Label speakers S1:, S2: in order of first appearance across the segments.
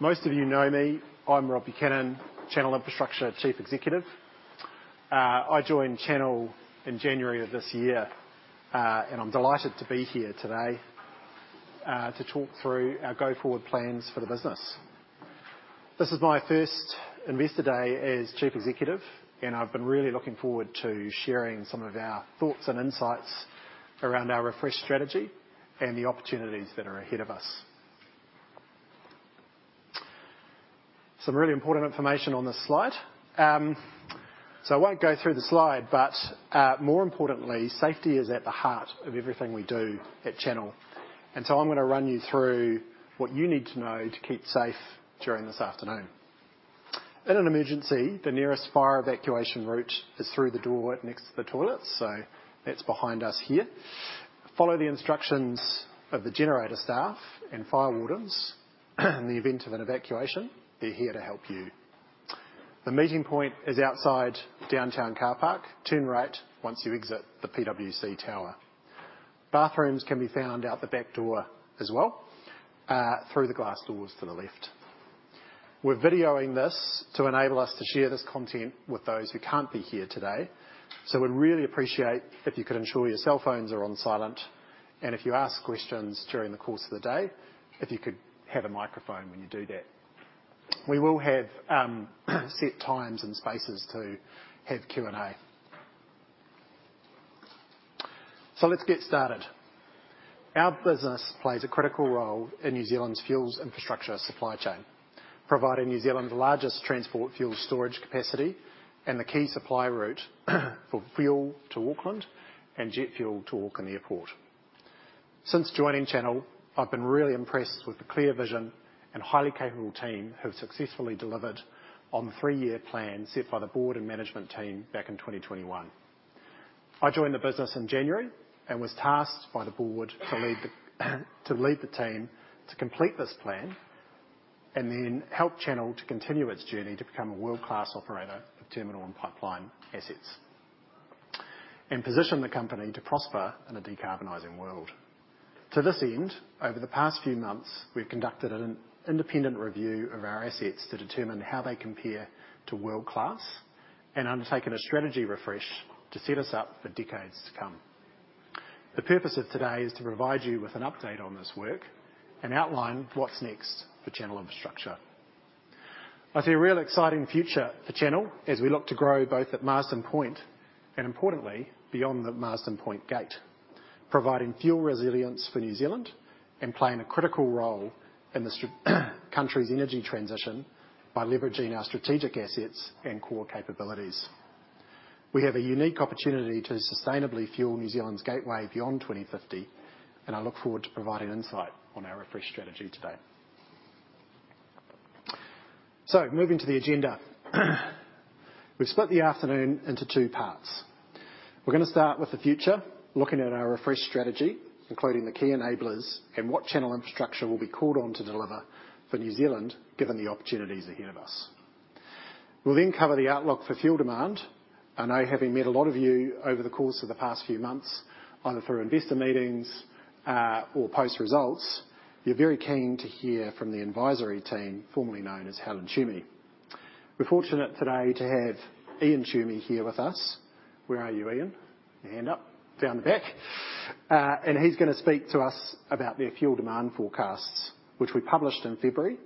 S1: Most of you know me. I'm Rob Buchanan, Channel Infrastructure Chief Executive. I joined Channel in January of this year, and I'm delighted to be here today, to talk through our go-forward plans for the business. This is my first Investor Day as Chief Executive, and I've been really looking forward to sharing some of our thoughts and insights around our refreshed strategy and the opportunities that are ahead of us. Some really important information on this slide. So I won't go through the slide, but, more importantly, safety is at the heart of everything we do at Channel, and so I'm gonna run you through what you need to know to keep safe during this afternoon. In an emergency, the nearest fire evacuation route is through the door next to the toilets, so that's behind us here. Follow the instructions of the Generator staff and fire wardens, in the event of an evacuation. They're here to help you. The meeting point is outside Downtown Car Park. Turn right once you exit the PwC Tower. Bathrooms can be found out the back door as well, through the glass doors to the left. We're videoing this to enable us to share this content with those who can't be here today, so we'd really appreciate if you could ensure your cell phones are on silent, and if you ask questions during the course of the day, if you could have a microphone when you do that. We will have set times and spaces to have Q&A. So let's get started. Our business plays a critical role in New Zealand's fuels infrastructure supply chain, providing New Zealand the largest transport fuel storage capacity and the key supply route for fuel to Auckland and jet fuel to Auckland Airport. Since joining Channel, I've been really impressed with the clear vision and highly capable team who have successfully delivered on the three-year plan set by the board and management team back in 2021. I joined the business in January and was tasked by the board to lead the team to complete this plan and then help Channel to continue its journey to become a world-class operator of terminal and pipeline assets, and position the company to prosper in a decarbonizing world. To this end, over the past few months, we've conducted an independent review of our assets to determine how they compare to world-class and undertaken a strategy refresh to set us up for decades to come. The purpose of today is to provide you with an update on this work and outline what's next for Channel Infrastructure. I see a real exciting future for Channel as we look to grow both at Marsden Point and, importantly, beyond the Marsden Point gate, providing fuel resilience for New Zealand and playing a critical role in the country's energy transition by leveraging our strategic assets and core capabilities. We have a unique opportunity to sustainably fuel New Zealand's gateway beyond 2050, and I look forward to providing insight on our refresh strategy today. So moving to the agenda, we've split the afternoon into two parts. We're gonna start with the future, looking at our refresh strategy, including the key enablers and what Channel Infrastructure will be called on to deliver for New Zealand, given the opportunities ahead of us. We'll then cover the outlook for fuel demand. I know, having met a lot of you over the course of the past few months, either through investor meetings, or post-results, you're very keen to hear from the Envisory team formerly known as Hale & Twomey. We're fortunate today to have Ian Twomey here with us. Where are you, Ian? Your hand up, down the back. And he's gonna speak to us about their fuel demand forecasts, which we published in February,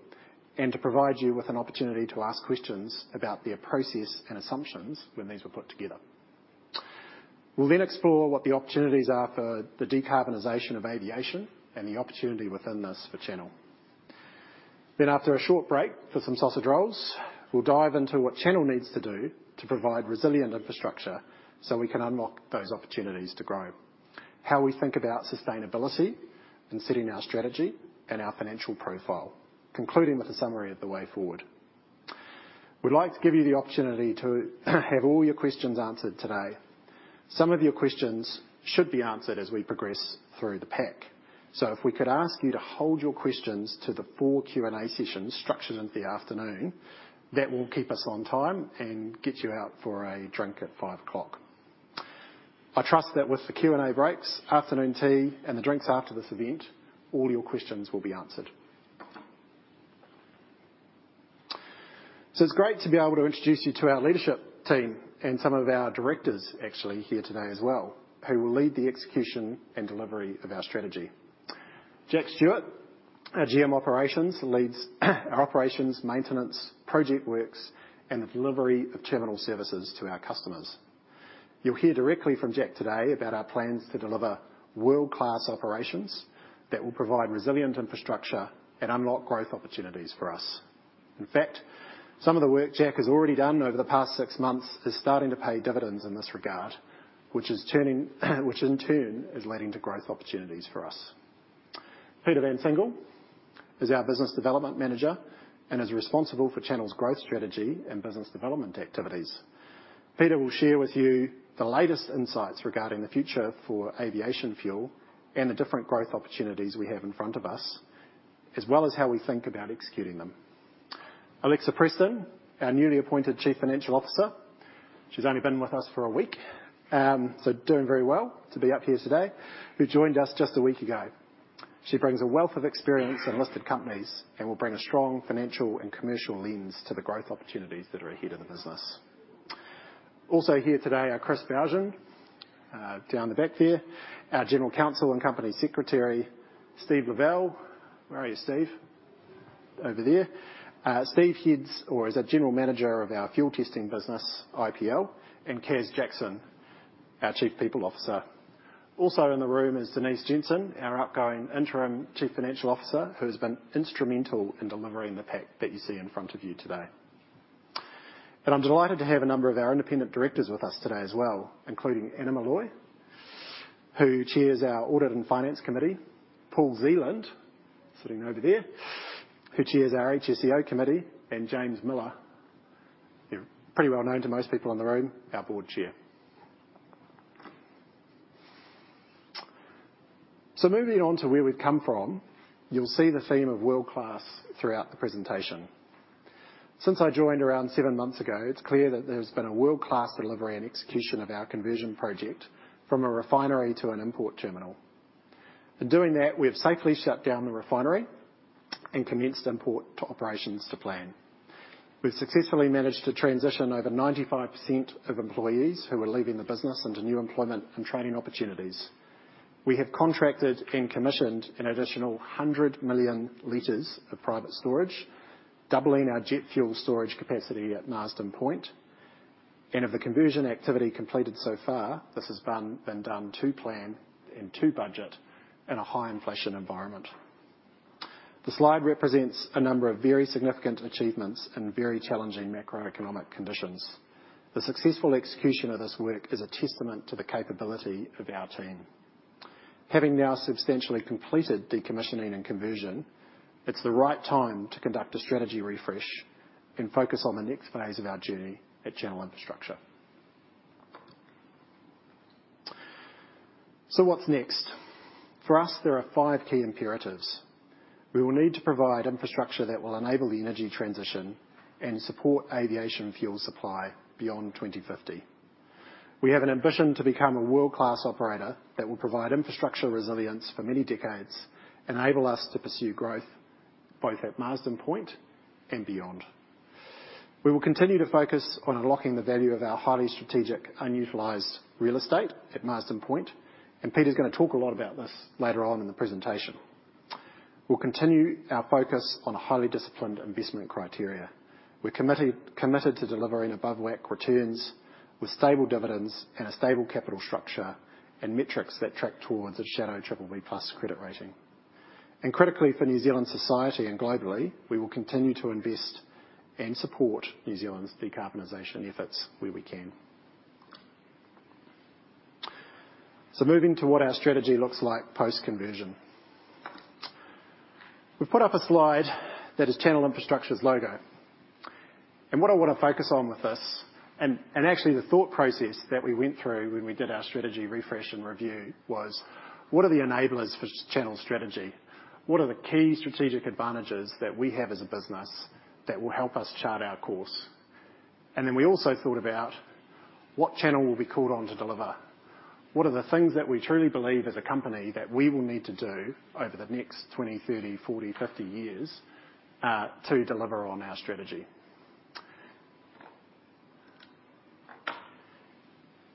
S1: and to provide you with an opportunity to ask questions about their process and assumptions when these were put together. We'll then explore what the opportunities are for the decarbonization of aviation and the opportunity within this for Channel. Then, after a short break for some sausage rolls, we'll dive into what Channel needs to do to provide resilient infrastructure so we can unlock those opportunities to grow. How we think about sustainability in setting our strategy and our financial profile, concluding with a summary of the way forward. We'd like to give you the opportunity to have all your questions answered today. Some of your questions should be answered as we progress through the pack. So if we could ask you to hold your questions to the four Q&A sessions structured into the afternoon, that will keep us on time and get you out for a drink at 5:00 P.M. I trust that with the Q&A breaks, afternoon tea, and the drinks after this event, all your questions will be answered. It's great to be able to introduce you to our leadership team and some of our directors, actually here today as well, who will lead the execution and delivery of our strategy. Jack Stewart, our GM Operations, leads our operations, maintenance, project works, and delivery of terminal services to our customers. You'll hear directly from Jack today about our plans to deliver world-class operations that will provide resilient infrastructure and unlock growth opportunities for us. In fact, some of the work Jack has already done over the past six months is starting to pay dividends in this regard, which, in turn, is leading to growth opportunities for us. Peter van Cingel is our Business Development Manager and is responsible for Channel's growth strategy and business development activities. Peter will share with you the latest insights regarding the future for aviation fuel and the different growth opportunities we have in front of us, as well as how we think about executing them.... Alexa Preston, our newly appointed Chief Financial Officer. She's only been with us for a week, so doing very well to be up here today, who joined us just a week ago. She brings a wealth of experience in listed companies and will bring a strong financial and commercial lens to the growth opportunities that are ahead of the business. Also here today are Chris Bougen, down the back there, our General Counsel and Company Secretary, Steve Lavelle. Where are you, Steve? Over there. Steve heads or is a General Manager of our fuel testing business, IPL, and Caz Jackson, our Chief People Officer. Also in the room is Denise Jensen, our outgoing Interim Chief Financial Officer, who has been instrumental in delivering the pack that you see in front of you today. I'm delighted to have a number of our independent directors with us today as well, including Anna Molloy, who chairs our Audit and Finance Committee. Paul Zealand, sitting over there, who chairs our HSEO Committee, and James Miller, you're pretty well known to most people in the room, our Board Chair. So moving on to where we've come from, you'll see the theme of world-class throughout the presentation. Since I joined around seven months ago, it's clear that there's been a world-class delivery and execution of our conversion project from a refinery to an import terminal. In doing that, we have safely shut down the refinery and commenced import terminal operations to plan. We've successfully managed to transition over 95% of employees who are leaving the business into new employment and training opportunities. We have contracted and commissioned an additional 100 million L of private storage, doubling our jet fuel storage capacity at Marsden Point. And of the conversion activity completed so far, this has been done to plan and to budget in a high inflation environment. The slide represents a number of very significant achievements in very challenging macroeconomic conditions. The successful execution of this work is a testament to the capability of our team. Having now substantially completed decommissioning and conversion, it's the right time to conduct a strategy refresh and focus on the next phase of our journey at Channel Infrastructure. So what's next? For us, there are five key imperatives. We will need to provide infrastructure that will enable the energy transition and support aviation fuel supply beyond 2050. We have an ambition to become a world-class operator that will provide infrastructure resilience for many decades, enable us to pursue growth both at Marsden Point and beyond. We will continue to focus on unlocking the value of our highly strategic, unutilized real estate at Marsden Point, and Peter's gonna talk a lot about this later on in the presentation. We'll continue our focus on a highly disciplined investment criteria. We're committed, committed to delivering above WACC returns with stable dividends and a stable capital structure, and metrics that track towards a shadow BBB+ credit rating. And critically, for New Zealand society and globally, we will continue to invest and support New Zealand's decarbonization efforts where we can. So moving to what our strategy looks like post-conversion. We've put up a slide that is Channel Infrastructure's logo. And what I wanna focus on with this, and actually the thought process that we went through when we did our strategy refresh and review, was: What are the enablers for Channel strategy? What are the key strategic advantages that we have as a business that will help us chart our course? And then we also thought about what Channel will be called on to deliver. What are the things that we truly believe as a company that we will need to do over the next 20, 30, 40, 50 years to deliver on our strategy?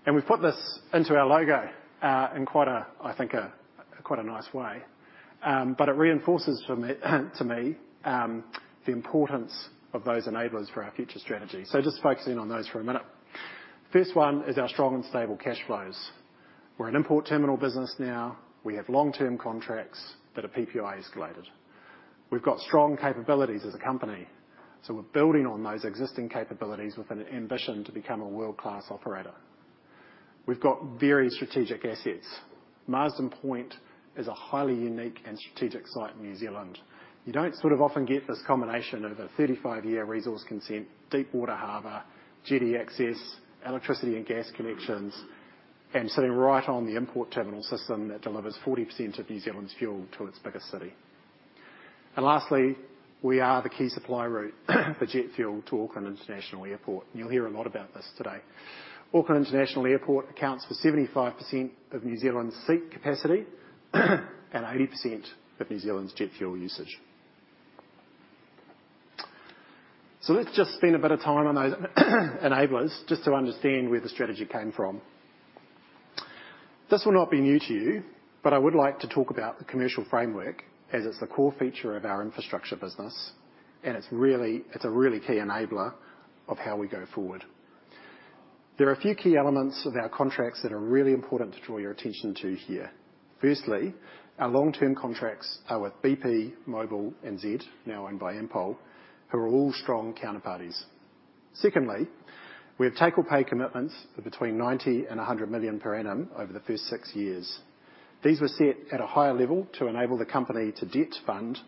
S1: And we've put this into our logo in quite a, I think, quite a nice way. But it reinforces for me, to me, the importance of those enablers for our future strategy. So just focus in on those for a minute. First one is our strong and stable cash flows. We're an import terminal business now. We have long-term contracts that are PPI escalated. We've got strong capabilities as a company, so we're building on those existing capabilities with an ambition to become a world-class operator. We've got very strategic assets. Marsden Point is a highly unique and strategic site in New Zealand. You don't sort of often get this combination of a 35-year resource consent, deep water harbor, jetty access, electricity and gas connections, and sitting right on the import terminal system that delivers 40% of New Zealand's fuel to its biggest city. And lastly, we are the key supply route for jet fuel to Auckland International Airport, and you'll hear a lot about this today. Auckland International Airport accounts for 75% of New Zealand's seat capacity, and 80% of New Zealand's jet fuel usage. Let's just spend a bit of time on those, enablers, just to understand where the strategy came from. This will not be new to you, but I would like to talk about the commercial framework, as it's a core feature of our infrastructure business, and it's really, it's a really key enabler of how we go forward. There are a few key elements of our contracts that are really important to draw your attention to here. Firstly, our long-term contracts are with BP, Mobil, and Z, now owned by Ampol, who are all strong counterparties. Secondly, we have take-or-pay commitments of between 90 million and 100 million per annum over the first six years. These were set at a higher level to enable the company to debt fund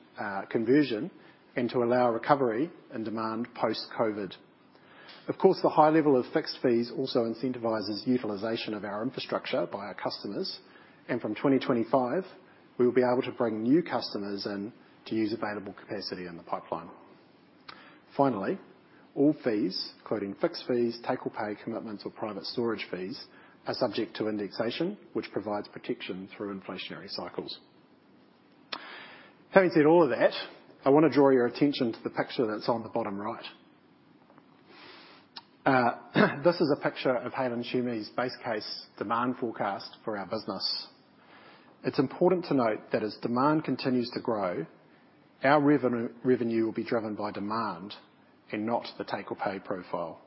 S1: conversion and to allow recovery and demand post-COVID. Of course, the high level of fixed fees also incentivizes utilization of our infrastructure by our customers, and from 2025, we will be able to bring new customers in to use available capacity in the pipeline. Finally, all fees, including fixed fees, take-or-pay commitments, or private storage fees, are subject to indexation, which provides protection through inflationary cycles. Having said all of that, I want to draw your attention to the picture that's on the bottom right. This is a picture of Hale & Twomey's base case demand forecast for our business. It's important to note that as demand continues to grow, our revenue will be driven by demand and not the take-or-pay profile.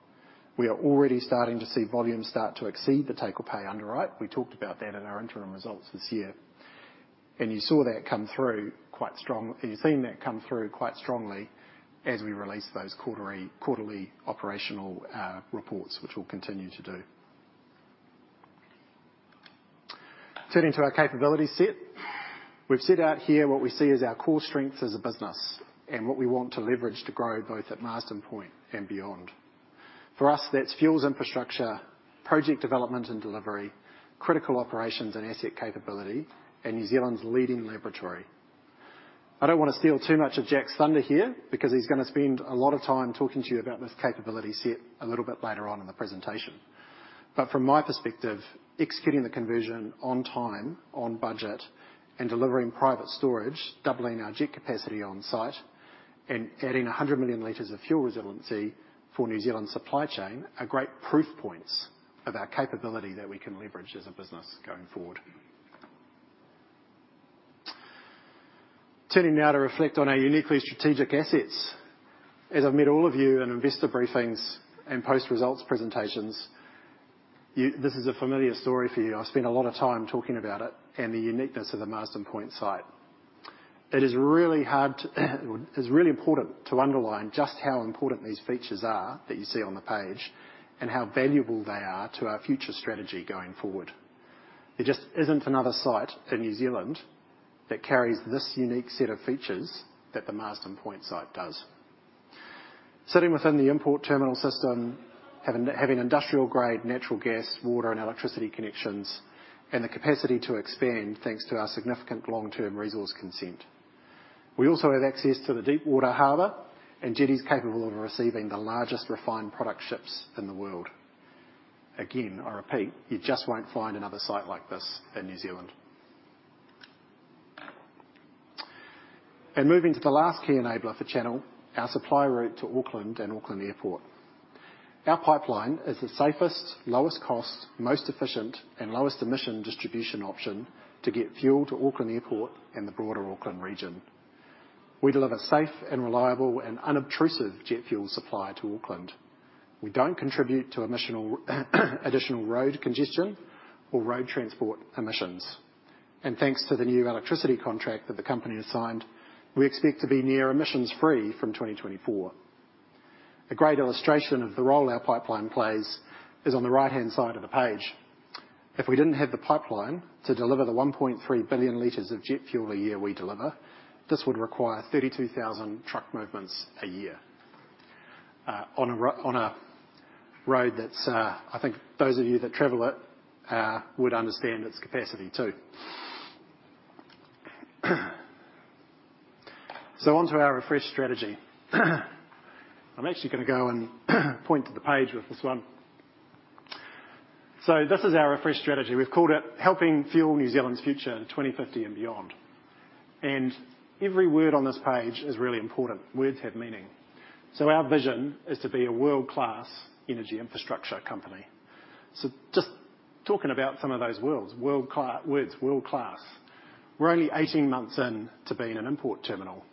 S1: We are already starting to see volumes start to exceed the take-or-pay underwrite. We talked about that in our interim results this year, and you saw that come through quite strong, and you've seen that come through quite strongly as we release those quarterly operational reports, which we'll continue to do. Turning to our capability set. We've set out here what we see as our core strengths as a business and what we want to leverage to grow, both at Marsden Point and beyond. For us, that's fuels infrastructure, project development and delivery, critical operations and asset capability, and New Zealand's leading laboratory. I don't want to steal too much of Jack's thunder here because he's gonna spend a lot of time talking to you about this capability set a little bit later on in the presentation. But from my perspective, executing the conversion on time, on budget, and delivering private storage, doubling our jet capacity on site, and adding 100 million L of fuel resiliency for New Zealand's supply chain are great proof points of our capability that we can leverage as a business going forward. Turning now to reflect on our uniquely strategic assets. As I've met all of you in investor briefings and post-results presentations, you, this is a familiar story for you. I've spent a lot of time talking about it and the uniqueness of the Marsden Point site. It is really hard to, it's really important to underline just how important these features are that you see on the page, and how valuable they are to our future strategy going forward. There just isn't another site in New Zealand that carries this unique set of features that the Marsden Point site does. Sitting within the import terminal system, having industrial-grade natural gas, water, and electricity connections, and the capacity to expand, thanks to our significant long-term resource consent. We also have access to the deepwater harbor and jetties capable of receiving the largest refined product ships in the world. Again, I repeat, you just won't find another site like this in New Zealand. And moving to the last key enabler for Channel, our supply route to Auckland and Auckland Airport. Our pipeline is the safest, lowest cost, most efficient, and lowest emission distribution option to get fuel to Auckland Airport and the broader Auckland region. We deliver safe and reliable and unobtrusive jet fuel supply to Auckland. We don't contribute to emission, additional road congestion or road transport emissions. And thanks to the new electricity contract that the company has signed, we expect to be near emissions-free from 2024. A great illustration of the role our pipeline plays is on the right-hand side of the page. If we didn't have the pipeline to deliver the 1.3 billion L of jet fuel a year we deliver, this would require 32,000 truck movements a year, on a road that's, I think those of you that travel it, would understand its capacity, too. So on to our refresh strategy. I'm actually gonna go and, point to the page with this one. So this is our refresh strategy. We've called it Helping Fuel New Zealand's Future in 2050 and beyond, and every word on this page is really important. Words have meaning. So our vision is to be a world-class energy infrastructure company. So just talking about some of those worlds, words, world-class. We're only 18 months in to being an import terminal,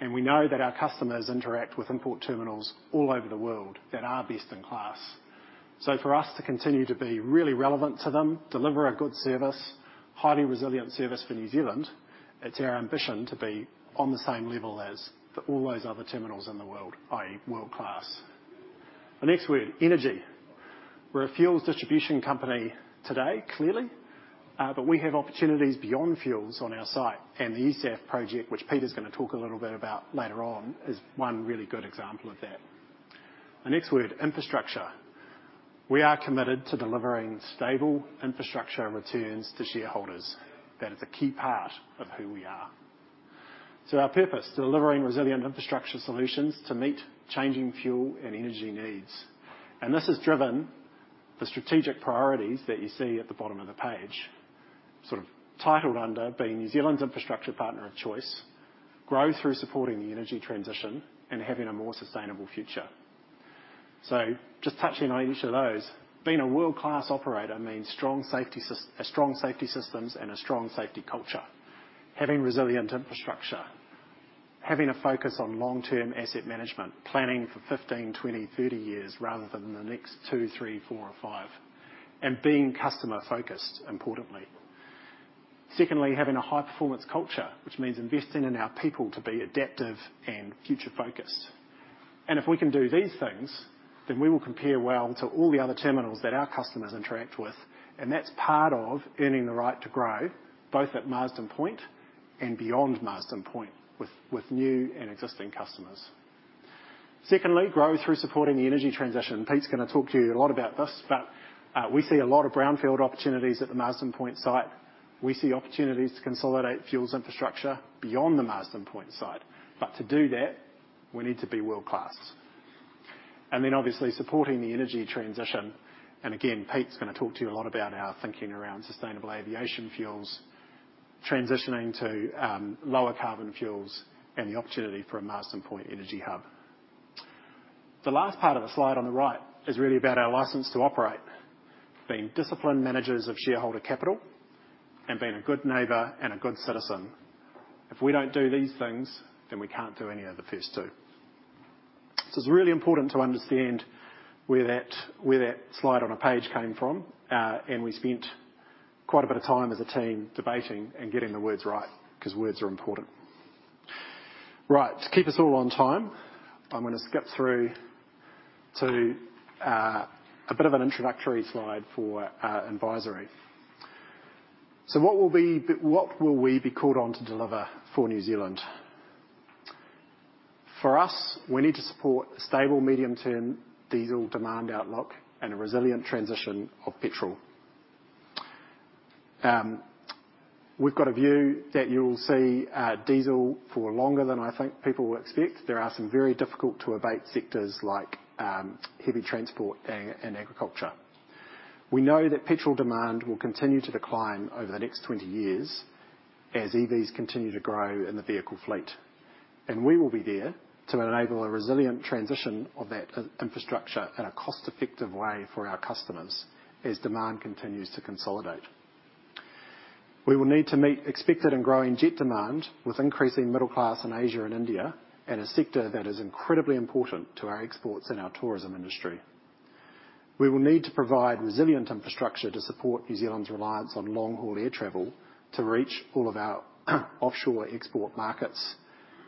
S1: and we know that our customers interact with import terminals all over the world that are best in class. So for us to continue to be really relevant to them, deliver a good service, highly resilient service for New Zealand, it's our ambition to be on the same level as all those other terminals in the world, i.e., world-class. The next word, energy. We're a fuels distribution company today, clearly, but we have opportunities beyond fuels on our site, and the eSAF project, which Peter's going to talk a little bit about later on, is one really good example of that. The next word, infrastructure. We are committed to delivering stable infrastructure returns to shareholders. That is a key part of who we are. So our purpose: delivering resilient infrastructure solutions to meet changing fuel and energy needs, and this has driven the strategic priorities that you see at the bottom of the page. Sort of titled under being New Zealand's infrastructure partner of choice, grow through supporting the energy transition and having a more sustainable future. So just touching on each of those, being a world-class operator means strong safety systems and a strong safety culture. Having resilient infrastructure, having a focus on long-term asset management, planning for 15, 20, 30 years rather than the next two, three, four, or five, and being customer-focused, importantly. Secondly, having a high-performance culture, which means investing in our people to be adaptive and future-focused. And if we can do these things, then we will compare well to all the other terminals that our customers interact with, and that's part of earning the right to grow, both at Marsden Point and beyond Marsden Point with new and existing customers. Secondly, grow through supporting the energy transition. Pete's gonna talk to you a lot about this, but we see a lot of brownfield opportunities at the Marsden Point site. We see opportunities to consolidate fuels infrastructure beyond the Marsden Point site, but to do that, we need to be world-class. And then, obviously, supporting the energy transition, and again, Pete's gonna talk to you a lot about our thinking around sustainable aviation fuels, transitioning to lower carbon fuels, and the opportunity for a Marsden Point energy hub. The last part of the slide on the right is really about our license to operate. Being disciplined managers of shareholder capital, and being a good neighbor and a good citizen. If we don't do these things, then we can't do any of the first two. So it's really important to understand where that, where that slide on a page came from. And we spent quite a bit of time as a team debating and getting the words right, 'cause words are important. Right, to keep us all on time, I'm gonna skip through to a bit of an introductory slide for our Envisory. So what will we be - what will we be called on to deliver for New Zealand? For us, we need to support stable, medium-term diesel demand outlook and a resilient transition of petrol. We've got a view that you'll see, diesel for longer than I think people will expect. There are some very difficult-to-abate sectors like heavy transport and agriculture. We know that petrol demand will continue to decline over the next 20 years as EVs continue to grow in the vehicle fleet, and we will be there to enable a resilient transition of that infrastructure in a cost-effective way for our customers as demand continues to consolidate. We will need to meet expected and growing jet demand, with increasing middle class in Asia and India, and a sector that is incredibly important to our exports and our tourism industry. We will need to provide resilient infrastructure to support New Zealand's reliance on long-haul air travel to reach all of our offshore export markets,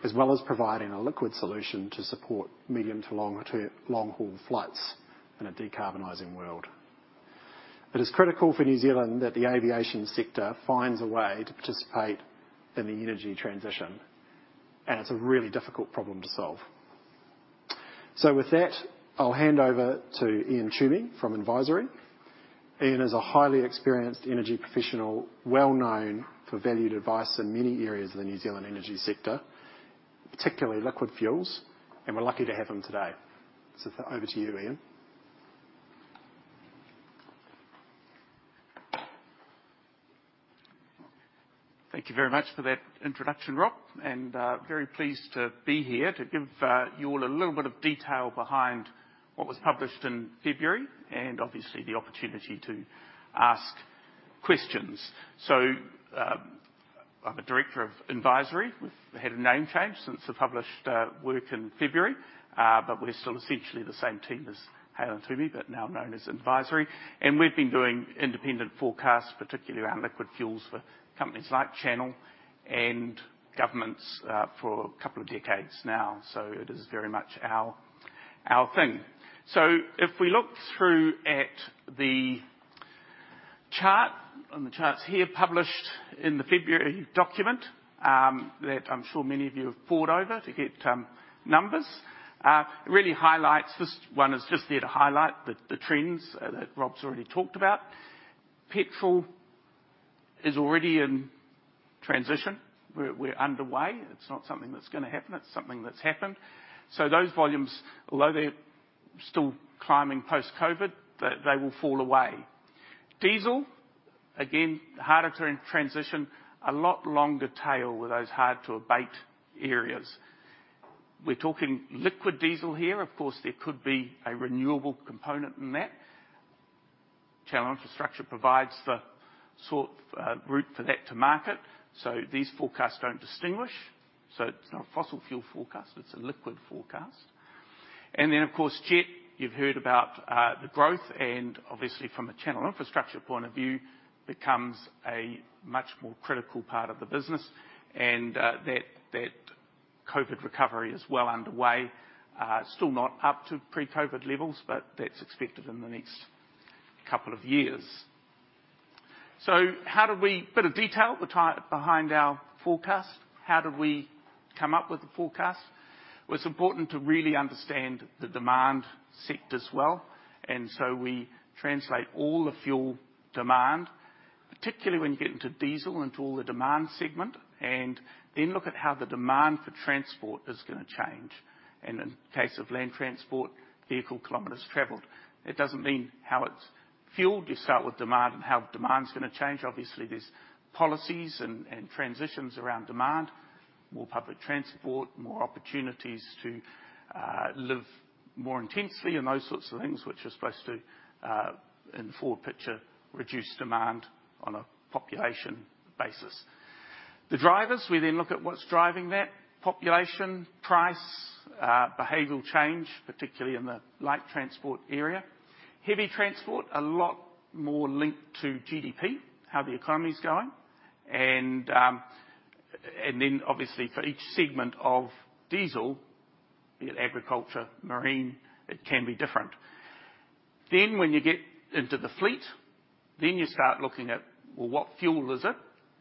S1: as well as providing a liquid solution to support medium- to long-term long-haul flights in a decarbonizing world. It is critical for New Zealand that the aviation sector finds a way to participate in the energy transition, and it's a really difficult problem to solve. So with that, I'll hand over to Ian Twomey from Envisory. Ian is a highly experienced energy professional, well known for valued advice in many areas of the New Zealand energy sector, particularly liquid fuels, and we're lucky to have him today. So over to you, Ian.
S2: Thank you very much for that introduction, Rob, and very pleased to be here to give you all a little bit of detail behind what was published in February, and obviously, the opportunity to ask questions. So, I'm a director of Envisory. We've had a name change since the published work in February, but we're still essentially the same team as Hale & Twomey, but now known as Envisory. And we've been doing independent forecasts, particularly around liquid fuels, for companies like Channel and governments for a couple of decades now. So it is very much our thing. So if we look through at the chart, and the chart's here, published in the February document, that I'm sure many of you have pored over to get numbers. It really highlights... This one is just there to highlight the trends that Rob's already talked about. Petrol is already in transition. We're underway. It's not something that's gonna happen, it's something that's happened. So those volumes, although they're still climbing post-COVID, they will fall away. Diesel, again, harder to transition, a lot longer tail with those hard-to-abate areas. We're talking liquid diesel here. Of course, there could be a renewable component in that. Channel Infrastructure provides the sort route for that to market, so these forecasts don't distinguish. So it's not a fossil fuel forecast, it's a liquid forecast. And then, of course, jet, you've heard about the growth, and obviously from a Channel Infrastructure point of view, becomes a much more critical part of the business, and that COVID recovery is well underway. Still not up to pre-COVID levels, but that's expected in the next couple of years. Behind our forecast: How did we come up with the forecast? It's important to really understand the demand sectors well, and so we translate all the fuel demand, particularly when you get into diesel, into all the demand segment, and then look at how the demand for transport is gonna change. And in case of land transport, vehicle kilometers traveled. It doesn't mean how it's fueled. You start with demand and how demand's gonna change. Obviously, there's policies and, and transitions around demand, more public transport, more opportunities to live more intensely, and those sorts of things which are supposed to, in forward picture, reduce demand on a population basis. The drivers, we then look at what's driving that. Population, price, behavioral change, particularly in the light transport area. Heavy transport, a lot more linked to GDP, how the economy's going, and then obviously, for each segment of diesel, be it agriculture, marine, it can be different. Then when you get into the fleet, then you start looking at, well, what fuel is it?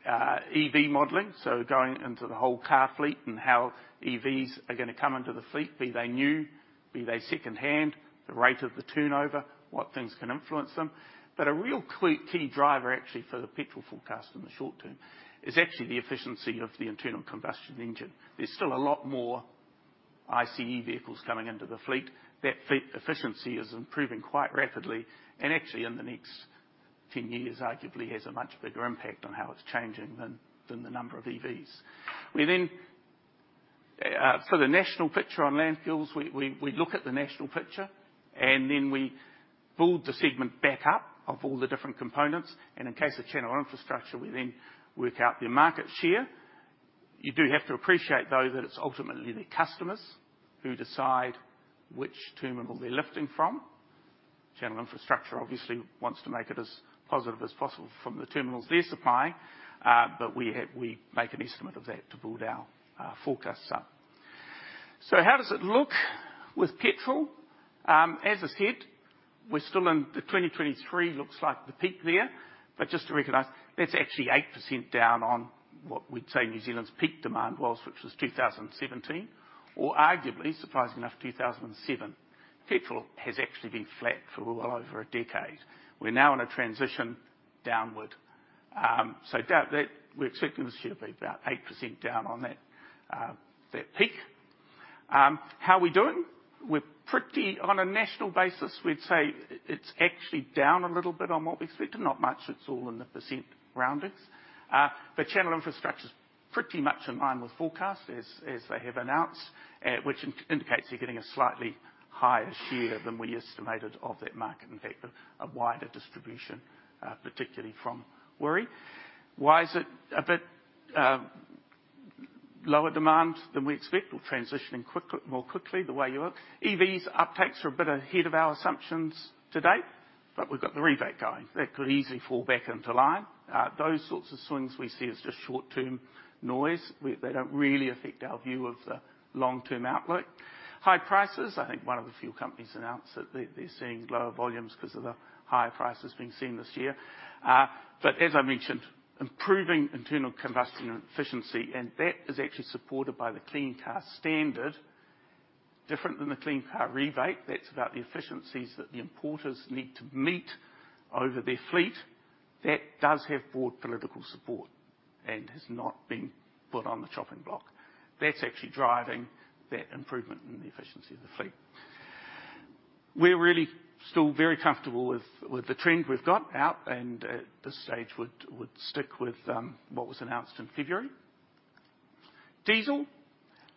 S2: EV modeling, so going into the whole car fleet and how EVs are gonna come into the fleet, be they new, be they secondhand, the rate of the turnover, what things can influence them. But a real key driver, actually, for the petrol forecast in the short term, is actually the efficiency of the internal combustion engine. There's still a lot more ICE vehicles coming into the fleet. That fleet efficiency is improving quite rapidly, and actually, in the next 10 years, arguably, has a much bigger impact on how it's changing than the number of EVs. We then, for the national picture on landfills, we look at the national picture, and then we build the segment back up of all the different components, and in case of Channel Infrastructure, we then work out their market share. You do have to appreciate, though, that it's ultimately the customers who decide which terminal they're lifting from. Channel Infrastructure obviously wants to make it as positive as possible from the terminals they're supplying, but we make an estimate of that to build our forecast up. So how does it look with petrol? As I said, we're still in the 2023, looks like the peak there, but just to recognize, that's actually 8% down on what we'd say New Zealand's peak demand was, which was 2017, or arguably, surprisingly enough, 2007. Petrol has actually been flat for well over a decade. We're now in a transition downward. So doubt that, we're certainly should be about 8% down on that, that peak. How are we doing? We're pretty on a national basis, we'd say it's actually down a little bit on what we expected. Not much, it's all in the percent roundings. But Channel Infrastructure's pretty much in line with forecast, as, as they have announced, which indicates you're getting a slightly higher share than we estimated of that market, in fact, a wider distribution, particularly from Wiri. Why is it a bit lower demand than we expect? We're transitioning quickly, more quickly, the way you look. EVs uptakes are a bit ahead of our assumptions to date, but we've got the rebate going. That could easily fall back into line. Those sorts of swings we see as just short-term noise. We, they don't really affect our view of the long-term outlook. High prices, I think one of the fuel companies announced that they, they're seeing lower volumes because of the higher prices being seen this year. But as I mentioned, improving internal combustion efficiency, and that is actually supported by the Clean Car Standard, different than the Clean Car Rebate. That's about the efficiencies that the importers need to meet over their fleet. That does have broad political support and has not been put on the chopping block. That's actually driving that improvement in the efficiency of the fleet. We're really still very comfortable with the trend we've got out, and at this stage, would stick with what was announced in February. Diesel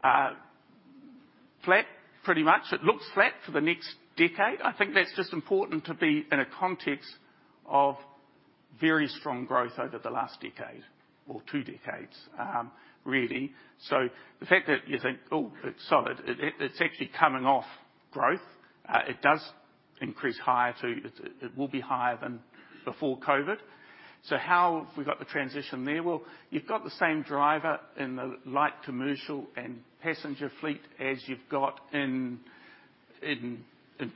S2: flat, pretty much. It looks flat for the next decade. I think that's just important to be in a context of very strong growth over the last decade or two decades, really. So the fact that you think, "Oh, it's solid," it's actually coming off growth. It does increase higher, too. It will be higher than before COVID. So how have we got the transition there? Well, you've got the same driver in the light commercial and passenger fleet as you've got in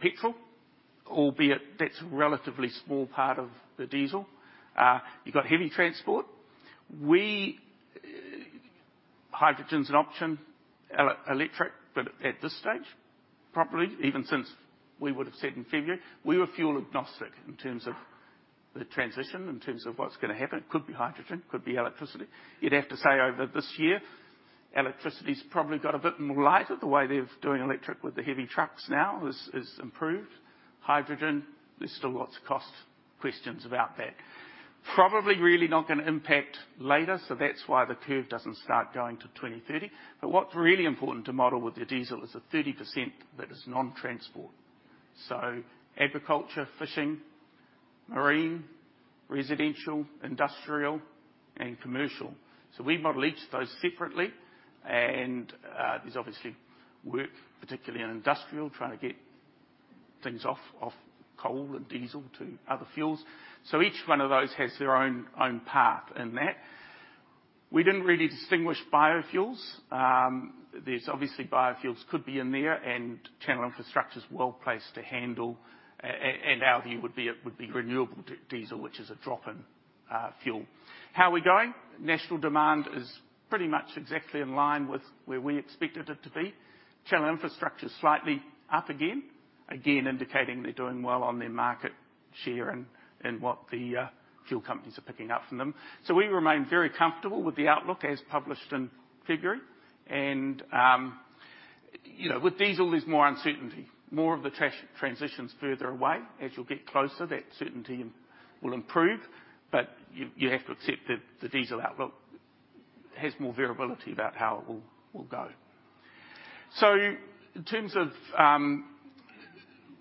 S2: petrol, albeit that's a relatively small part of the diesel. You've got heavy transport. We... Hydrogen's an option, electric, but at this stage, probably, even since we would have said in February, we were fuel agnostic in terms of the transition, in terms of what's gonna happen. Could be hydrogen, could be electricity. You'd have to say over this year, electricity's probably got a bit more lighter, the way they're doing electric with the heavy trucks now is improved. Hydrogen, there's still lots of cost questions about that. Probably really not gonna impact later, so that's why the curve doesn't start going to 2030. But what's really important to model with your diesel is the 30% that is non-transport. So agriculture, fishing, marine, residential, industrial, and commercial. So we model each of those separately, and there's obviously work, particularly in industrial, trying to get things off coal and diesel to other fuels. So each one of those has their own path in that. We didn't really distinguish biofuels. There's obviously biofuels could be in there, and Channel Infrastructure's well placed to handle, and out here would be renewable diesel, which is a drop-in fuel. How are we going? National demand is pretty much exactly in line with where we expected it to be. Channel Infrastructure is slightly up again. Again, indicating they're doing well on their market share and what the fuel companies are picking up from them. So we remain very comfortable with the outlook as published in February. And you know, with diesel, there's more uncertainty, more of the transitions further away. As you'll get closer, that certainty will improve, but you have to accept that the diesel outlook has more variability about how it will go. So in terms of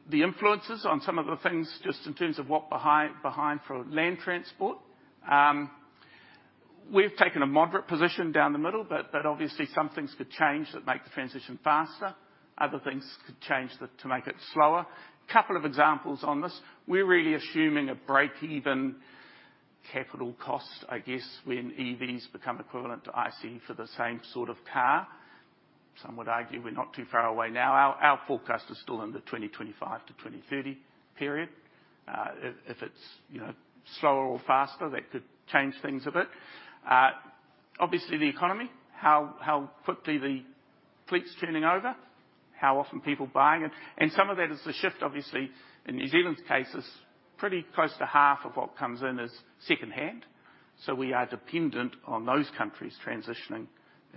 S2: the influences on some of the things, just in terms of what behind for land transport, we've taken a moderate position down the middle, but obviously some things could change that make the transition faster. Other things could change to make it slower. Couple of examples on this: We're really assuming a break-even capital costs, I guess, when EVs become equivalent to ICE for the same sort of car. Some would argue we're not too far away now. Our forecast is still in the 2025-2030 period. If it's, you know, slower or faster, that could change things a bit. Obviously, the economy, how quickly the fleet's turning over, how often people buying it, and some of that is the shift, obviously, in New Zealand's case, is pretty close to half of what comes in is secondhand, so we are dependent on those countries transitioning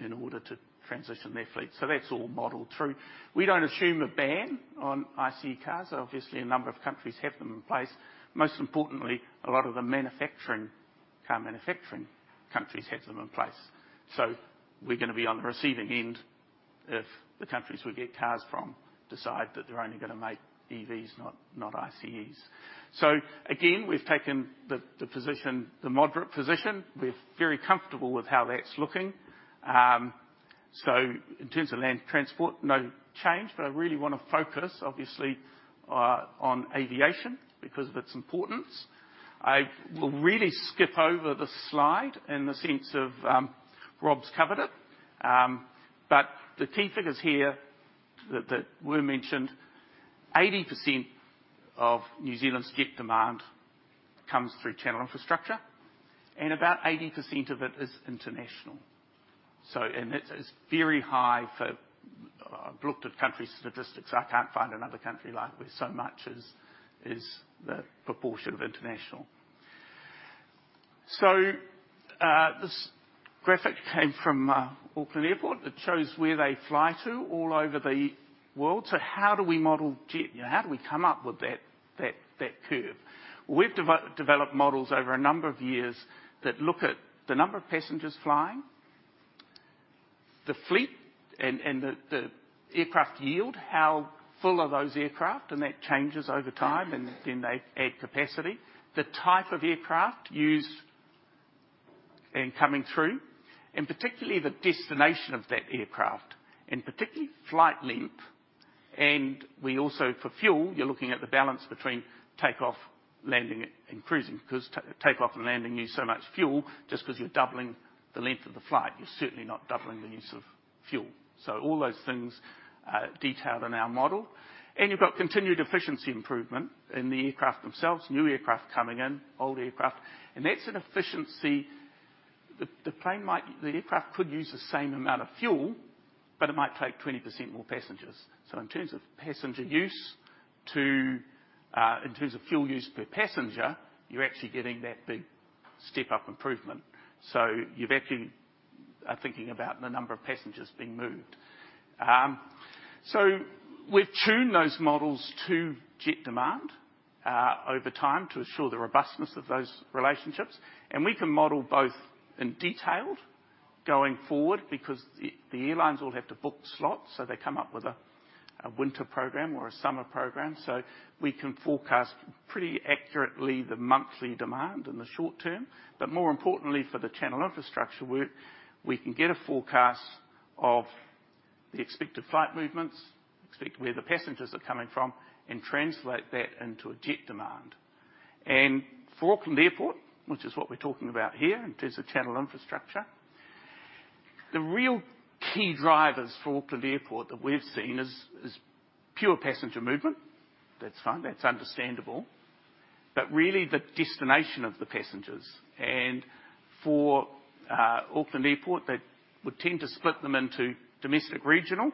S2: in order to transition their fleet. So that's all modeled through. We don't assume a ban on ICE cars. Obviously, a number of countries have them in place. Most importantly, a lot of the manufacturing, car manufacturing countries have them in place. So we're gonna be on the receiving end if the countries we get cars from decide that they're only gonna make EVs, not ICEs. So again, we've taken the position, the moderate position. We're very comfortable with how that's looking. So in terms of land transport, no change, but I really wanna focus, obviously, on aviation because of its importance. I will really skip over this slide in the sense of, Rob's covered it. But the key figures here that were mentioned, 80% of New Zealand's jet demand comes through Channel Infrastructure, and about 80% of it is international. And it's very high for, I've looked at countries' statistics, I can't find another country like where so much is the proportion of international. So this graphic came from Auckland Airport. It shows where they fly to all over the world. So how do we model jet? You know, how do we come up with that curve? We've developed models over a number of years that look at the number of passengers flying, the fleet and the aircraft yield, how full are those aircraft, and that changes over time, and then they add capacity. The type of aircraft used in coming through, and particularly the destination of that aircraft, and particularly flight length, and we also, for fuel, you're looking at the balance between takeoff, landing, and cruising, 'cause takeoff and landing use so much fuel. Just 'cause you're doubling the length of the flight, you're certainly not doubling the use of fuel. So all those things are detailed in our model. And you've got continued efficiency improvement in the aircraft themselves, new aircraft coming in, old aircraft, and that's an efficiency. The plane might, the aircraft could use the same amount of fuel, but it might take 20% more passengers. So in terms of passenger use to, in terms of fuel use per passenger, you're actually getting that big step up improvement. So you've actually are thinking about the number of passengers being moved. So we've tuned those models to jet demand, over time to ensure the robustness of those relationships, and we can model both in detail going forward because the airlines all have to book slots, so they come up with a winter program or a summer program. So we can forecast pretty accurately the monthly demand in the short term, but more importantly, for the Channel Infrastructure work, we can get a forecast of the expected flight movements, expect where the passengers are coming from, and translate that into a jet demand. For Auckland Airport, which is what we're talking about here, in terms of Channel Infrastructure, the real key drivers for Auckland Airport that we've seen is pure passenger movement. That's fine, that's understandable. But really, the destination of the passengers. For Auckland Airport, they would tend to split them into domestic, regional,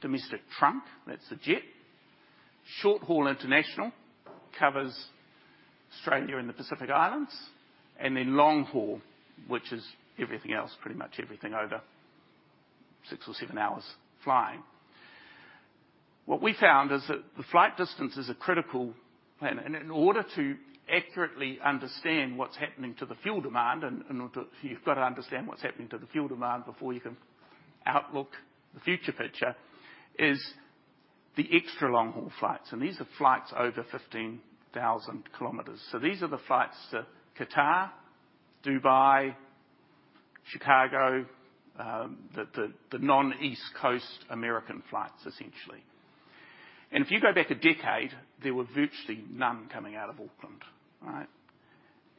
S2: domestic trunk, that's the jet. Short-haul, international, covers Australia and the Pacific Islands, and then long haul, which is everything else, pretty much everything over six or seven hours flying. What we found is that the flight distance is a critical plan, and in order to accurately understand what's happening to the fuel demand, you've got to understand what's happening to the fuel demand before you can outlook the future picture, is the extra long-haul flights, and these are flights over 15,000 kilometers. So these are the flights to Qatar, Dubai, Chicago, the non-East Coast American flights, essentially. And if you go back a decade, there were virtually none coming out of Auckland, all right?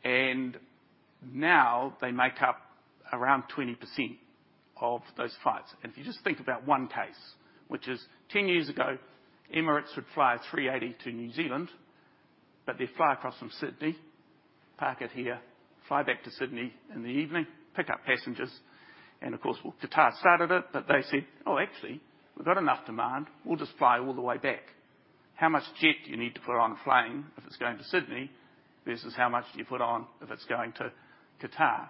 S2: And now they make up around 20% of those flights. And if you just think about one case, which is 10 years ago, Emirates would fly a 380 to New Zealand, but they fly across from Sydney, park it here, fly back to Sydney in the evening, pick up passengers, and of course, Qatar started it, but they said: "Oh, actually, we've got enough demand. We'll just fly all the way back." How much jet you need to put on a plane if it's going to Sydney, versus how much do you put on if it's going to Qatar?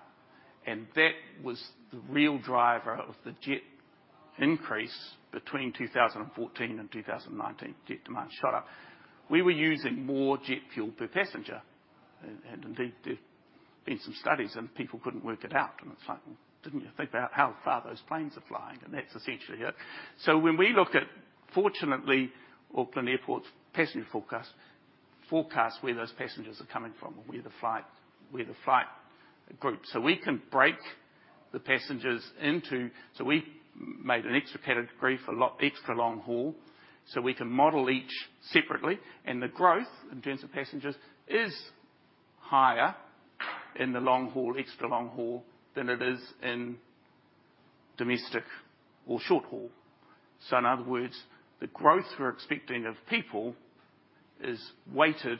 S2: That was the real driver of the jet increase between 2014 and 2019. Jet demand shot up. We were using more jet fuel per passenger, and indeed, there have been some studies, and people couldn't work it out, and it's like, well, didn't you think about how far those planes are flying? And that's essentially it. So when we looked at, fortunately, Auckland Airport's passenger forecast where those passengers are coming from, or where the flights are coming from. So we can break the passengers into – so we made an extra category for extra long haul, so we can model each separately. And the growth, in terms of passengers, is higher in the long haul, extra long haul, than it is in domestic or short haul. So in other words, the growth we're expecting of people is weighted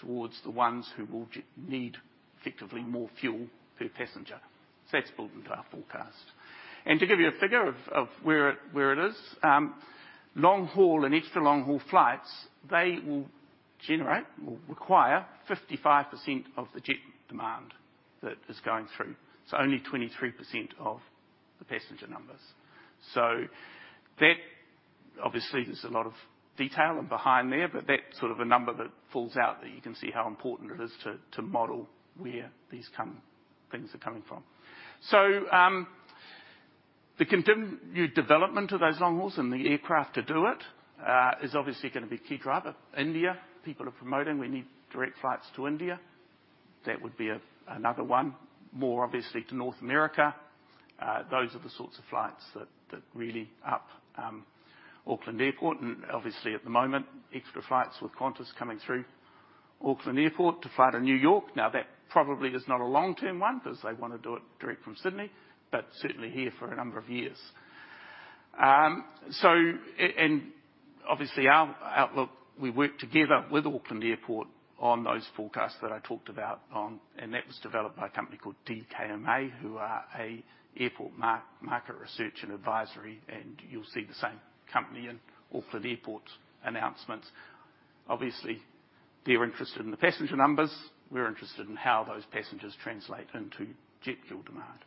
S2: towards the ones who will need effectively more fuel per passenger. So that's built into our forecast. And to give you a figure of where it is, long haul and extra long haul flights, they will generate or require 55% of the jet demand that is going through, so only 23% of the passenger numbers. So that obviously there's a lot of detail and behind there, but that's sort of a number that falls out, that you can see how important it is to model where these come, things are coming from. So, the continued development of those long hauls and the aircraft to do it, is obviously gonna be a key driver. India, people are promoting, we need direct flights to India. That would be another one, more obviously, to North America. Those are the sorts of flights that really amp up Auckland Airport and obviously at the moment, extra flights with Qantas coming through Auckland Airport to fly to New York. Now, that probably is not a long-term one, 'cause they wanna do it direct from Sydney, but certainly here for a number of years. And obviously, our outlook, we work together with Auckland Airport on those forecasts that I talked about, and that was developed by a company called DKMA, who are an airport market research and advisory, and you'll see the same company in Auckland Airport's announcements. Obviously, they're interested in the passenger numbers. We're interested in how those passengers translate into jet fuel demand.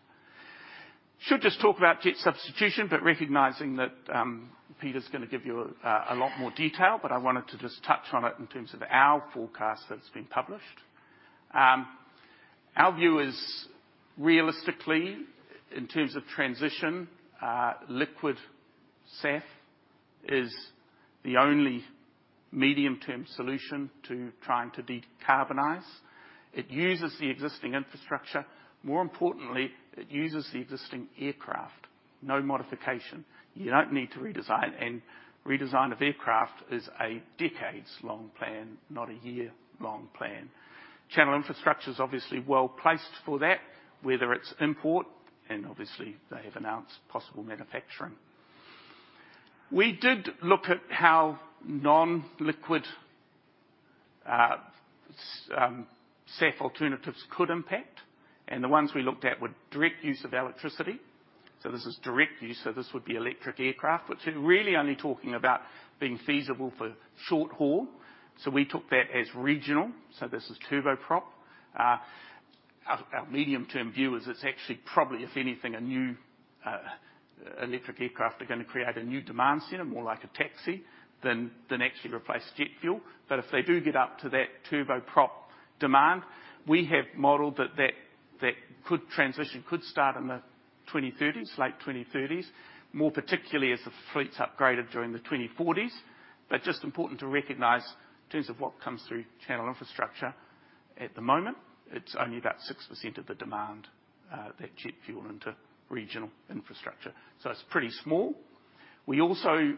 S2: Should just talk about jet substitution, but recognizing that, Peter's gonna give you a lot more detail, but I wanted to just touch on it in terms of our forecast that's been published. Our view is, realistically, in terms of transition, liquid SAF is the only medium-term solution to trying to decarbonize. It uses the existing infrastructure. More importantly, it uses the existing aircraft. No modification. You don't need to redesign, and redesign of aircraft is a decades-long plan, not a year-long plan. Channel Infrastructure is obviously well-placed for that, whether it's import, and obviously they have announced possible manufacturing. We did look at how non-liquid SAF alternatives could impact, and the ones we looked at were direct use of electricity. So this is direct use, so this would be electric aircraft, which are really only talking about being feasible for short haul. So we took that as regional. So this is turboprop. Our medium-term view is it's actually probably, if anything, a new electric aircraft are gonna create a new demand center, more like a taxi, than actually replace jet fuel. But if they do get up to that turboprop demand, we have modeled that that could transition, could start in the 2030s, late 2030s. More particularly as the fleet's upgraded during the 2040s. But just important to recognize, in terms of what comes through Channel Infrastructure, at the moment, it's only about 6% of the demand that jet fuel into regional infrastructure. So it's pretty small. We also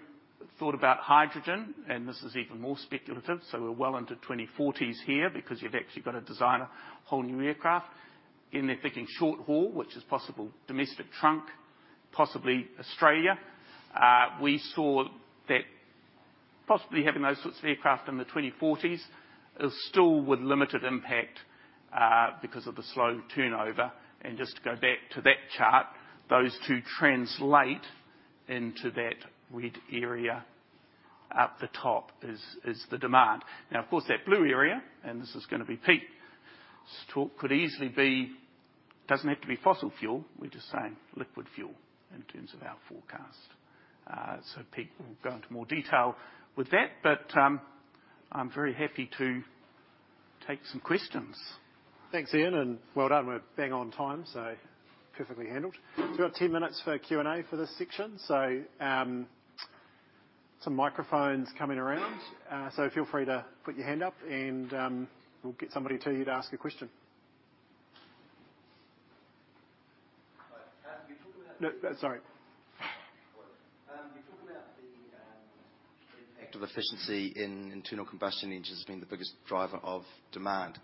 S2: thought about hydrogen, and this is even more speculative, so we're well into 2040s here, because you've actually got to design a whole new aircraft. Again, they're thinking short haul, which is possible, domestic trunk, possibly Australia. We saw that possibly having those sorts of aircraft in the 2040s is still with limited impact, because of the slow turnover. And just to go back to that chart, those two translate into that red area at the top, is the demand. Now, of course, that blue area, and this is gonna be peak, so could easily be... Doesn't have to be fossil fuel, we're just saying liquid fuel in terms of our forecast. So Pete will go into more detail with that, but, I'm very happy to take some questions.
S1: Thanks, Ian, and well done. We're bang on time, so perfectly handled. We've got 10 minutes for Q&A for this section. Some microphones coming around, so feel free to put your hand up and we'll get somebody to you to ask a question.
S3: We talked about-
S1: No, sorry.
S3: We talked about the impact of efficiency in internal combustion engines being the biggest driver of demand.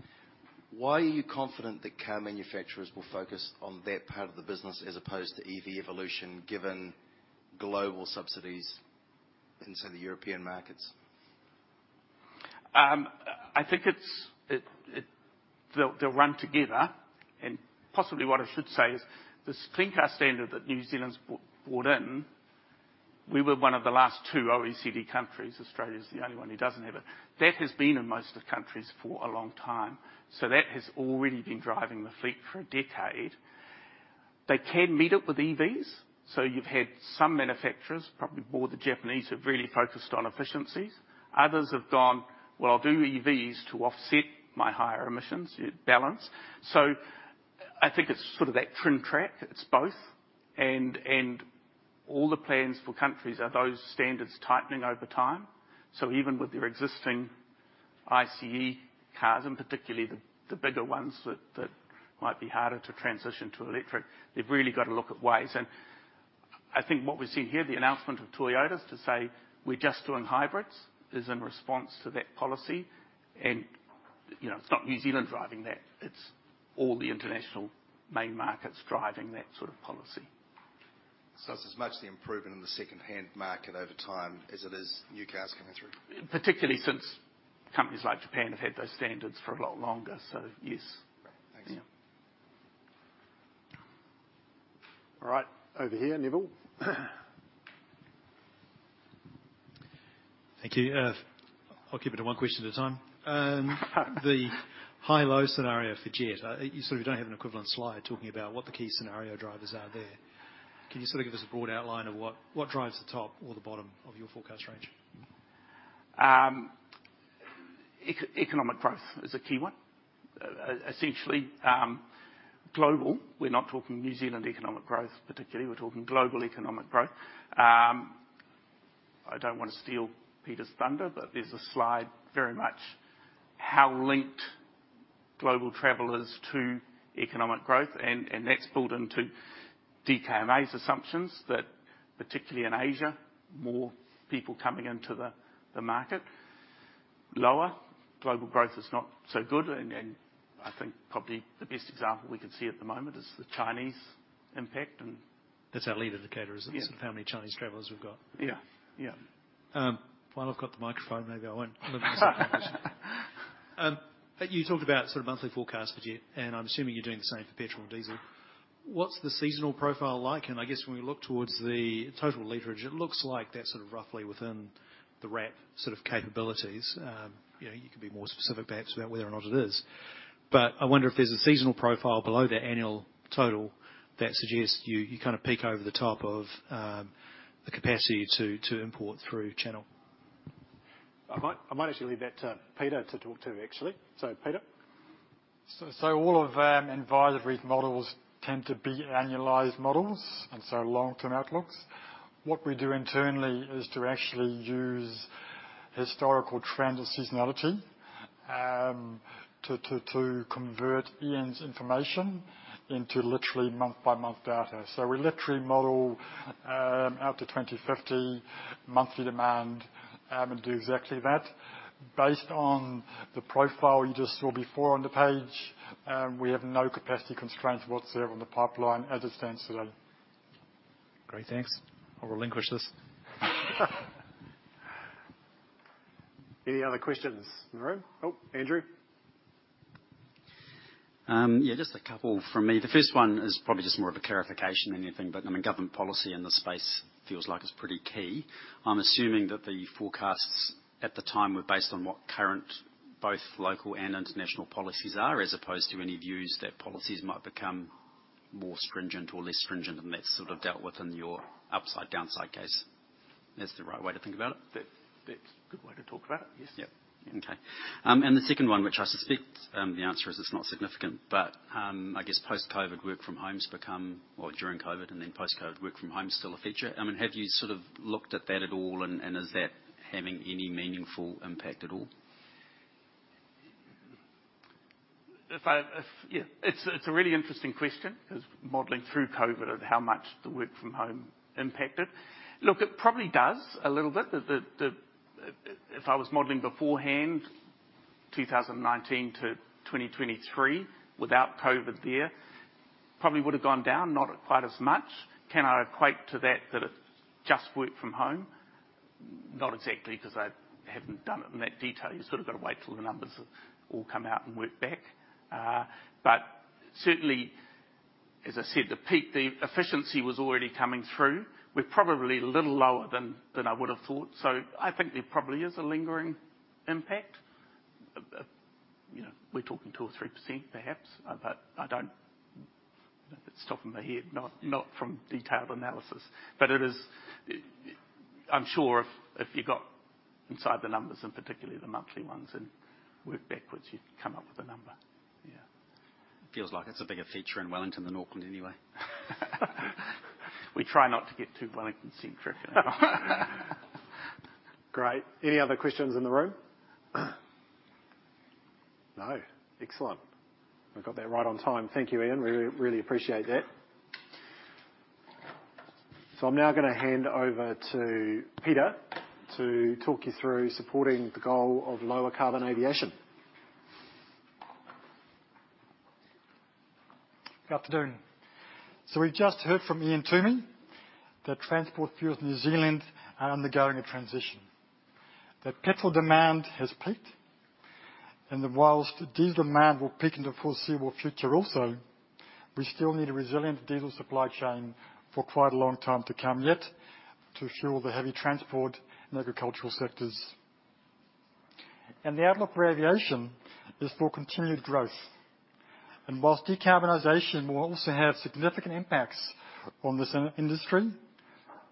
S3: Why are you confident that car manufacturers will focus on that part of the business as opposed to EV evolution, given global subsidies in say, the European markets?
S2: I think it's, they'll run together, and possibly what I should say is, this Clean Car Standard that New Zealand's brought in, we were one of the last two OECD countries. Australia is the only one who doesn't have it. That has been in most of the countries for a long time. So that has already been driving the fleet for a decade. They can meet it with EVs, so you've had some manufacturers, probably more the Japanese, have really focused on efficiencies. Others have gone, "Well, I'll do EVs to offset my higher emissions," in balance. So I think it's sort of that twin track, it's both, and all the plans for countries are those standards tightening over time. So even with your existing ICE cars, and particularly the bigger ones that might be harder to transition to electric. They've really got to look at ways, and I think what we're seeing here, the announcement of Toyota, is to say: "We're just doing hybrids," is in response to that policy. You know, it's not New Zealand driving that, it's all the international main markets driving that sort of policy.
S1: So it's as much the improvement in the secondhand market over time, as it is new cars coming through?
S2: Particularly since companies like Japan have had those standards for a lot longer, so yes.
S1: Great. Thanks.
S2: Yeah.
S1: All right, over here, Neville.
S4: Thank you. I'll keep it to one question at a time. The high-low scenario for jet. You sort of don't have an equivalent slide talking about what the key scenario drivers are there. Can you sort of give us a broad outline of what, what drives the top or the bottom of your forecast range?
S2: Economic growth is a key one. Essentially, global. We're not talking New Zealand economic growth particularly, we're talking global economic growth. I don't want to steal Peter's thunder, but there's a slide very much how linked global travel is to economic growth, and that's built into DKMA's assumptions that particularly in Asia, more people coming into the market. Lower global growth is not so good, and I think probably the best example we can see at the moment is the Chinese impact, and
S4: That's our lead indicator, isn't it?
S2: Yeah.
S4: Sort of how many Chinese travelers we've got.
S2: Yeah, yeah.
S4: While I've got the microphone, but you talked about sort of monthly forecast for jet, and I'm assuming you're doing the same for petrol and diesel. What's the seasonal profile like? And I guess when we look towards the total literage, it looks like that's sort of roughly within the RAP sort of capabilities. You know, you can be more specific perhaps about whether or not it is. But I wonder if there's a seasonal profile below that annual total that suggests you kind of peak over the top of the capacity to import through Channel.
S2: I might, I might actually leave that to Peter to talk to, actually. So, Peter?
S5: So all of advisory models tend to be annualized models, and so long-term outlooks. What we do internally is to actually use historical trends and seasonality to convert Ian's information into literally month-by-month data. So we literally model out to 2050 monthly demand, and do exactly that. Based on the profile you just saw before on the page, we have no capacity constraints whatsoever on the pipeline as it stands today.
S4: Great, thanks. I'll relinquish this.
S2: Any other questions in the room? Oh, Andrew.
S6: Yeah, just a couple from me. The first one is probably just more of a clarification than anything, but I mean, government policy in this space feels like it's pretty key. I'm assuming that the forecasts at the time were based on what current, both local and international policies are, as opposed to any views that policies might become more stringent or less stringent, and that's sort of dealt with in your upside-downside case. That's the right way to think about it?
S2: That, that's a good way to talk about it, yes.
S6: Yeah. Okay. And the second one, which I suspect, the answer is it's not significant, but, I guess post-COVID, work from home has become... Well, during COVID and then post-COVID, work from home is still a feature. I mean, have you sort of looked at that at all, and, and is that having any meaningful impact at all?
S2: Yeah, it's a really interesting question, because modeling through COVID and how much the work from home impacted. Look, it probably does a little bit. If I was modeling beforehand, 2019-2023, without COVID there, probably would have gone down, not quite as much. Can I equate to that, that it's just work from home? Not exactly, 'cause I haven't done it in that detail. You've sort of got to wait till the numbers all come out and work back. But certainly, as I said, the peak, the efficiency was already coming through. We're probably a little lower than I would have thought, so I think there probably is a lingering impact. You know, we're talking 2%-3%, perhaps, but I don't—let me stop in my head, not, not from detailed analysis. But it is, I'm sure if, if you got inside the numbers, and particularly the monthly ones and work backwards, you'd come up with a number. Yeah.
S6: Feels like it's a bigger feature in Wellington than Auckland anyway.
S2: We try not to get too Wellington-centric.
S1: Great. Any other questions in the room? No. Excellent. We've got that right on time. Thank you, Ian. We really appreciate that. So I'm now gonna hand over to Peter to talk you through supporting the goal of lower carbon aviation.
S5: Good afternoon. So we've just heard from Ian Twomey, that transport fuels in New Zealand are undergoing a transition. That petrol demand has peaked, and that while diesel demand will peak in the foreseeable future also, we still need a resilient diesel supply chain for quite a long time to come, yet to fuel the heavy transport and agricultural sectors. And the outlook for aviation is for continued growth, and while decarbonization will also have significant impacts on this industry,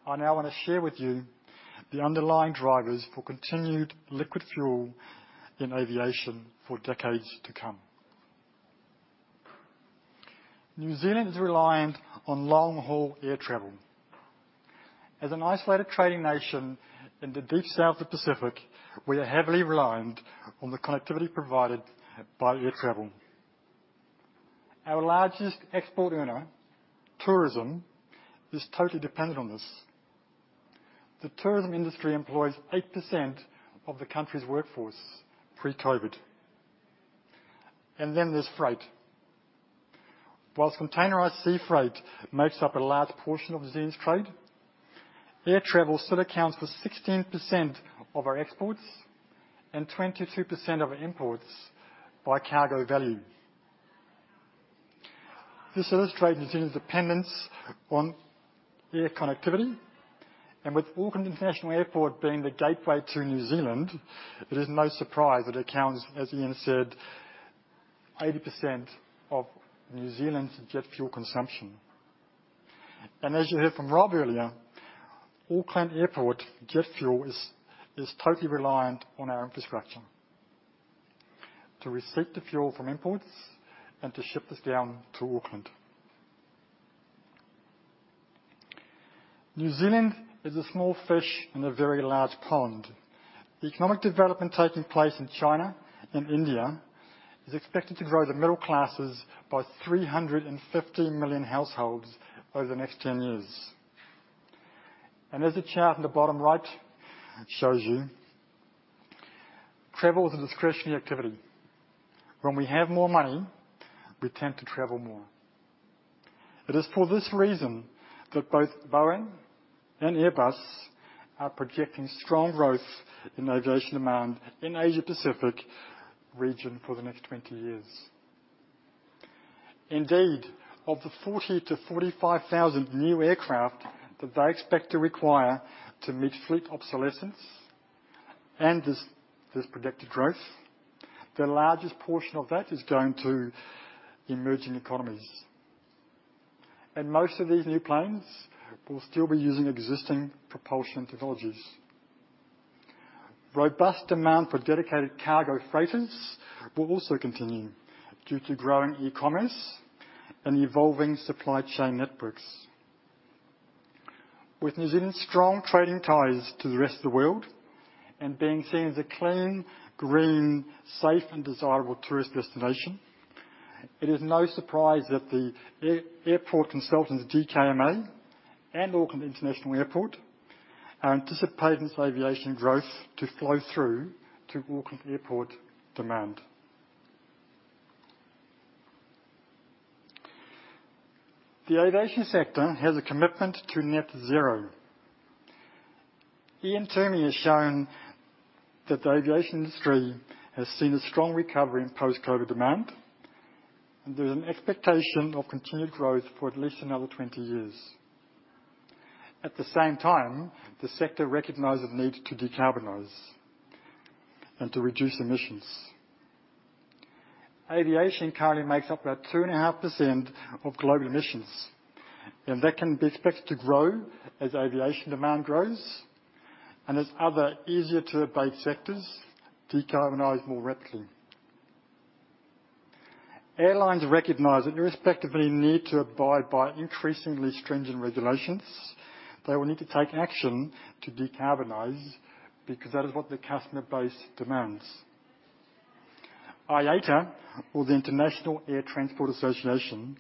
S5: I now want to share with you the underlying drivers for continued liquid fuel in aviation for decades to come.... New Zealand is reliant on long-haul air travel. As an isolated trading nation in the deep South Pacific, we are heavily reliant on the connectivity provided by air travel. Our largest export earner, tourism, is totally dependent on this. The tourism industry employs 8% of the country's workforce, pre-COVID. And then there's freight. While containerized sea freight makes up a large portion of New Zealand's trade, air travel still accounts for 16% of our exports and 22% of our imports by cargo value. This illustrates New Zealand's dependence on air connectivity, and with Auckland International Airport being the gateway to New Zealand, it is no surprise that it accounts, as Ian said, 80% of New Zealand's jet fuel consumption. And as you heard from Rob earlier, Auckland Airport jet fuel is totally reliant on our infrastructure to receive the fuel from imports and to ship this down to Auckland. New Zealand is a small fish in a very large pond. Economic development taking place in China and India is expected to grow the middle classes by 350 million households over the next 10 years. As the chart in the bottom right shows you, travel is a discretionary activity. When we have more money, we tend to travel more. It is for this reason that both Boeing and Airbus are projecting strong growth in aviation demand in Asia Pacific region for the next 20 years. Indeed, of the 40,000-45,000 new aircraft that they expect to require to meet fleet obsolescence and this, this predicted growth, the largest portion of that is going to emerging economies, and most of these new planes will still be using existing propulsion technologies. Robust demand for dedicated cargo freighters will also continue due to growing e-commerce and evolving supply chain networks. With New Zealand's strong trading ties to the rest of the world and being seen as a clean, green, safe, and desirable tourist destination, it is no surprise that the airport consultants, DKMA, and Auckland International Airport anticipate this aviation growth to flow through to Auckland Airport demand. The aviation sector has a commitment to Net zero. Ian Twomey has shown that the aviation industry has seen a strong recovery in post-COVID demand, and there's an expectation of continued growth for at least another 20 years. At the same time, the sector recognizes the need to decarbonize and to reduce emissions. Aviation currently makes up about 2.5% of global emissions, and that can be expected to grow as aviation demand grows and as other easier-to-abate sectors decarbonize more rapidly. Airlines recognize that irrespective of any need to abide by increasingly stringent regulations, they will need to take action to decarbonize because that is what their customer base demands. IATA, or the International Air Transport Association,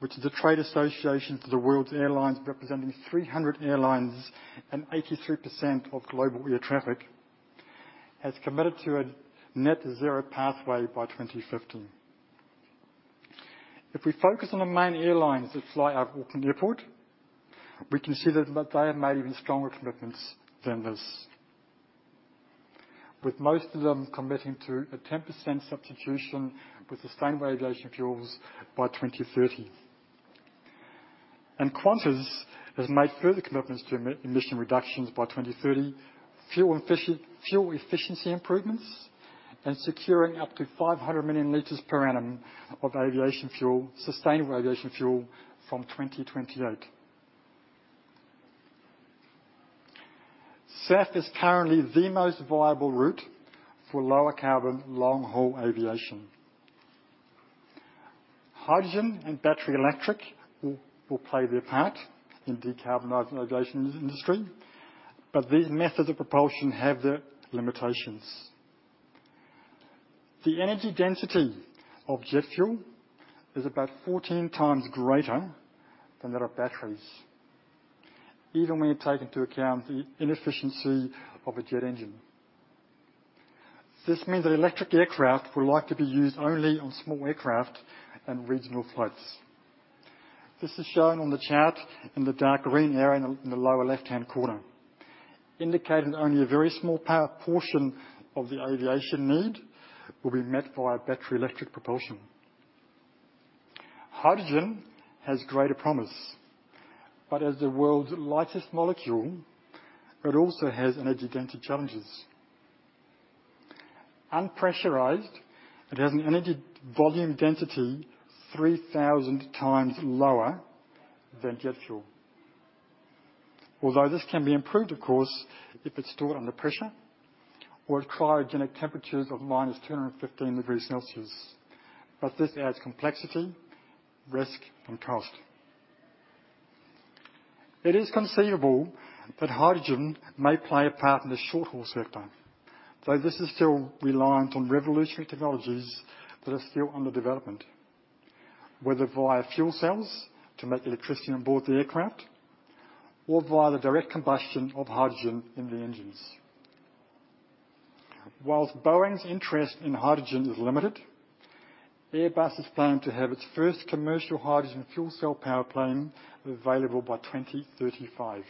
S5: which is a trade association to the world's airlines, representing 300 airlines and 83% of global air traffic, has committed to a net zero pathway by 2050. If we focus on the main airlines that fly out of Auckland Airport, we can see that they have made even stronger commitments than this, with most of them committing to a 10% substitution with sustainable aviation fuels by 2030. Qantas has made further commitments to emission reductions by 2030, fuel efficiency improvements, and securing up to 500 million L per annum of sustainable aviation fuel from 2028. SAF is currently the most viable route for lower carbon, long-haul aviation. Hydrogen and battery electric will play their part in decarbonizing the aviation industry, but these methods of propulsion have their limitations. The energy density of jet fuel is about 14x greater than that of batteries, even when you take into account the inefficiency of a jet engine. This means that electric aircraft will likely be used only on small aircraft and regional flights. This is shown on the chart in the dark green area in the lower left-hand corner, indicating only a very small power portion of the aviation need will be met by battery electric propulsion. Hydrogen has greater promise, but as the world's lightest molecule, it also has energy density challenges. Unpressurized, it has an energy volume density 3,000x lower than jet fuel. Although this can be improved, of course, if it's stored under pressure or at cryogenic temperatures of -215 degrees Celsius. But this adds complexity, risk, and cost. It is conceivable that hydrogen may play a part in the short haul sector, though this is still reliant on revolutionary technologies that are still under development, whether via fuel cells to make electricity onboard the aircraft or via the direct combustion of hydrogen in the engines. While Boeing's interest in hydrogen is limited, Airbus is planned to have its first commercial hydrogen fuel cell power plane available by 2035.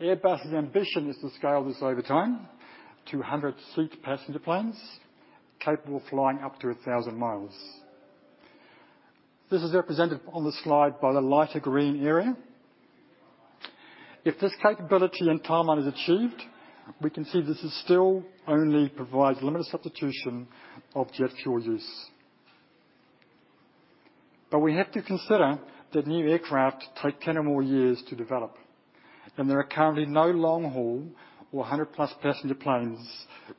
S5: Airbus's ambition is to scale this over time to 100-seat passenger planes, capable of flying up to 1,000 miles. This is represented on the slide by the lighter green area. If this capability and timeline is achieved, we can see this is still only provides limited substitution of jet fuel use. But we have to consider that new aircraft take 10 or more years to develop, and there are currently no long-haul or 100+ passenger planes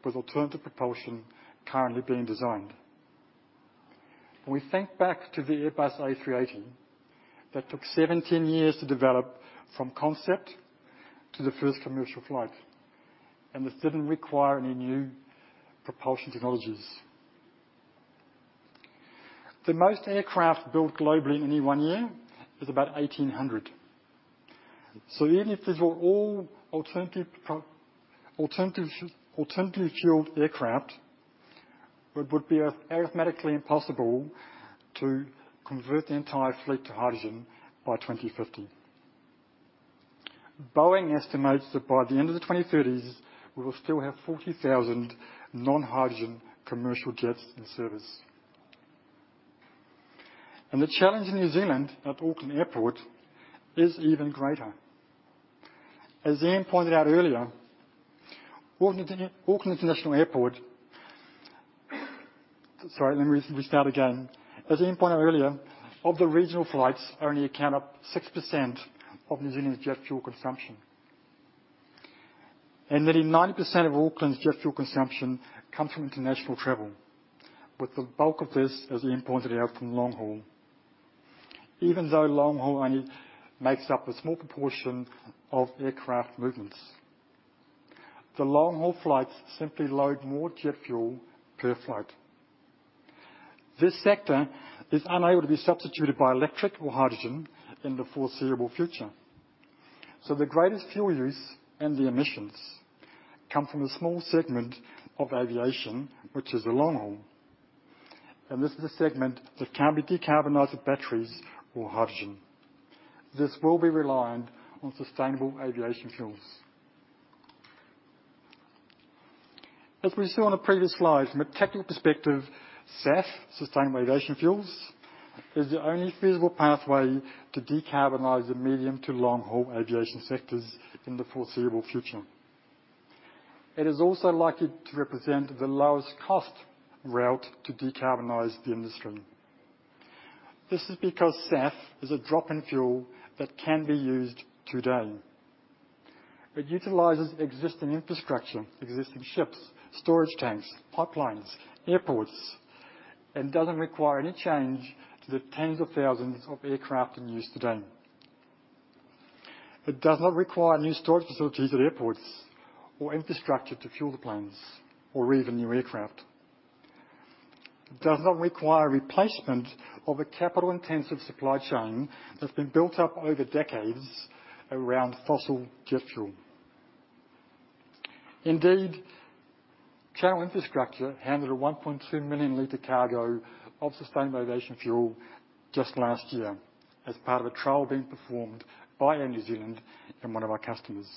S5: with alternative propulsion currently being designed. When we think back to the Airbus A380, that took 17 years to develop from concept to the first commercial flight, and this didn't require any new propulsion technologies. The most aircraft built globally in any one year is about 1,800. So even if these were all alternative, alternatively fueled aircraft, it would be arithmetically impossible to convert the entire fleet to hydrogen by 2050. Boeing estimates that by the end of the 2030s, we will still have 40,000 non-hydrogen commercial jets in service. The challenge in New Zealand at Auckland Airport is even greater. As Ian pointed out earlier, of the regional flights only account up 6% of New Zealand's jet fuel consumption. Nearly 90% of Auckland's jet fuel consumption comes from international travel, with the bulk of this, as Ian pointed out, from long haul. Even though long haul only makes up a small proportion of aircraft movements, the long-haul flights simply load more jet fuel per flight. This sector is unable to be substituted by electric or hydrogen in the foreseeable future. The greatest fuel use and the emissions come from the small segment of aviation, which is the long haul, and this is a segment that can't be decarbonized with batteries or hydrogen. This will be reliant on sustainable aviation fuels. As we saw on the previous slide, from a technical perspective, SAF, sustainable aviation fuels, is the only feasible pathway to decarbonize the medium to long-haul aviation sectors in the foreseeable future. It is also likely to represent the lowest cost route to decarbonize the industry. This is because SAF is a drop-in fuel that can be used today. It utilizes existing infrastructure, existing ships, storage tanks, pipelines, airports, and doesn't require any change to the tens of thousands of aircraft in use today. It does not require new storage facilities at airports or infrastructure to fuel the planes or even new aircraft. It does not require replacement of a capital-intensive supply chain that's been built up over decades around fossil jet fuel. Indeed, Channel Infrastructure handled a 1.2 million liter cargo of sustainable aviation fuel just last year as part of a trial being performed by Air New Zealand and one of our customers.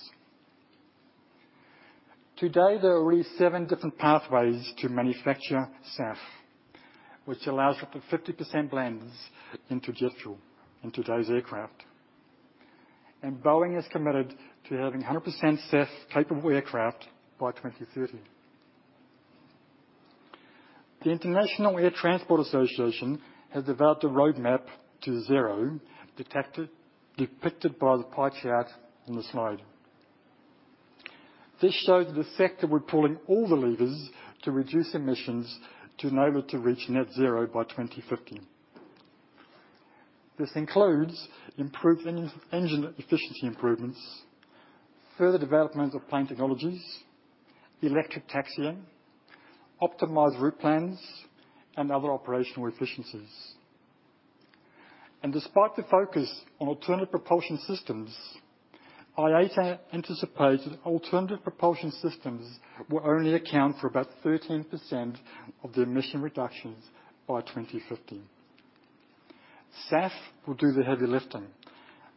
S5: Today, there are already seven different pathways to manufacture SAF, which allows up to 50% blends into jet fuel in today's aircraft. And Boeing is committed to having 100% SAF-capable aircraft by 2030. The International Air Transport Association has developed a roadmap to zero, depicted by the pie chart on the slide. This shows the sector we're pulling all the levers to reduce emissions to enable it to reach net zero by 2050. This includes improved engine efficiency improvements, further development of plane technologies, electric taxiing, optimized route plans, and other operational efficiencies. Despite the focus on alternative propulsion systems, IATA anticipates alternative propulsion systems will only account for about 13% of the emission reductions by 2050. SAF will do the heavy lifting,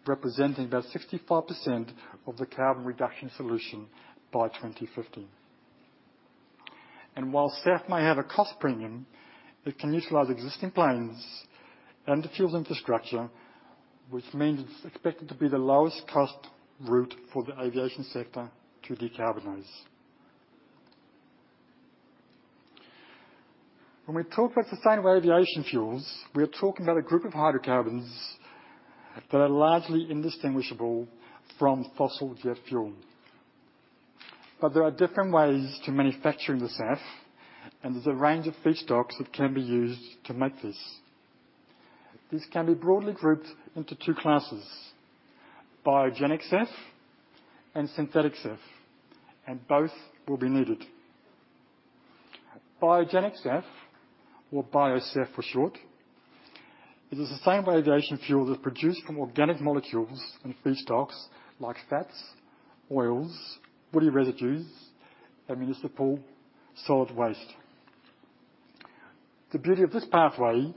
S5: representing about 65% of the carbon reduction solution by 2050. And while SAF may have a cost premium, it can utilize existing planes and the fuel infrastructure, which means it's expected to be the lowest cost route for the aviation sector to decarbonize.... When we talk about sustainable aviation fuels, we are talking about a group of hydrocarbons that are largely indistinguishable from fossil jet fuel. But there are different ways to manufacturing the SAF, and there's a range of feedstocks that can be used to make this. These can be broadly grouped into two classes: biogenic SAF and synthetic SAF, and both will be needed. Biogenic SAF, or Bio SAF for short, it is the same aviation fuel that's produced from organic molecules and feedstocks like fats, oils, woody residues, and municipal solid waste. The beauty of this pathway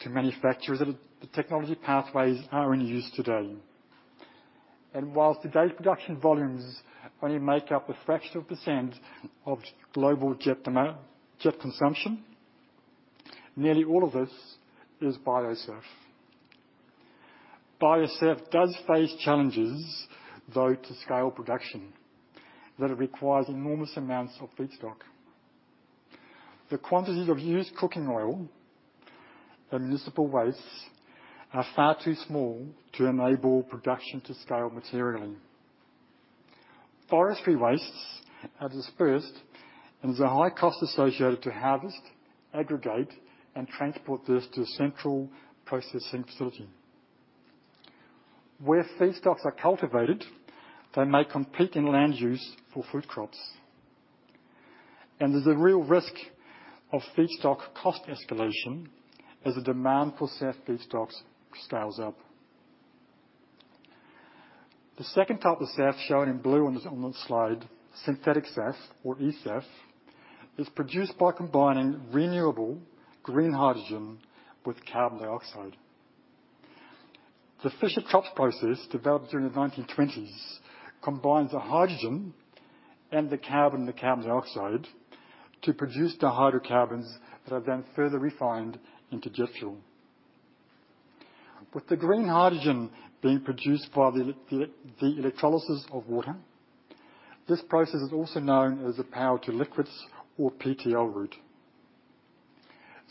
S5: to manufacture is that the technology pathways are in use today. While today's production volumes only make up a fraction of a percent of global jet consumption, nearly all of this is Bio SAF. Bio SAF does face challenges, though, to scale production, that it requires enormous amounts of feedstock. The quantities of used cooking oil and municipal wastes are far too small to enable production to scale materially. Forestry wastes are dispersed, and there's a high cost associated to harvest, aggregate, and transport this to a central processing facility. Where feedstocks are cultivated, they may compete in land use for food crops, and there's a real risk of feedstock cost escalation as the demand for SAF feedstocks scales up. The second type of SAF, shown in blue on the slide, synthetic SAF or eSAF, is produced by combining renewable green hydrogen with carbon dioxide. The Fischer-Tropsch process, developed during the 1920s, combines the hydrogen and the carbon dioxide to produce the hydrocarbons that are then further refined into jet fuel. With the green hydrogen being produced by the electrolysis of water, this process is also known as the power-to-liquids or PTL route.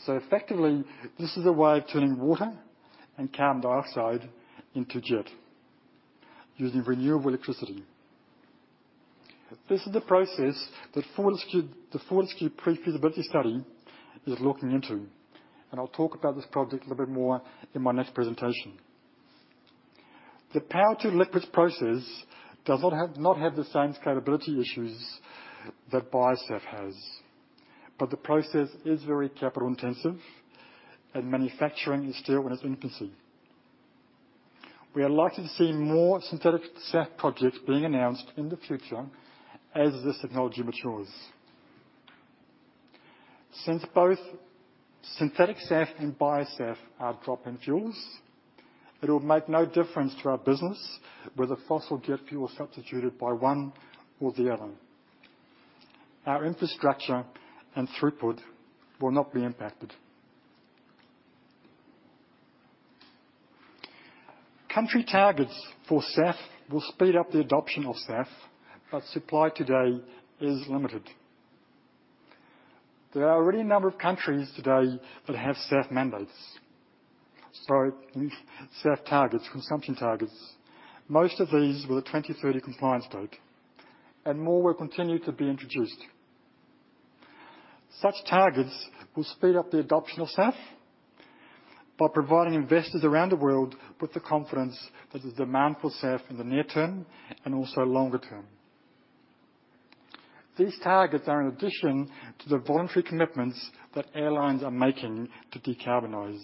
S5: So effectively, this is a way of turning water and carbon dioxide into jet using renewable electricity. This is the process that Fortescue, the Fortescue pre-feasibility study is looking into, and I'll talk about this project a little bit more in my next presentation. The power-to-liquids process does not have, not have the same scalability issues that Bio SAF has, but the process is very capital-intensive, and manufacturing is still in its infancy. We are likely to see more synthetic SAF projects being announced in the future as this technology matures. Since both synthetic SAF and Bio SAF are drop-in fuels, it will make no difference to our business whether fossil jet fuel is substituted by one or the other. Our infrastructure and throughput will not be impacted. Country targets for SAF will speed up the adoption of SAF, but supply today is limited. There are already a number of countries today that have SAF mandates, so SAF targets, consumption targets. Most of these with a 2030 compliance date, and more will continue to be introduced. Such targets will speed up the adoption of SAF by providing investors around the world with the confidence that there's demand for SAF in the near term and also longer term. These targets are in addition to the voluntary commitments that airlines are making to decarbonize,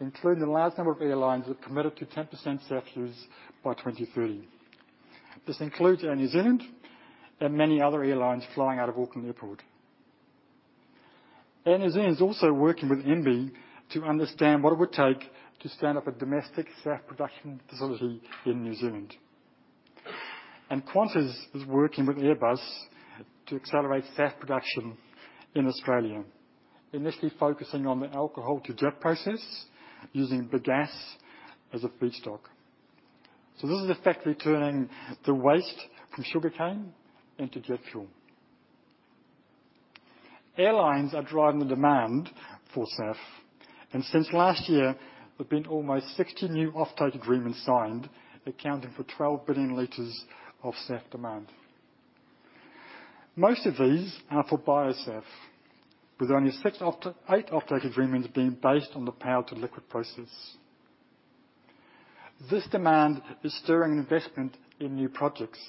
S5: including the large number of airlines that committed to 10% SAF use by 2030. This includes Air New Zealand and many other airlines flying out of Auckland Airport. Air New Zealand is also working with MBIE to understand what it would take to stand up a domestic SAF production facility in New Zealand. Qantas is working with Airbus to accelerate SAF production in Australia, initially focusing on the alcohol-to-jet process using bagasse as a feedstock. So this is effectively turning the waste from sugarcane into jet fuel. Airlines are driving the demand for SAF, and since last year, there've been almost 60 new offtake agreements signed, accounting for 12 billion L of SAF demand. Most of these are for Bio SAF, with only eight offtake agreements being based on the power-to-liquids process. This demand is stirring investment in new projects,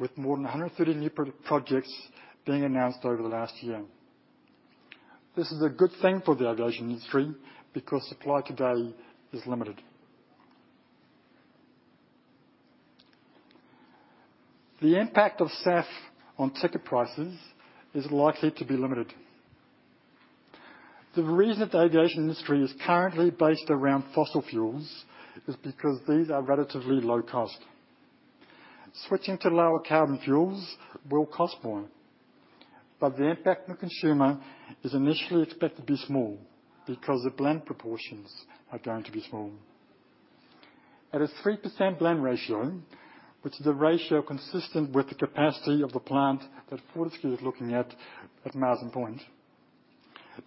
S5: with more than 130 new projects being announced over the last year. This is a good thing for the aviation industry because supply today is limited. The impact of SAF on ticket prices is likely to be limited. The reason the aviation industry is currently based around fossil fuels is because these are relatively low cost. Switching to lower carbon fuels will cost more, but the impact on the consumer is initially expected to be small because the blend proportions are going to be small, at a 3% blend ratio, which is a ratio consistent with the capacity of the plant that Fortescue is looking at, at Marsden Point.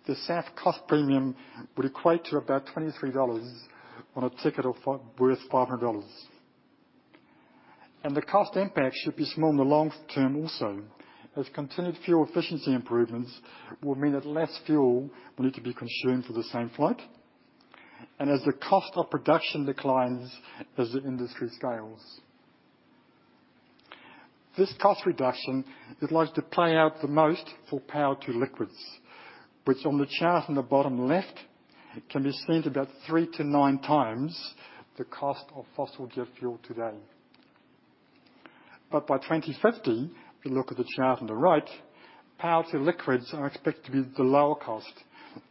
S5: The SAF cost premium would equate to about 23 dollars on a ticket worth 500 dollars. The cost impact should be small in the long term also, as continued fuel efficiency improvements will mean that less fuel will need to be consumed for the same flight, and as the cost of production declines as the industry scales. This cost reduction is likely to play out the most for power-to-liquids, which on the chart in the bottom left, can be seen about 3-9x the cost of fossil jet fuel today. But by 2050, if you look at the chart on the right, power-to-liquids are expected to be the lower cost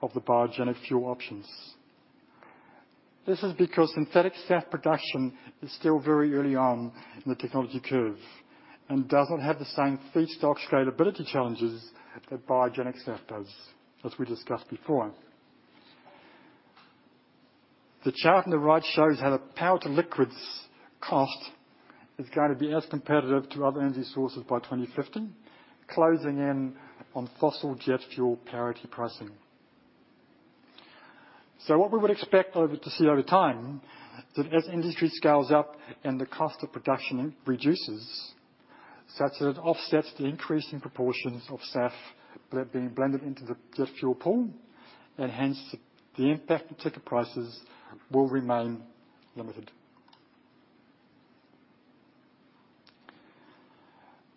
S5: of the biogenic fuel options. This is because synthetic SAF production is still very early on in the technology curve and doesn't have the same feedstock scalability challenges that biogenic SAF does, as we discussed before. The chart on the right shows how the power-to-liquids cost is going to be as competitive to other energy sources by 2050, closing in on fossil jet fuel parity pricing. So what we would expect to see over time, that as industry scales up and the cost of production reduces, such that it offsets the increasing proportions of SAF that are being blended into the jet fuel pool, and hence, the impact to ticket prices will remain limited.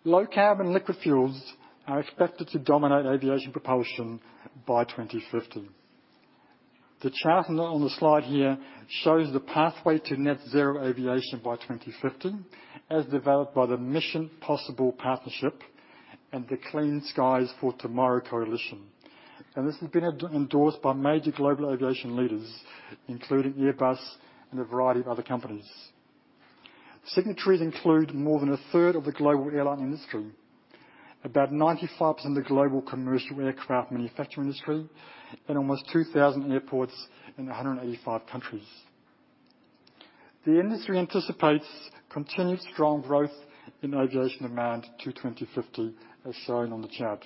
S5: Low-carbon liquid fuels are expected to dominate aviation propulsion by 2050. The chart on the slide here shows the pathway to net zero aviation by 2050, as developed by the Mission Possible Partnership and the Clean Skies for Tomorrow coalition. This has been endorsed by major global aviation leaders, including Airbus and a variety of other companies. Signatories include more than a third of the global airline industry, about 95% of the global commercial aircraft manufacture industry, and almost 2,000 airports in 185 countries. The industry anticipates continued strong growth in aviation demand to 2050, as shown on the chart.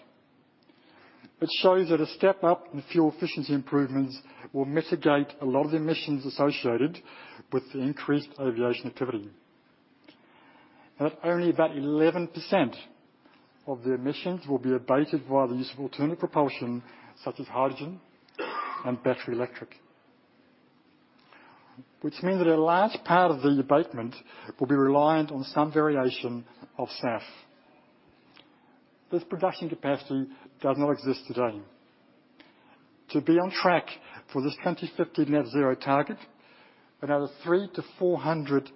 S5: It shows that a step up in fuel efficiency improvements will mitigate a lot of the emissions associated with the increased aviation activity, and that only about 11% of the emissions will be abated via the use of alternative propulsion, such as hydrogen and battery electric. Which means that a large part of the abatement will be reliant on some variation of SAF. This production capacity does not exist today. To be on track for this 2050 net zero target, another 300-400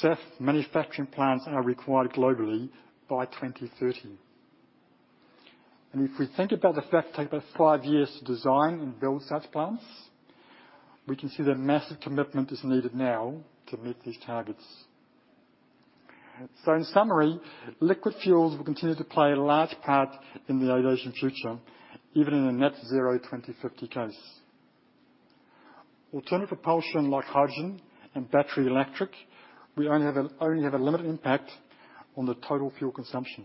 S5: SAF manufacturing plants are required globally by 2030. And if we think about the fact it takes about five years to design and build such plants, we can see that massive commitment is needed now to meet these targets. So in summary, liquid fuels will continue to play a large part in the aviation future, even in a net zero 2050 case. Alternative propulsion like hydrogen and battery electric, we only have a limited impact on the total fuel consumption.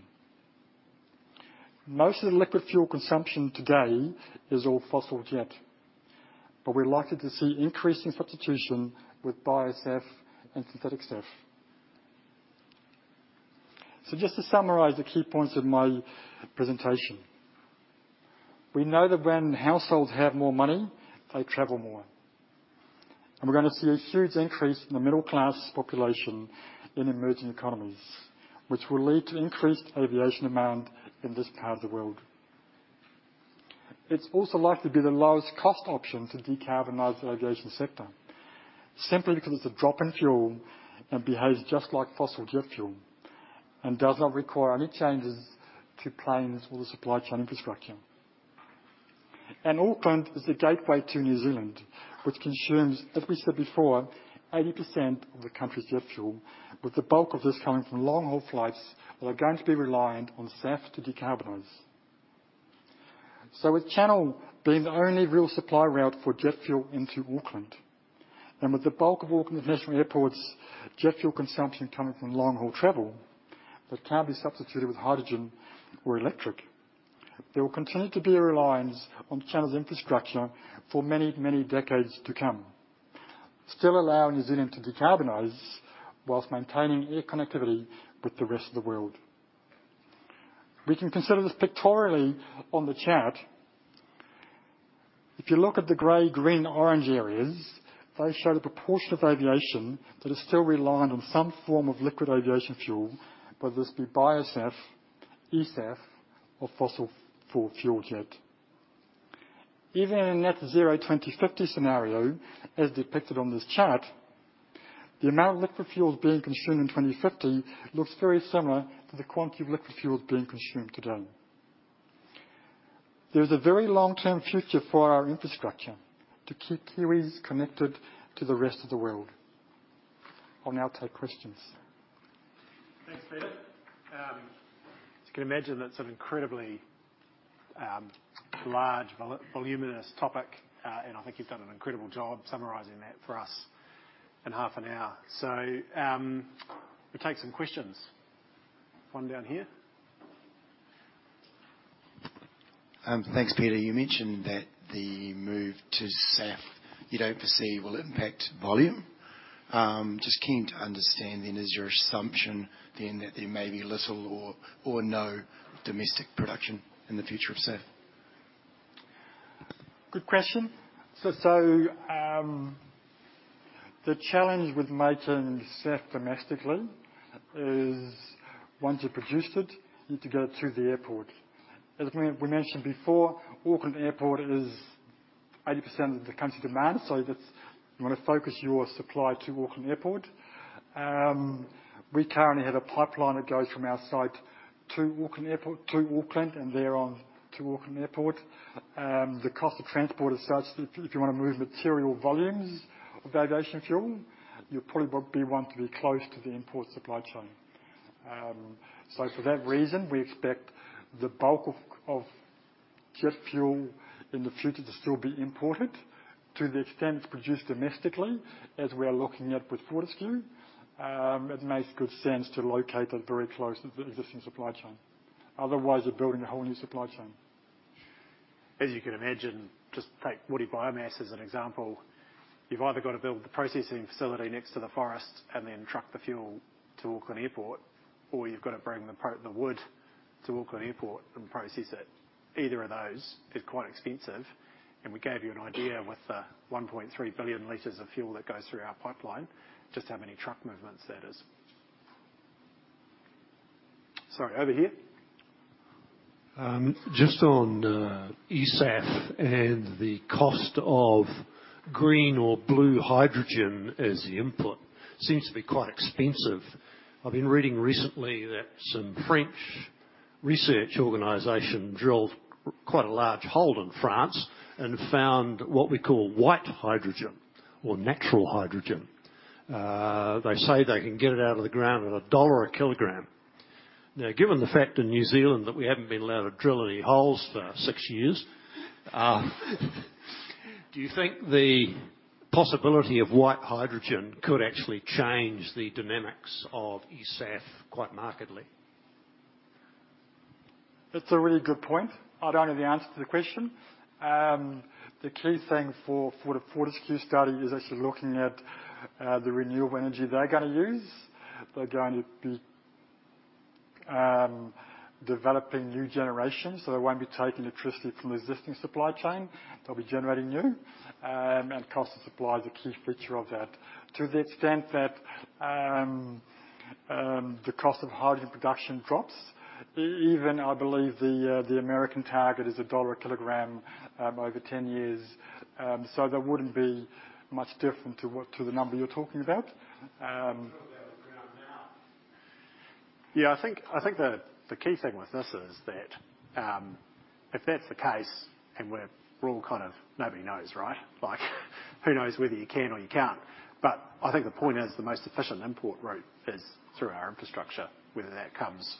S5: Most of the liquid fuel consumption today is all fossil jet, but we're likely to see increasing substitution with bio SAF and synthetic SAF. Just to summarize the key points of my presentation: We know that when households have more money, they travel more, and we're going to see a huge increase in the middle class population in emerging economies, which will lead to increased aviation demand in this part of the world. It's also likely to be the lowest cost option to decarbonize the aviation sector, simply because it's a drop-in fuel and behaves just like fossil jet fuel, and does not require any changes to planes or the supply chain infrastructure. Auckland is the gateway to New Zealand, which consumes, as we said before, 80% of the country's jet fuel, with the bulk of this coming from long-haul flights that are going to be reliant on SAF to decarbonize. So with Channel being the only real supply route for jet fuel into Auckland, and with the bulk of Auckland International Airport's jet fuel consumption coming from long-haul travel, that can't be substituted with hydrogen or electric, there will continue to be a reliance on Channel's infrastructure for many, many decades to come. Still allowing New Zealand to decarbonize while maintaining air connectivity with the rest of the world. We can consider this pictorially on the chart. If you look at the gray, green, orange areas, they show the proportion of aviation that is still reliant on some form of liquid aviation fuel, whether this be Bio SAF, eSAF or fossil fuel jet. Even in a net zero 2050 scenario, as depicted on this chart, the amount of liquid fuels being consumed in 2050 looks very similar to the quantity of liquid fuels being consumed today. There is a very long-term future for our infrastructure to keep Kiwis connected to the rest of the world. I'll now take questions....
S1: Thanks, Peter. As you can imagine, that's an incredibly large voluminous topic, and I think you've done an incredible job summarizing that for us in half an hour. So, we'll take some questions. One down here.
S7: Thanks, Peter. You mentioned that the move to SAF, you don't foresee will impact volume. Just keen to understand then, is your assumption then that there may be little or, or no domestic production in the future of SAF?
S5: Good question. So, the challenge with making SAF domestically is once you've produced it, you need to get it to the airport. As we mentioned before, Auckland Airport is 80% of the country demand, so that's... You wanna focus your supply to Auckland Airport. We currently have a pipeline that goes from our site to Auckland Airport, to Auckland, and thereon to Auckland Airport. The cost of transport is such that if you wanna move material volumes of aviation fuel, you probably would be wanting to be close to the import supply chain. So for that reason, we expect the bulk of jet fuel in the future to still be imported. To the extent it's produced domestically, as we are looking at with Fortescue, it makes good sense to locate it very close to the existing supply chain. Otherwise, you're building a whole new supply chain.
S1: As you can imagine, just take woody biomass as an example. You've either got to build the processing facility next to the forest and then truck the fuel to Auckland Airport, or you've got to bring the wood to Auckland Airport and process it. Either of those is quite expensive, and we gave you an idea with the 1.3 billion L of fuel that goes through our pipeline, just how many truck movements that is. Sorry, over here.
S7: Just on eSAF and the cost of green or blue hydrogen as the input, seems to be quite expensive. I've been reading recently that some French research organization drilled quite a large hole in France and found what we call white hydrogen or natural hydrogen. They say they can get it out of the ground at $1 a kilogram. Now, given the fact in New Zealand that we haven't been allowed to drill any holes for six years, do you think the possibility of white hydrogen could actually change the dynamics of eSAF quite markedly?
S5: That's a really good point. I don't have the answer to the question. The key thing for the Fortescue study is actually looking at the renewable energy they're gonna use. They're going to be developing new generations, so they won't be taking electricity from the existing supply chain. They'll be generating new, and cost of supply is a key feature of that. To the extent that the cost of hydrogen production drops, even I believe the American target is $1 a kilogram over 10 years. So that wouldn't be much different to the number you're talking about.
S7: It's out of the ground now.
S1: Yeah, I think the key thing with this is that, if that's the case, and we're all kind of, "Nobody knows, right?" Like, who knows whether you can or you can't? But I think the point is, the most efficient import route is through our infrastructure, whether that comes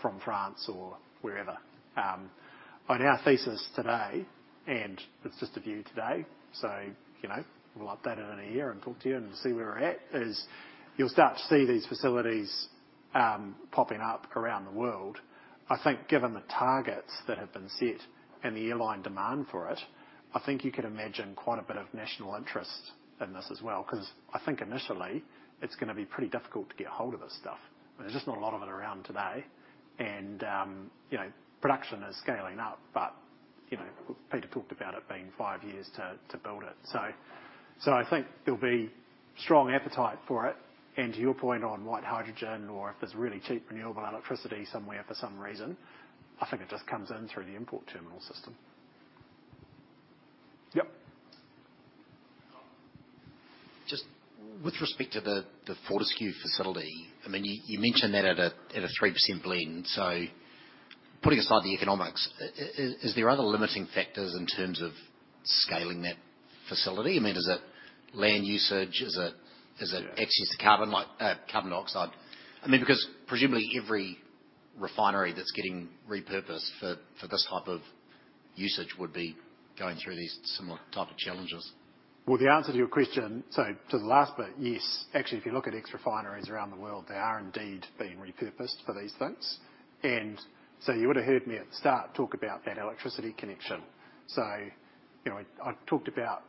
S1: from France or wherever. On our thesis today, and it's just a view today, so, you know, we'll update it in a year and talk to you and see where we're at, is you'll start to see these facilities popping up around the world. I think given the targets that have been set and the airline demand for it, I think you could imagine quite a bit of national interest in this as well, 'cause I think initially it's gonna be pretty difficult to get a hold of this stuff. There's just not a lot of it around today, and, you know, production is scaling up, but, you know, Peter talked about it being five years to build it. So, I think there'll be strong appetite for it. And to your point on white hydrogen or if there's really cheap renewable electricity somewhere for some reason, I think it just comes in through the import terminal system.
S5: Yep.
S8: Just with respect to the Fortescue facility, I mean, you mentioned that at a 3% blend. So putting aside the economics, is there other limiting factors in terms of scaling that facility? I mean, is it land usage? Is it
S1: Yeah...
S8: access to carbon like, carbon dioxide? I mean, because presumably every refinery that's getting repurposed for this type of usage would be going through these similar type of challenges.
S1: Well, the answer to your question, so to the last bit, yes. Actually, if you look at ex-refineries around the world, they are indeed being repurposed for these things. And so you would've heard me at the start talk about that electricity connection. So you know, I talked about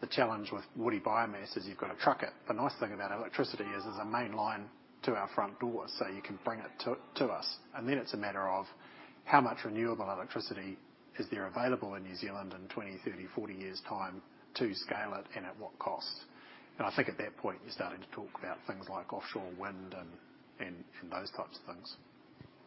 S1: the challenge with woody biomass, is you've got to truck it. The nice thing about electricity is there's a main line to our front door, so you can bring it to us, and then it's a matter of how much renewable electricity is there available in New Zealand in 20, 30, 40 years' time to scale it, and at what cost? And I think at that point, you're starting to talk about things like offshore wind and those types of things.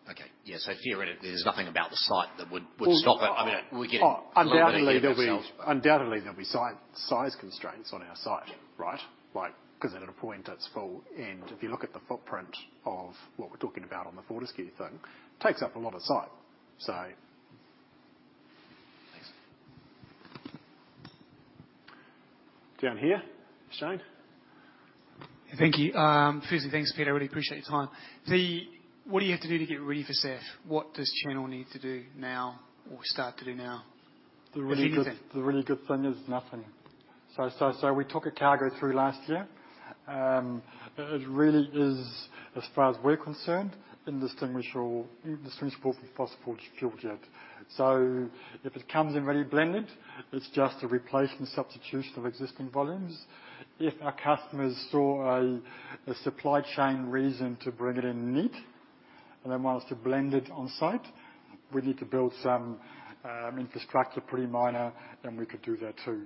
S9: Okay. Yeah, so theoretically-
S1: Yeah...
S8: there's nothing about the site that would stop it.
S1: Well-
S8: I mean, we're getting-
S1: Undoubtedly, there'll be-...
S8: ourselves, but-
S1: Undoubtedly, there'll be size constraints on our site.
S8: Yeah.
S1: Right? Like, 'cause then at a point, it's full, and if you look at the footprint of what we're talking about on the Fortescue thing, takes up a lot of site. So, you know... Down here, Shane?
S9: Thank you. Firstly, thanks, Peter. I really appreciate your time. What do you have to do to get ready for SAF? What does Channel need to do now or start to do now?
S5: The really good thing is nothing. So we took a cargo through last year. It really is, as far as we're concerned, indistinguishable from fossil fuel jet. So if it comes in very blended, it's just a replacement substitution of existing volumes. If our customers saw a supply chain reason to bring it in neat, and they want us to blend it on site, we need to build some infrastructure, pretty minor, and we could do that, too.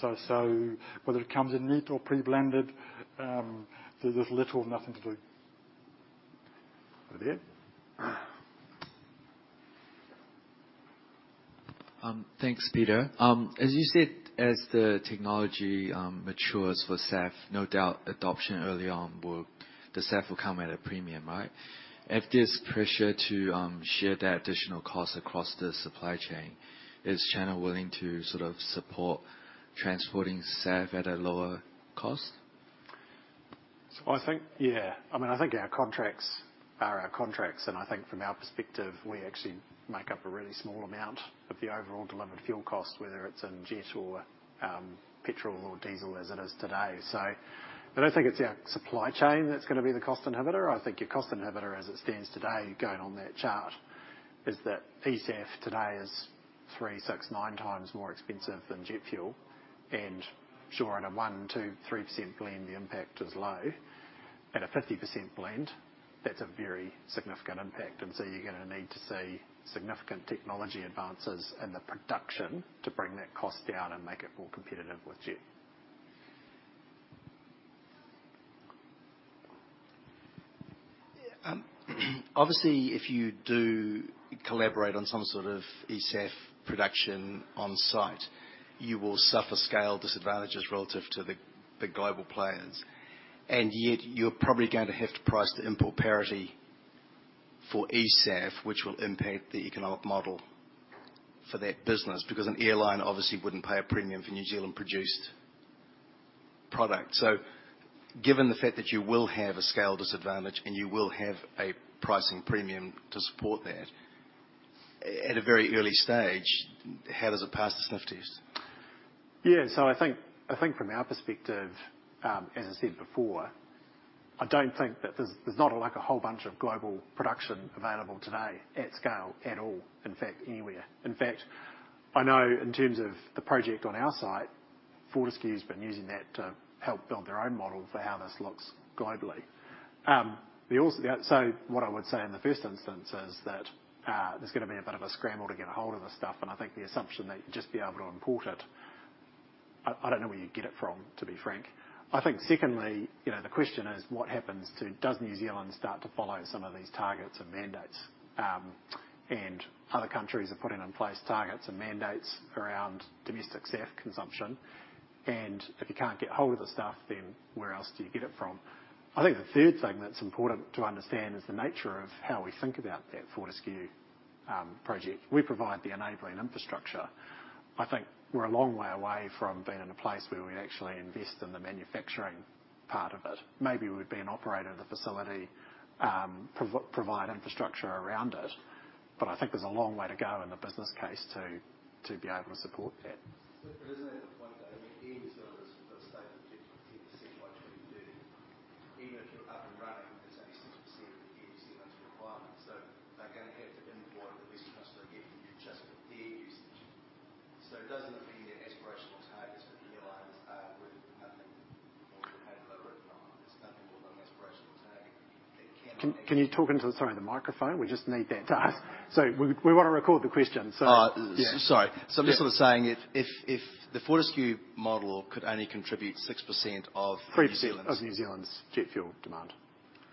S5: So whether it comes in neat or pre-blended, there's little or nothing to do.
S1: Over there.
S10: Thanks, Peter. As you said, as the technology matures for SAF, no doubt adoption early on will, the SAF will come at a premium, right? If there's pressure to share that additional cost across the supply chain, is Channel willing to sort of support transporting SAF at a lower cost?
S1: So I think, yeah. I mean, I think our contracts are our contracts, and I think from our perspective, we actually make up a really small amount of the overall delivered fuel cost, whether it's in jet or petrol or diesel as it is today. So I don't think it's our supply chain that's gonna be the cost inhibitor. I think your cost inhibitor, as it stands today, going on that chart, is that eSAF today is 3, 6, 9x more expensive than jet fuel. And sure, at a 1, 2, 3% blend, the impact is low. At a 50% blend, that's a very significant impact, and so you're gonna need to see significant technology advances in the production to bring that cost down and make it more competitive with jet.
S10: Obviously, if you do collaborate on some sort of eSAF production on site, you will suffer scale disadvantages relative to the global players, and yet you're probably going to have to price the import parity for eSAF, which will impact the economic model for that business, because an airline obviously wouldn't pay a premium for New Zealand-produced product. So given the fact that you will have a scale disadvantage, and you will have a pricing premium to support that, at a very early stage, how does it pass the sniff test?
S1: Yeah, so I think, I think from our perspective, as I said before, I don't think that there's, there's not, like, a whole bunch of global production available today at scale, at all, in fact, anywhere. In fact, I know in terms of the project on our site, Fortescue's been using that to help build their own model for how this looks globally. So what I would say in the first instance is that, there's gonna be a bit of a scramble to get a hold of this stuff, and I think the assumption that you'd just be able to import it, I don't know where you get it from, to be frank. I think secondly, you know, the question is, what happens to-- Does New Zealand start to follow some of these targets and mandates? And other countries are putting in place targets and mandates around domestic SAF consumption, and if you can't get hold of the stuff, then where else do you get it from? Can you talk into, sorry, the microphone? We just need that to use. So we wanna record the question, so—
S10: Oh, yeah, sorry.
S1: Yeah.
S10: So I'm just sort of saying, if the Fortescue model could only contribute 6% of Air New Zealand's-
S1: Of New Zealand's jet fuel demand.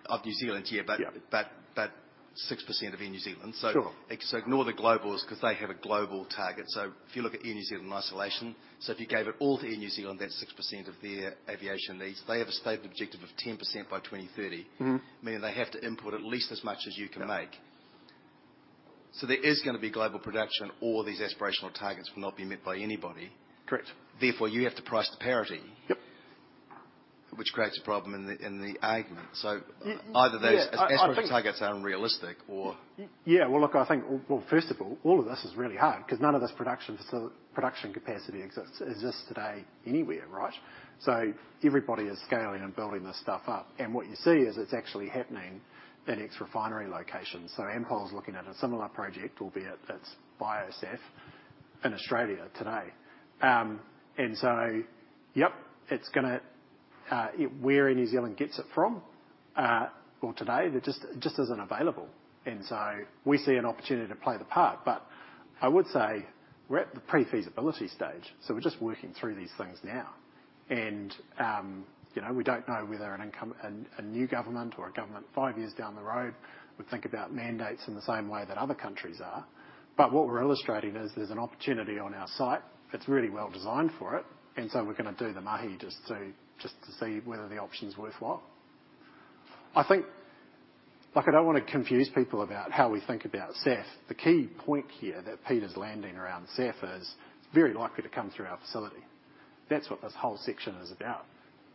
S10: Of New Zealand's, yeah.
S1: Yeah.
S10: But 6% of Air New Zealand, so-
S1: Sure...
S10: so ignore the globals, 'cause they have a global target. So if you look at Air New Zealand in isolation, so if you gave it all to Air New Zealand, that's 6% of their aviation needs. They have a stated objective of 10% by 2030-
S1: Mm-hmm...
S10: meaning they have to import at least as much as you can make.
S1: Yeah.
S10: There is gonna be global production, or these aspirational targets will not be met by anybody.
S1: Correct.
S10: Therefore, you have to price to parity-
S1: Yep ...
S10: which creates a problem in the argument. So-
S1: Mmm, yeah, I think-
S10: Either those aspirational targets are unrealistic, or...
S1: Yeah, well, look, I think, well, first of all, all of this is really hard, 'cause none of this production capacity exists today, anywhere, right? So everybody is scaling and building this stuff up, and what you see is it's actually happening in ex-refinery locations. So Ampol is looking at a similar project, albeit it's bio SAF, in Australia today. And so, yep, it's gonna, where Air New Zealand gets it from, well, today, it just isn't available. And so we see an opportunity to play the part, but I would say we're at the pre-feasibility stage, so we're just working through these things now. And, you know, we don't know whether an incoming government or a government five years down the road would think about mandates in the same way that other countries are. But what we're illustrating is there's an opportunity on our site. It's really well designed for it, and so we're gonna do the mahi just to, just to see whether the option's worthwhile. I think, like, I don't want to confuse people about how we think about SAF. The key point here that Peter's landing around SAF is, it's very likely to come through our facility. That's what this whole section is about.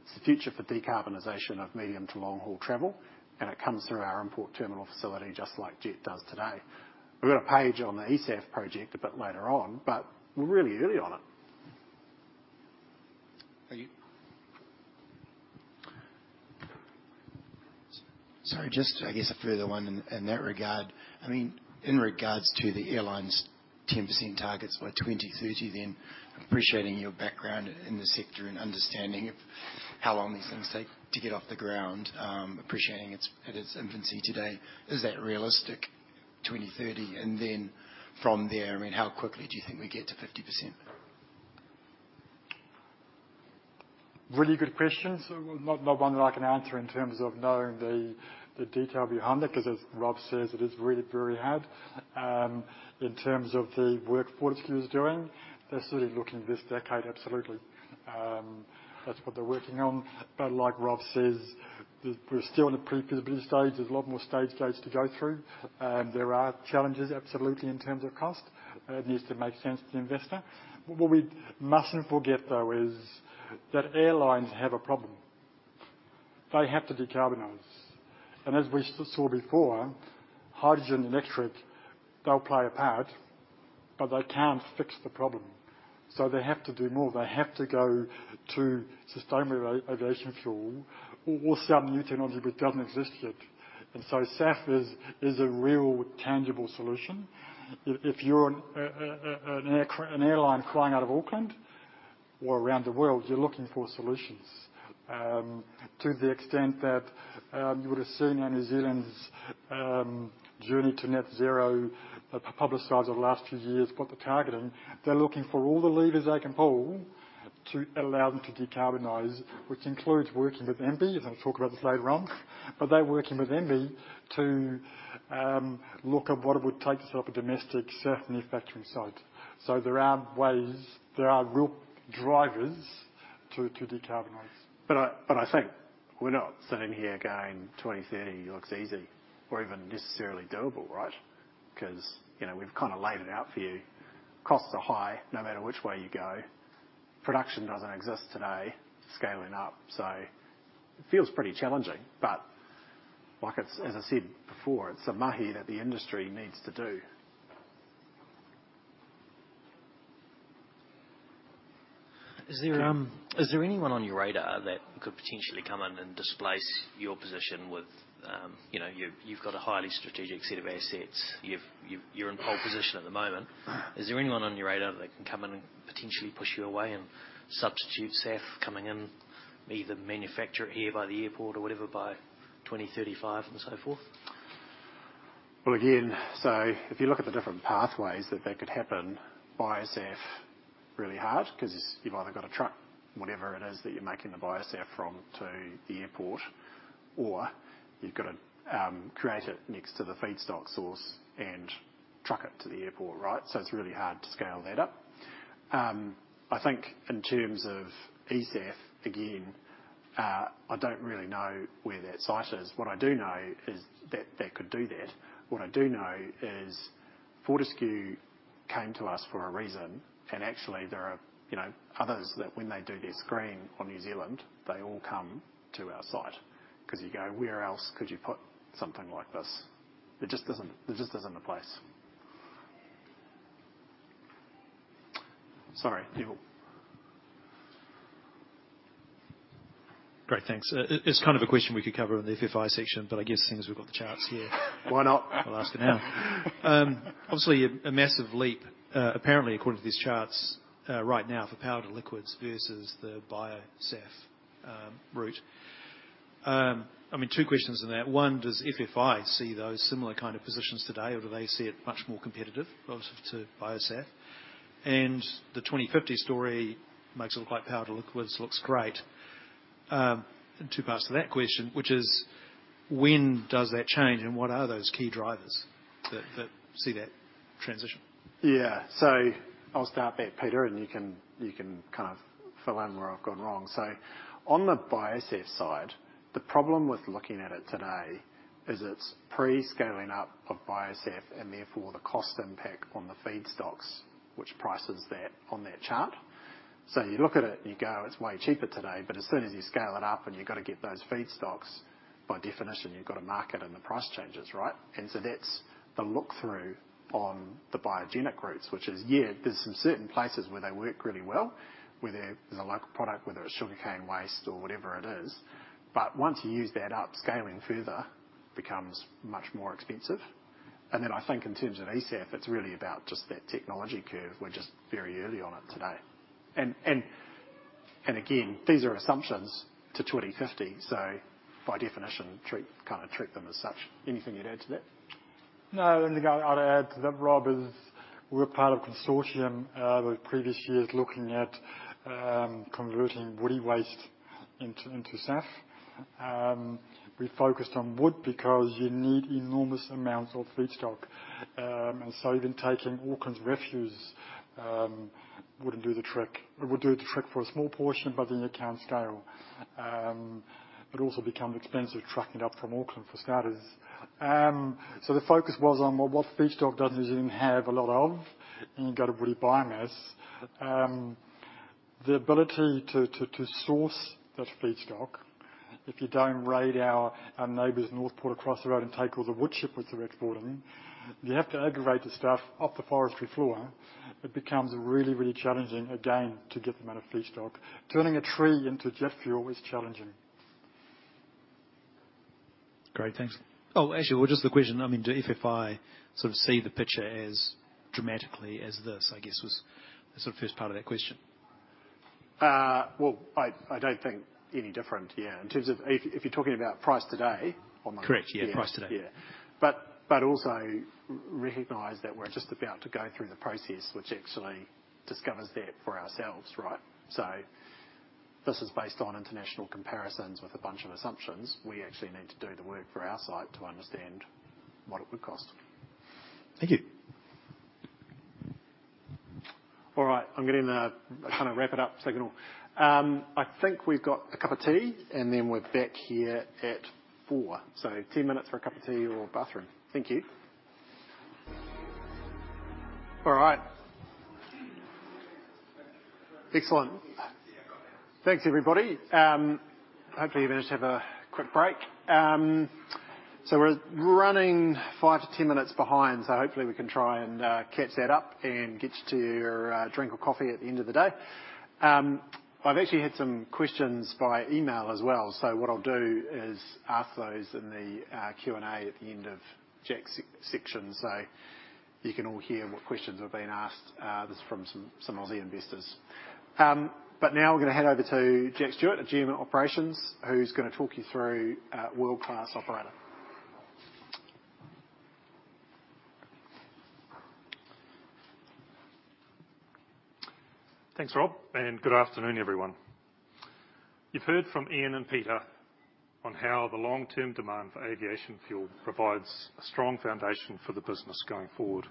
S1: It's the future for decarbonization of medium to long-haul travel, and it comes through our import terminal facility, just like jet does today. We've got a page on the eSAF project a bit later on, but we're really early on it.
S5: Thank you.
S4: Sorry, just, I guess, a further one in, in that regard. I mean, in regards to the airline's 10% targets by 2030, then appreciating your background in the sector and understanding of how long these things take to get off the ground, appreciating it's at its infancy today, is that realistic, 2030? And then from there, I mean, how quickly do you think we get to 50%?
S5: Really good question. So not one that I can answer in terms of knowing the detail behind it, 'cause as Rob says, it is really very hard. In terms of the work Fortescue is doing, they're certainly looking this decade, absolutely. That's what they're working on. But like Rob says, we're still in the pre-feasibility stage. There's a lot more stage gates to go through. There are challenges, absolutely, in terms of cost. It needs to make sense to the investor. But what we mustn't forget, though, is that airlines have a problem. They have to decarbonize. And as we saw before, hydrogen and electric, they'll play a part, but they can't fix the problem, so they have to do more. They have to go to sustainable aviation fuel or some new technology which doesn't exist yet, and so SAF is a real tangible solution. If you're an airline flying out of Auckland or around the world, you're looking for solutions. To the extent that you would have seen Air New Zealand's journey to net zero publicized over the last few years, what they're targeting. They're looking for all the levers they can pull to allow them to decarbonize, which includes working with MBIE. I'm going to talk about this later on. But they're working with MBIE to look at what it would take to set up a domestic SAF manufacturing site. So there are ways, there are real drivers to decarbonize.
S1: But I, but I think we're not sitting here going, "2030 looks easy or even necessarily doable," right? 'Cause, you know, we've kind of laid it out for you. Costs are high, no matter which way you go. Production doesn't exist today, scaling up, so it feels pretty challenging. But like, it's-- as I said before, it's a mahi that the industry needs to do.
S6: Is there anyone on your radar that could potentially come in and displace your position with, you know, you've got a highly strategic set of assets. You're in pole position at the moment. Is there anyone on your radar that can come in and potentially push you away and substitute SAF coming in, either manufacture it here by the airport or whatever, by 2035 and so forth?
S1: Well, again, so if you look at the different pathways that that could happen, Bio SAF, really hard, 'cause you've either got to truck, whatever it is that you're making the Bio SAF from, to the airport, or you've got to create it next to the feedstock source and truck it to the airport, right? So it's really hard to scale that up. I think in terms of eSAF, again, I don't really know where that site is. What I do know is that they could do that. What I do know is Fortescue came to us for a reason, and actually, there are, you know, others that when they do their screen on New Zealand, they all come to our site. 'Cause you go, "Where else could you put something like this?" There just doesn't, there just isn't a place. Sorry, Neville.
S11: Great, thanks. It's kind of a question we could cover in the FFI section, but I guess since we've got the charts here-
S1: Why not?...
S11: I'll ask it now. Obviously a massive leap, apparently, according to these charts, right now for power-to-liquids versus the Bio SAF route. I mean, two questions in that. One, does FFI see those similar kind of positions today, or do they see it much more competitive relative to Bio SAF? And the 2050 story makes it look like power-to-liquids looks great. And two parts to that question, which is: When does that change, and what are those key drivers that see that transition?
S1: Yeah. So I'll start that, Peter, and you can, you can kind of fill in where I've gone wrong. So on the bio SAF side, the problem with looking at it today is it's pre-scaling up of bio SAF, and therefore, the cost impact on the feedstocks, which prices that on that chart. So you look at it and you go, "It's way cheaper today," but as soon as you scale it up and you've got to get those feedstocks, by definition, you've got to market and the price changes, right? And so that's the look-through on the biogenic routes, which is, yeah, there's some certain places where they work really well, where there is a local product, whether it's sugarcane waste or whatever it is, but once you use that up, scaling further becomes much more expensive. And then I think in terms of eSAF, it's really about just that technology curve. We're just very early on it today. And again, these are assumptions to 2050, so by definition, treat them as such, kind of. Anything you'd add to that?
S5: No, the only thing I'd add to that, Rob, is we're part of a consortium the previous years, looking at converting woody waste into SAF. We focused on wood because you need enormous amounts of feedstock. And so even taking Auckland's refuse wouldn't do the trick. It would do the trick for a small portion, but then you can't scale. It also become expensive trucking it up from Auckland, for starters. So the focus was on, well, what feedstock does is you didn't have a lot of, and you got a woody biomass. The ability to source that feedstock, if you don't raid our neighbor's Northport across the road and take all the wood chips, which they're exporting, you have to aggregate the stuff off the forestry floor; it becomes really, really challenging again to get the amount of feedstock. Turning a tree into jet fuel is challenging.
S7: Great, thanks. Oh, actually, well, just the question, I mean, do FFI sort of see the picture as dramatically as this, I guess, was the sort of first part of that question?
S1: Well, I don't think any different, yeah. In terms of if you're talking about price today or-
S7: Correct. Yeah, price today.
S1: Yeah. But also recognize that we're just about to go through the process, which actually discovers that for ourselves, right? So this is based on international comparisons with a bunch of assumptions. We actually need to do the work for our site to understand what it would cost.
S7: Thank you.
S1: All right, I'm getting to kind of wrap it up, so I can all. I think we've got a cup of tea, and then we're back here at 4. So 2 minutes for a cup of tea or bathroom. Thank you. All right. Excellent. Thanks, everybody. Hopefully, you managed to have a quick break. So we're running 5-10 minutes behind, so hopefully we can try and catch that up and get you to your drink of coffee at the end of the day. I've actually had some questions via email as well, so what I'll do is ask those in the Q&A at the end of Jack's section, so you can all hear what questions are being asked, this is from some Aussie investors. But now we're gonna head over to Jack Stewart, General Operations, who's gonna talk you through world-class operator.
S12: Thanks, Rob, and good afternoon, everyone. You've heard from Ian and Peter on how the long-term demand for aviation fuel provides a strong foundation for the business going forward.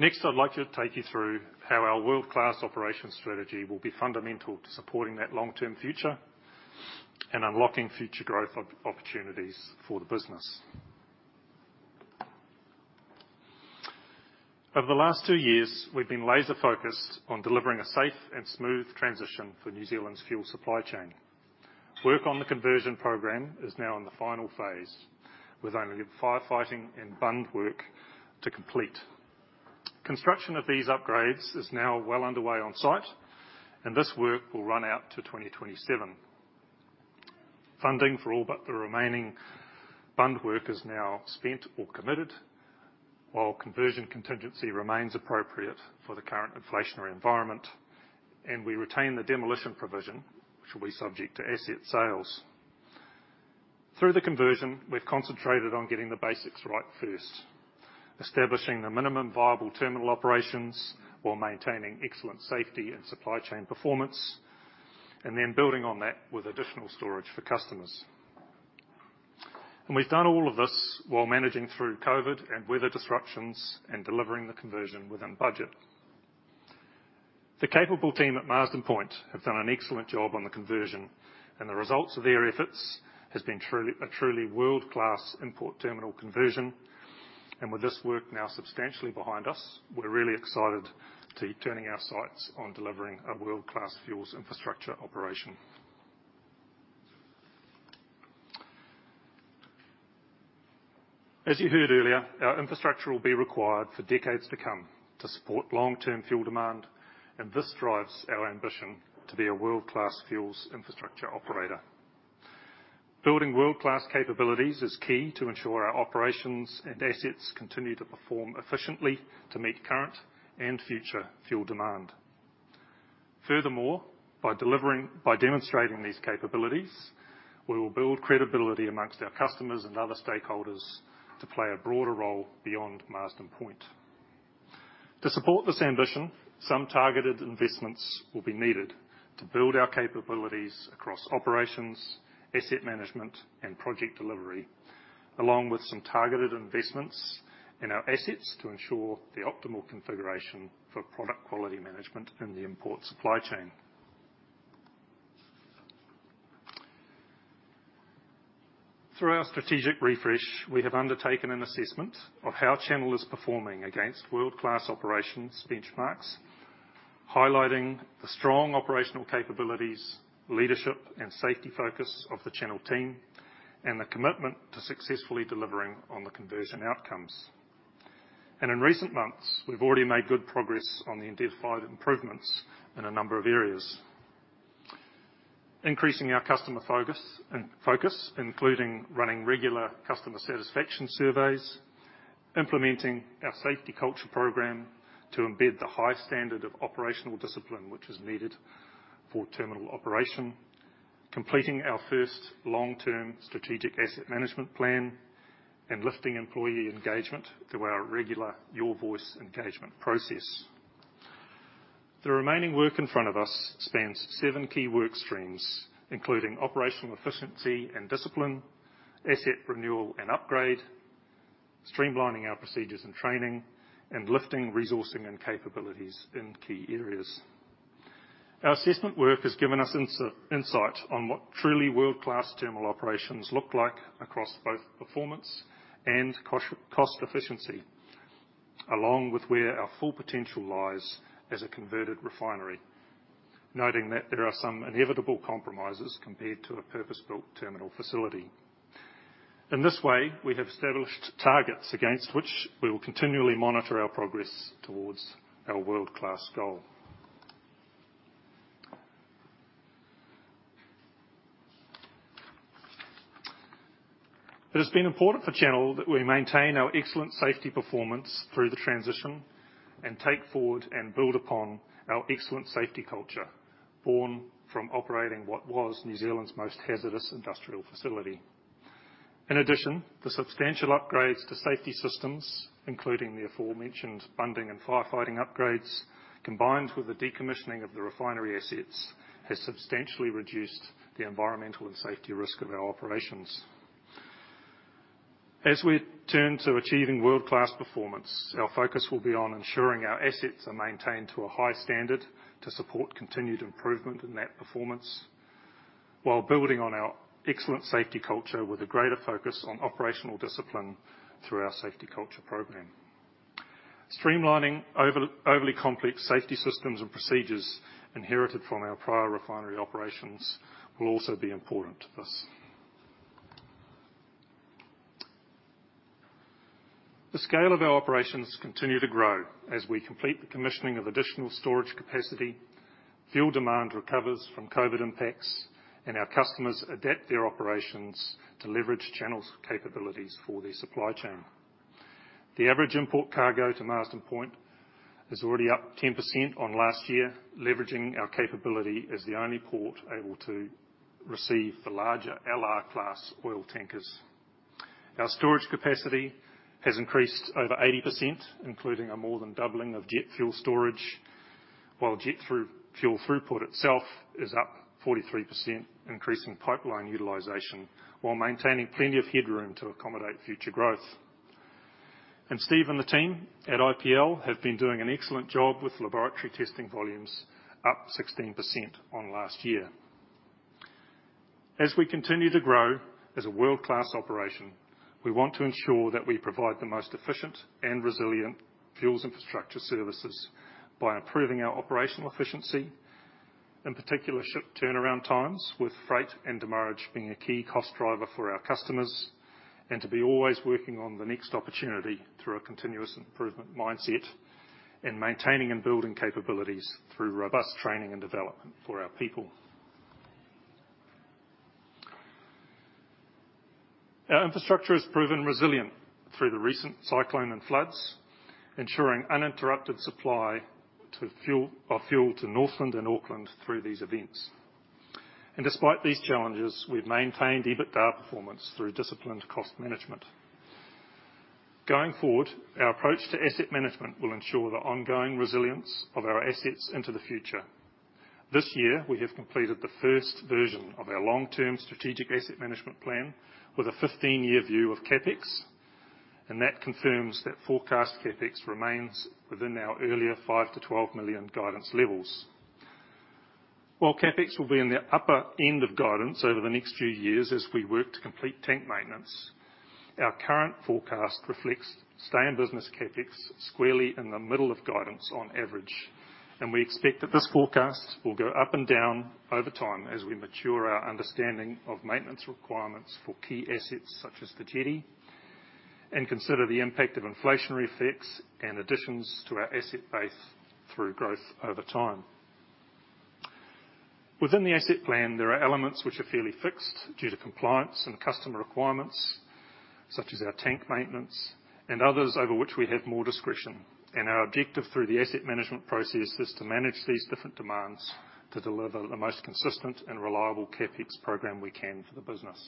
S12: Next, I'd like to take you through how our world-class operations strategy will be fundamental to supporting that long-term future and unlocking future growth opportunities for the business. Over the last two years, we've been laser-focused on delivering a safe and smooth transition for New Zealand's fuel supply chain. Work on the conversion program is now in the final phase, with only firefighting and bund work to complete. Construction of these upgrades is now well underway on site, and this work will run out to 2027. Funding for all but the remaining bund work is now spent or committed, while conversion contingency remains appropriate for the current inflationary environment, and we retain the demolition provision, which will be subject to asset sales. Through the conversion, we've concentrated on getting the basics right first, establishing the minimum viable terminal operations, while maintaining excellent safety and supply chain performance, and then building on that with additional storage for customers. And we've done all of this while managing through COVID and weather disruptions and delivering the conversion within budget. The capable team at Marsden Point have done an excellent job on the conversion, and the results of their efforts has been a truly world-class import terminal conversion, and with this work now substantially behind us, we're really excited to be turning our sights on delivering a world-class fuels infrastructure operation. As you heard earlier, our infrastructure will be required for decades to come to support long-term fuel demand, and this drives our ambition to be a world-class fuels infrastructure operator. Building world-class capabilities is key to ensure our operations and assets continue to perform efficiently to meet current and future fuel demand. Furthermore, by demonstrating these capabilities, we will build credibility amongst our customers and other stakeholders to play a broader role beyond Marsden Point. To support this ambition, some targeted investments will be needed to build our capabilities across operations, asset management, and project delivery, along with some targeted investments in our assets to ensure the optimal configuration for product quality management in the import supply chain. Through our strategic refresh, we have undertaken an assessment of how Channel is performing against world-class operations benchmarks, highlighting the strong operational capabilities, leadership, and safety focus of the Channel team, and the commitment to successfully delivering on the conversion outcomes. In recent months, we've already made good progress on the identified improvements in a number of areas. Increasing our customer focus and focus, including running regular customer satisfaction surveys, implementing our safety culture program to embed the high standard of operational discipline which is needed for terminal operation, completing our first long-term strategic asset management plan, and lifting employee engagement through our regular Your Voice engagement process.... The remaining work in front of us spans seven key work streams, including operational efficiency and discipline, asset renewal and upgrade, streamlining our procedures and training, and lifting, resourcing, and capabilities in key areas. Our assessment work has given us insight on what truly world-class terminal operations look like across both performance and cost, cost efficiency, along with where our full potential lies as a converted refinery, noting that there are some inevitable compromises compared to a purpose-built terminal facility. In this way, we have established targets against which we will continually monitor our progress towards our world-class goal. It has been important for Channel that we maintain our excellent safety performance through the transition, and take forward and build upon our excellent safety culture, born from operating what was New Zealand's most hazardous industrial facility. In addition, the substantial upgrades to safety systems, including the aforementioned bunding and firefighting upgrades, combined with the decommissioning of the refinery assets, has substantially reduced the environmental and safety risk of our operations. As we turn to achieving world-class performance, our focus will be on ensuring our assets are maintained to a high standard to support continued improvement in that performance, while building on our excellent safety culture with a greater focus on operational discipline through our safety culture program. Streamlining overly complex safety systems and procedures inherited from our prior refinery operations will also be important to this. The scale of our operations continue to grow as we complete the commissioning of additional storage capacity, fuel demand recovers from COVID impacts, and our customers adapt their operations to leverage Channel's capabilities for their supply chain. The average import cargo to Marsden Point is already up 10% on last year, leveraging our capability as the only port able to receive the larger LR class oil tankers. Our storage capacity has increased over 80%, including a more than doubling of jet fuel storage, while jet fuel throughput itself is up 43%, increasing pipeline utilization, while maintaining plenty of headroom to accommodate future growth. And Steve and the team at IPL have been doing an excellent job with laboratory testing volumes, up 16% on last year. As we continue to grow as a world-class operation, we want to ensure that we provide the most efficient and resilient fuels infrastructure services by improving our operational efficiency, in particular, ship turnaround times, with freight and demurrage being a key cost driver for our customers, and to be always working on the next opportunity through a continuous improvement mindset, and maintaining and building capabilities through robust training and development for our people. Our infrastructure has proven resilient through the recent cyclone and floods, ensuring uninterrupted supply of fuel to Northland and Auckland through these events. Despite these challenges, we've maintained EBITDA performance through disciplined cost management. Going forward, our approach to asset management will ensure the ongoing resilience of our assets into the future. This year, we have completed the first version of our long-term strategic asset management plan with a 15-year view of CapEx, and that confirms that forecast CapEx remains within our earlier 5 million-12 million guidance levels. While CapEx will be in the upper end of guidance over the next few years as we work to complete tank maintenance, our current forecast reflects stay-in-business CapEx squarely in the middle of guidance on average. We expect that this forecast will go up and down over time as we mature our understanding of maintenance requirements for key assets, such as the jetty, and consider the impact of inflationary effects and additions to our asset base through growth over time. Within the asset plan, there are elements which are fairly fixed due to compliance and customer requirements, such as our tank maintenance, and others over which we have more discretion. Our objective through the asset management process is to manage these different demands, to deliver the most consistent and reliable CapEx program we can for the business.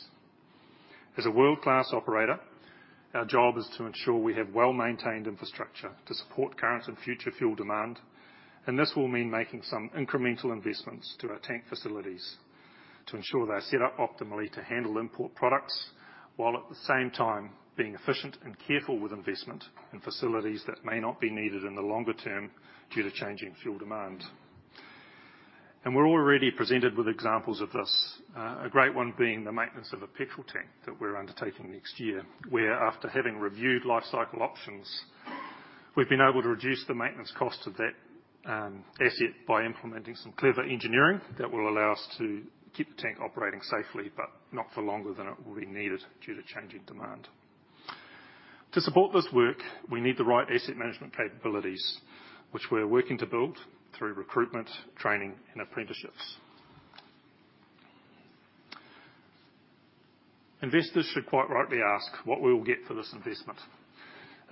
S12: As a world-class operator, our job is to ensure we have well-maintained infrastructure to support current and future fuel demand, and this will mean making some incremental investments to our tank facilities to ensure they are set up optimally to handle import products, while at the same time being efficient and careful with investment in facilities that may not be needed in the longer term due to changing fuel demand. We're already presented with examples of this, a great one being the maintenance of a petrol tank that we're undertaking next year, where after having reviewed lifecycle options, we've been able to reduce the maintenance cost of that asset by implementing some clever engineering that will allow us to keep the tank operating safely, but not for longer than it will be needed due to changing demand. To support this work, we need the right asset management capabilities, which we're working to build through recruitment, training, and apprenticeships. Investors should quite rightly ask what we will get for this investment.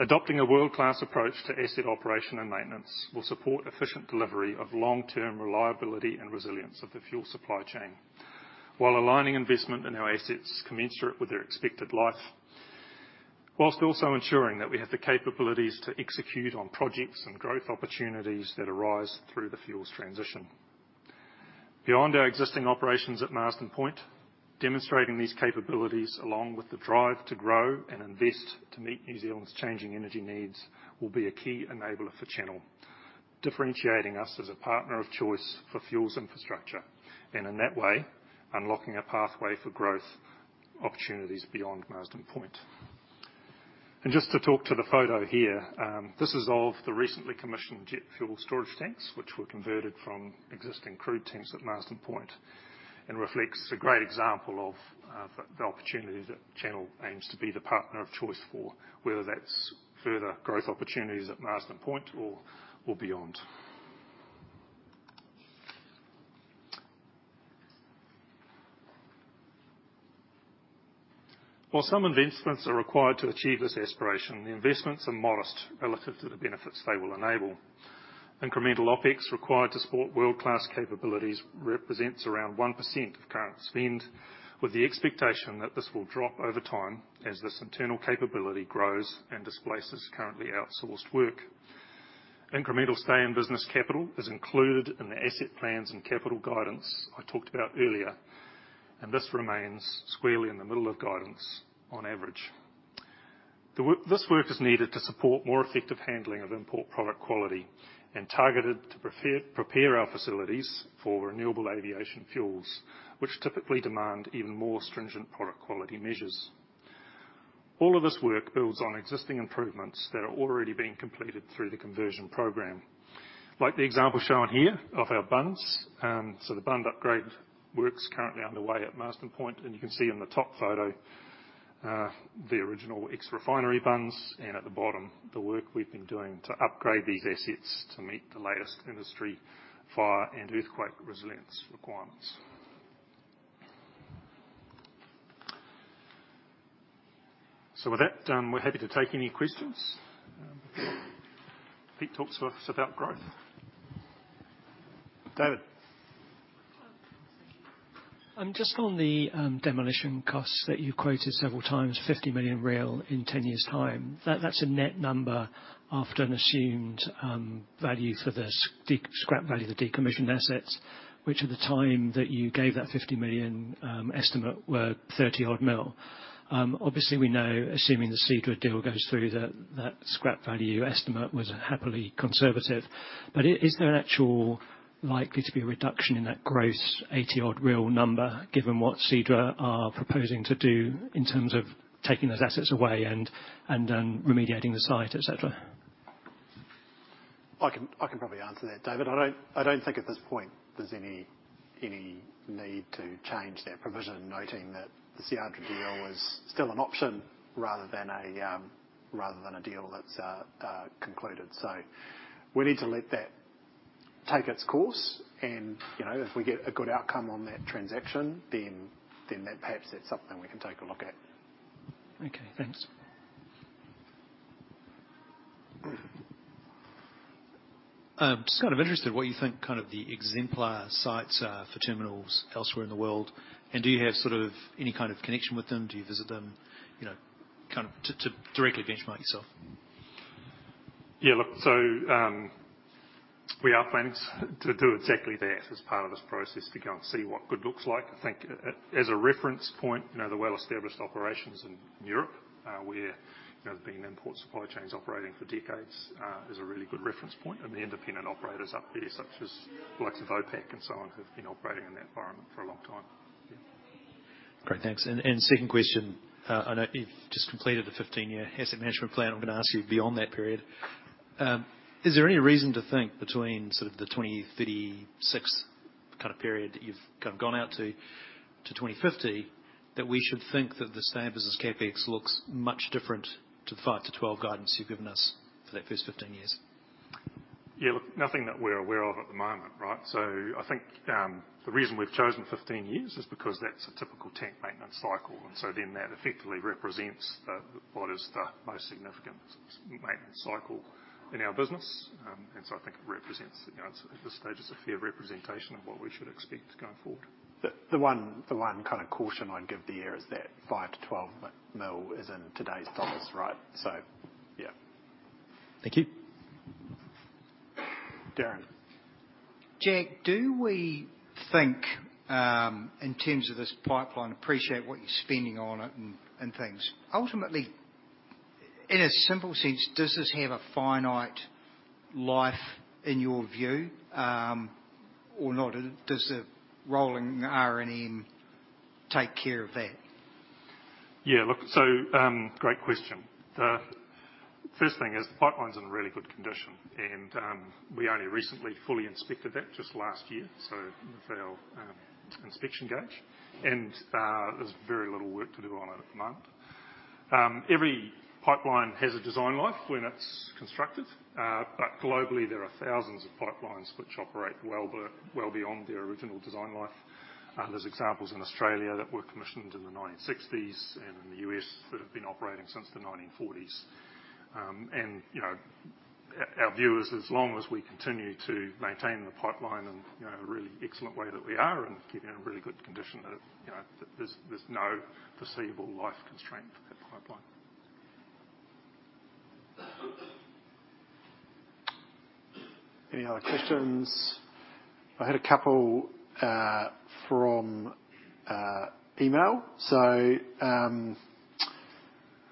S12: Adopting a world-class approach to asset operation and maintenance will support efficient delivery of long-term reliability and resilience of the fuel supply chain, while aligning investment in our assets commensurate with their expected life… whilst also ensuring that we have the capabilities to execute on projects and growth opportunities that arise through the fuels transition. Beyond our existing operations at Marsden Point, demonstrating these capabilities, along with the drive to grow and invest to meet New Zealand's changing energy needs, will be a key enabler for Channel. Differentiating us as a partner of choice for fuels infrastructure, and in that way, unlocking a pathway for growth opportunities beyond Marsden Point. Just to talk to the photo here, this is of the recently commissioned jet fuel storage tanks, which were converted from existing crude tanks at Marsden Point, and reflects a great example of the opportunity that Channel aims to be the partner of choice for, whether that's further growth opportunities at Marsden Point or beyond. While some investments are required to achieve this aspiration, the investments are modest relative to the benefits they will enable. Incremental OpEx required to support world-class capabilities represents around 1% of current spend, with the expectation that this will drop over time as this internal capability grows and displaces currently outsourced work. Incremental stay in business capital is included in the asset plans and capital guidance I talked about earlier, and this remains squarely in the middle of guidance on average. This work is needed to support more effective handling of import product quality, and targeted to prepare our facilities for renewable aviation fuels, which typically demand even more stringent product quality measures. All of this work builds on existing improvements that are already being completed through the conversion program. Like the example shown here of our bunds. So the bund upgrade work's currently underway at Marsden Point, and you can see on the top photo, the original ex-refinery bunds, and at the bottom, the work we've been doing to upgrade these assets to meet the latest industry fire and earthquake resilience requirements. So with that, we're happy to take any questions. Pete talked to us about growth. David?
S8: Just on the, demolition costs that you've quoted several times, 50 million real in ten years' time. That's a net number after an assumed, value for the sc- the scrap value of the decommissioned assets, which at the time that you gave that 50 million, estimate, were 30-odd mil. Obviously, we know, assuming the Seadra deal goes through, that that scrap value estimate was happily conservative. But is there an actual likely to be a reduction in that gross 80-odd real number, given what Seadra are proposing to do in terms of taking those assets away and, and, remediating the site, et cetera?
S1: I can, I can probably answer that, David. I don't, I don't think at this point there's any, any need to change that provision, noting that the Seadra deal is still an option rather than a, rather than a deal that's concluded. So we need to let that take its course and, you know, if we get a good outcome on that transaction, then, then that perhaps that's something we can take a look at.
S8: Okay, thanks.
S11: Just kind of interested, what you think kind of the exemplar sites are for terminals elsewhere in the world, and do you have sort of any kind of connection with them? Do you visit them, you know, kind of to directly benchmark yourself?
S12: Yeah, look, so, we are planning to do exactly that as part of this process, to go and see what good looks like. I think as a reference point, you know, the well-established operations in Europe, where, you know, there's been import supply chains operating for decades, is a really good reference point, and the independent operators up there, such as likes of Vopak and so on, have been operating in that environment for a long time. Yeah.
S11: Great, thanks. And second question, I know you've just completed the 15-year asset management plan. I'm gonna ask you beyond that period, is there any reason to think between sort of the 2036 kind of period that you've kind of gone out to, to 2050, that we should think that the same business CapEx looks much different to the 5-12 guidance you've given us for that first 15 years?
S12: Yeah, look, nothing that we're aware of at the moment, right? So I think the reason we've chosen 15 years is because that's a typical tank maintenance cycle, and so then that effectively represents the, what is the most significant maintenance cycle in our business. And so I think it represents, you know, at this stage, it's a fair representation of what we should expect going forward.
S1: The one kind of caution I'd give there is that 5 million-12 million is in today's dollars, right? So, yeah.
S11: Thank you.
S12: Darren.
S9: Jack, do we think, in terms of this pipeline, appreciate what you're spending on it and things. Ultimately, in a simple sense, does this have a finite life in your view, or not? Does the rolling R&M take care of that?
S12: Yeah, look, so, great question. The first thing is, the pipeline's in really good condition, and, we only recently fully inspected that just last year, so with our, inspection gauge, and, there's very little work to do on it at the moment. Every pipeline has a design life when it's constructed, but globally, there are thousands of pipelines which operate well beyond their original design life. There's examples in Australia that were commissioned in the 1960s and in the US that have been operating since the 1940s....
S1: and, you know, our, our view is as long as we continue to maintain the pipeline in, you know, a really excellent way that we are, and keep it in a really good condition, you know, there's, there's no foreseeable life constraint for that pipeline. Any other questions? I had a couple from email, so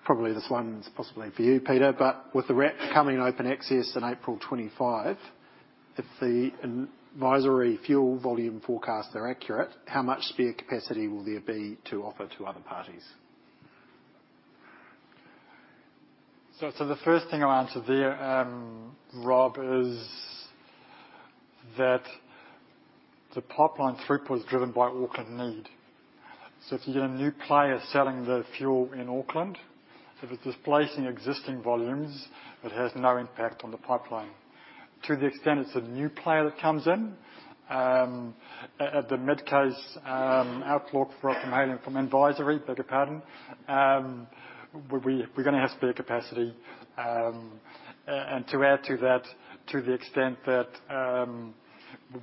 S1: probably this one's possibly for you, Peter, but with the RAP becoming open access in April 2025, if the advisory fuel volume forecasts are accurate, how much spare capacity will there be to offer to other parties?
S5: So the first thing I'll answer there, Rob, is that the pipeline throughput is driven by Auckland need. So if you get a new player selling the fuel in Auckland, if it's displacing existing volumes, it has no impact on the pipeline. To the extent it's a new player that comes in, at the mid-case outlook from Hale & Twomey advisory, beg your pardon, we're gonna have spare capacity. And to add to that, to the extent that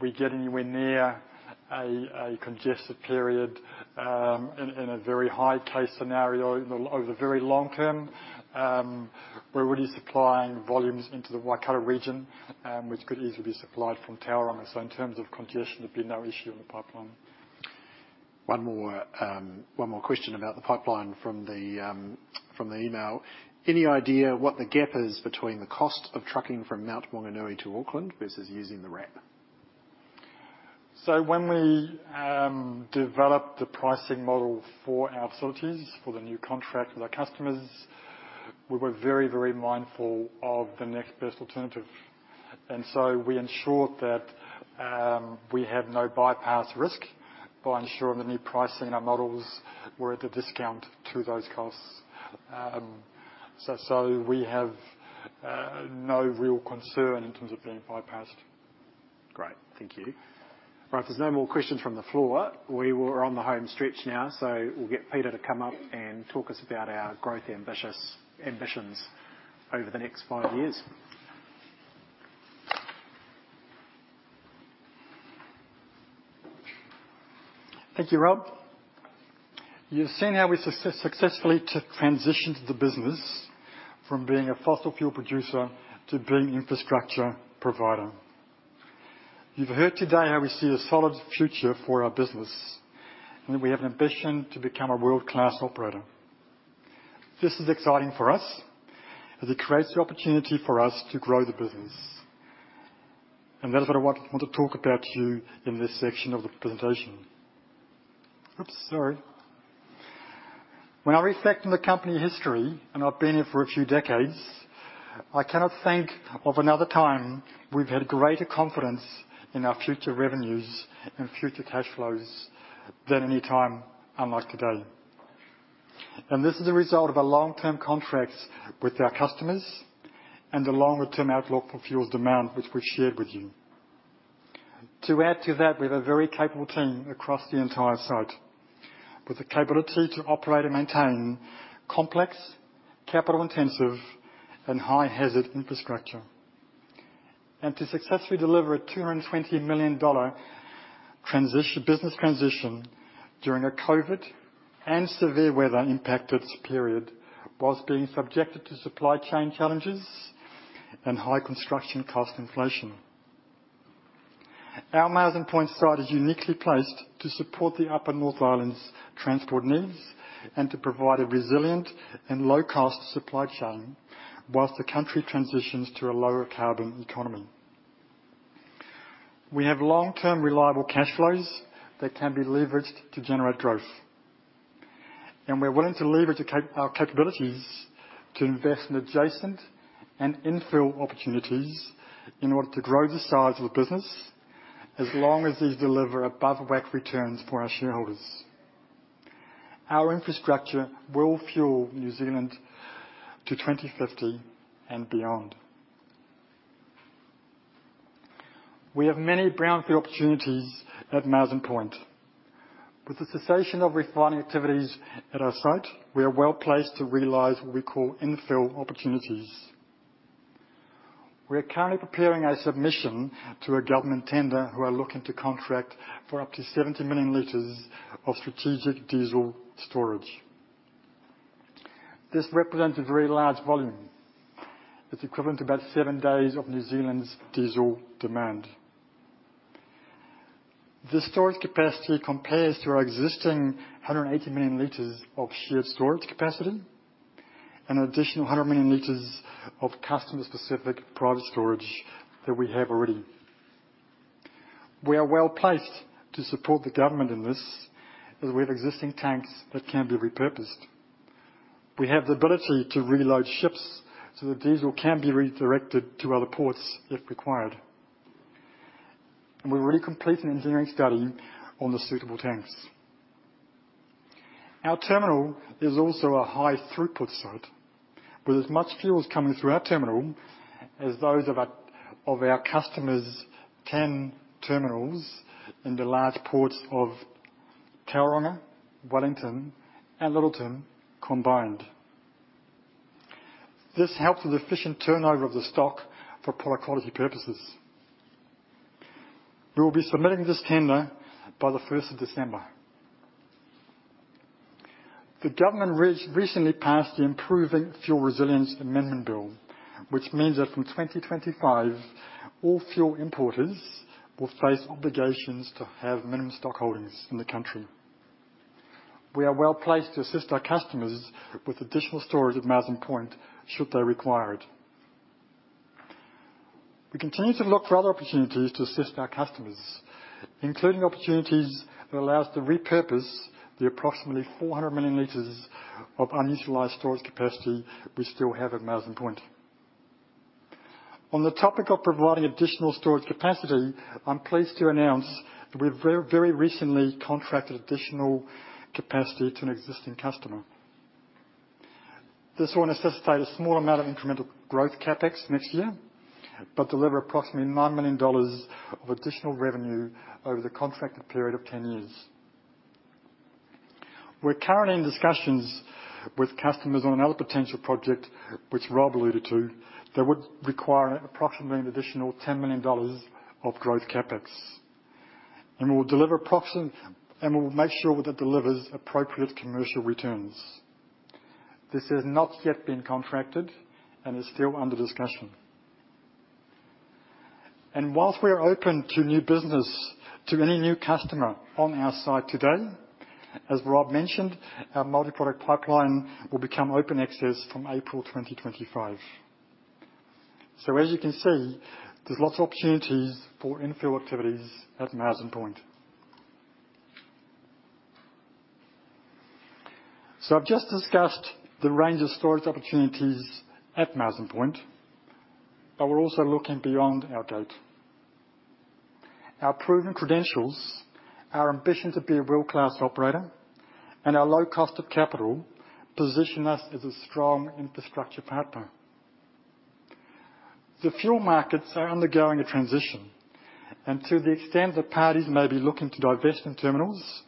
S5: we get anywhere near a congested period, in a very high case scenario, over the very long term, we're already supplying volumes into the Waikato region, which could easily be supplied from Tauranga. So in terms of congestion, there'd be no issue on the pipeline.
S1: One more, one more question about the pipeline from the, from the email. Any idea what the gap is between the cost of trucking from Mount Maunganui to Auckland versus using the RAP?
S5: When we developed the pricing model for our facilities, for the new contract with our customers, we were very, very mindful of the next best alternative. We ensured that we had no bypass risk by ensuring the new pricing in our models were at a discount to those costs. We have no real concern in terms of being bypassed.
S1: Great, thank you. Right, if there's no more questions from the floor, we are on the home stretch now, so we'll get Peter to come up and talk us about our growth ambitions over the next five years.
S5: Thank you, Rob. You've seen how we successfully transitioned the business from being a fossil fuel producer to being infrastructure provider. You've heard today how we see a solid future for our business, and that we have an ambition to become a world-class operator. This is exciting for us, as it creates the opportunity for us to grow the business. And that is what I want to talk about to you in this section of the presentation. Oops, sorry. When I reflect on the company history, and I've been here for a few decades, I cannot think of another time we've had greater confidence in our future revenues and future cash flows than any time unlike today. And this is a result of our long-term contracts with our customers and the longer-term outlook for fuels demand, which we've shared with you. To add to that, we have a very capable team across the entire site, with the capability to operate and maintain complex, capital-intensive, and high-hazard infrastructure. And to successfully deliver a 220 million dollar business transition during a COVID and severe weather impacted period, while being subjected to supply chain challenges and high construction cost inflation. Our Marsden Point site is uniquely placed to support the upper North Island's transport needs and to provide a resilient and low-cost supply chain while the country transitions to a lower carbon economy. We have long-term, reliable cash flows that can be leveraged to generate growth. And we're willing to leverage our capabilities to invest in adjacent and infill opportunities in order to grow the size of the business, as long as these deliver above WACC returns for our shareholders. Our infrastructure will fuel New Zealand to 2050 and beyond. We have many brownfield opportunities at Marsden Point. With the cessation of refining activities at our site, we are well-placed to realize what we call infill opportunities. We are currently preparing a submission to a government tender, who are looking to contract for up to 70 million L of strategic diesel storage. This represents a very large volume. It's equivalent to about 7 days of New Zealand's diesel demand. The storage capacity compares to our existing 180 million L of shared storage capacity and an additional 100 million L of customer-specific private storage that we have already. We are well-placed to support the government in this, as we have existing tanks that can be repurposed. We have the ability to reload ships so that diesel can be redirected to other ports if required. We're already completing engineering study on the suitable tanks. Our terminal is also a high throughput site, where as much fuel is coming through our terminal as those of our customers' ten terminals in the large ports of Tauranga, Wellington, and Lyttelton combined. This helps with efficient turnover of the stock for product quality purposes. We will be submitting this tender by the first of December. The government recently passed the Improving Fuel Resilience Amendment Bill, which means that from 2025, all fuel importers will face obligations to have minimum stock holdings in the country. We are well-placed to assist our customers with additional storage at Marsden Point should they require it. We continue to look for other opportunities to assist our customers, including opportunities that allow us to repurpose the approximately 400 million L of unutilized storage capacity we still have at Marsden Point. On the topic of providing additional storage capacity, I'm pleased to announce that we've very, very recently contracted additional capacity to an existing customer. This will necessitate a small amount of incremental growth CapEx next year, but deliver approximately 9 million dollars of additional revenue over the contracted period of 10 years. We're currently in discussions with customers on another potential project, which Rob alluded to, that would require approximately an additional 10 million dollars of growth CapEx, and will deliver approximate- and we'll make sure that it delivers appropriate commercial returns. This has not yet been contracted and is still under discussion. While we are open to new business, to any new customer on our site today, as Rob mentioned, our multi-product pipeline will become open access from April 2025. So as you can see, there's lots of opportunities for infill activities at Marsden Point. So I've just discussed the range of storage opportunities at Marsden Point, but we're also looking beyond our gate. Our proven credentials, our ambition to be a world-class operator, and our low cost of capital position us as a strong infrastructure partner. The fuel markets are undergoing a transition, and to the extent that parties may be looking to divest in terminals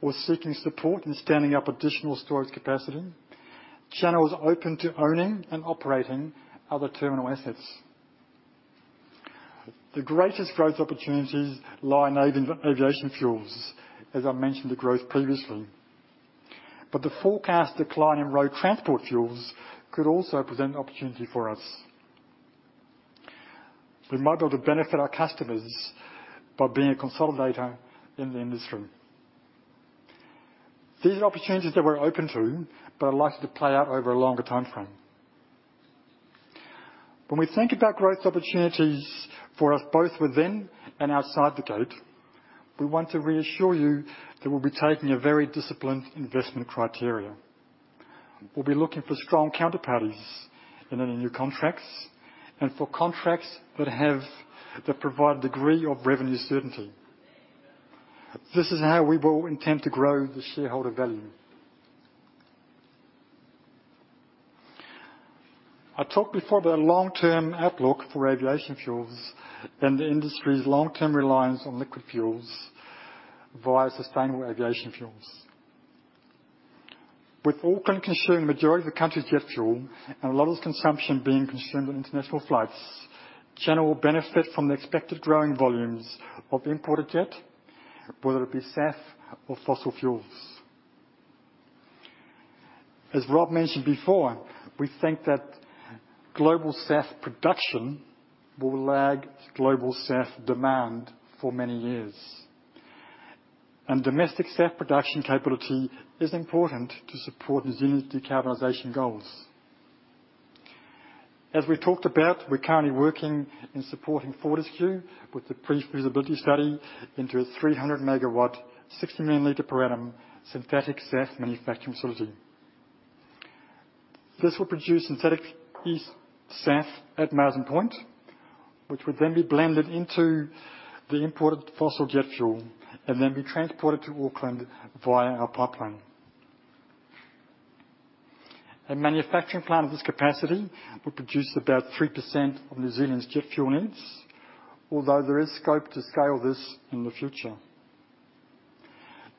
S5: or seeking support in standing up additional storage capacity, Channel is open to owning and operating other terminal assets. The greatest growth opportunities lie in aviation fuels, as I mentioned the growth previously. But the forecast decline in road transport fuels could also present an opportunity for us. We might be able to benefit our customers by being a consolidator in the industry. These are opportunities that we're open to, but are likely to play out over a longer timeframe. When we think about growth opportunities for us, both within and outside the gate, we want to reassure you that we'll be taking a very disciplined investment criteria. We'll be looking for strong counterparties in any new contracts, and for contracts that have that provide a degree of revenue certainty. This is how we will intend to grow the shareholder value. I talked before about long-term outlook for aviation fuels and the industry's long-term reliance on liquid fuels via sustainable aviation fuels. With Auckland consuming the majority of the country's jet fuel and a lot of consumption being consumed on international flights, Channel will benefit from the expected growing volumes of imported jet, whether it be SAF or fossil fuels. As Rob mentioned before, we think that global SAF production will lag global SAF demand for many years, and domestic SAF production capability is important to support New Zealand's decarbonization goals. As we talked about, we're currently working in supporting Fortescue with the pre-feasibility study into a 300-MW, 60 million L per annum synthetic SAF manufacturing facility. This will produce synthetic e-SAF at Marsden Point, which would then be blended into the imported fossil jet fuel and then be transported to Auckland via our pipeline. A manufacturing plant of this capacity will produce about 3% of New Zealand's jet fuel needs, although there is scope to scale this in the future.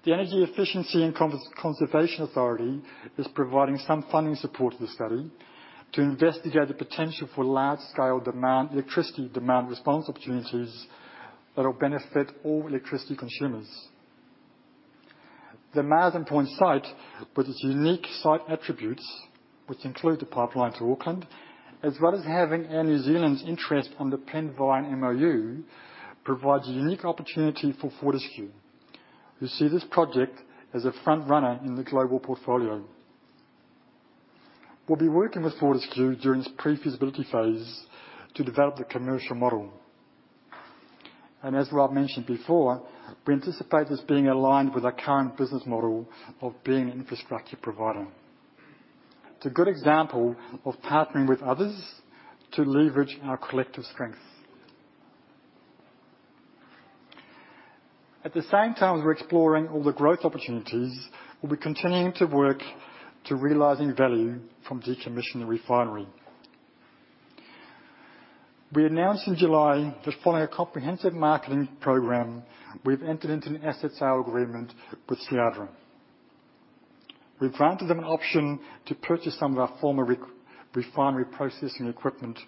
S5: The Energy Efficiency and Conservation Authority is providing some funding support to the study to investigate the potential for large-scale demand, electricity demand response opportunities that will benefit all electricity consumers. The Marsden Point site, with its unique site attributes, which include the pipeline to Auckland, as well as having Air New Zealand's interest on the planned eSAF MOU, provides a unique opportunity for Fortescue, who see this project as a frontrunner in the global portfolio. We'll be working with Fortescue during this pre-feasibility phase to develop the commercial model. And as Rob mentioned before, we anticipate this being aligned with our current business model of being an infrastructure provider. It's a good example of partnering with others to leverage our collective strengths. At the same time, as we're exploring all the growth opportunities, we'll be continuing to work to realizing value from decommissioning the refinery. We announced in July that following a comprehensive marketing program, we've entered into an asset sale agreement with Seadra. We've granted them an option to purchase some of our former refinery processing equipment.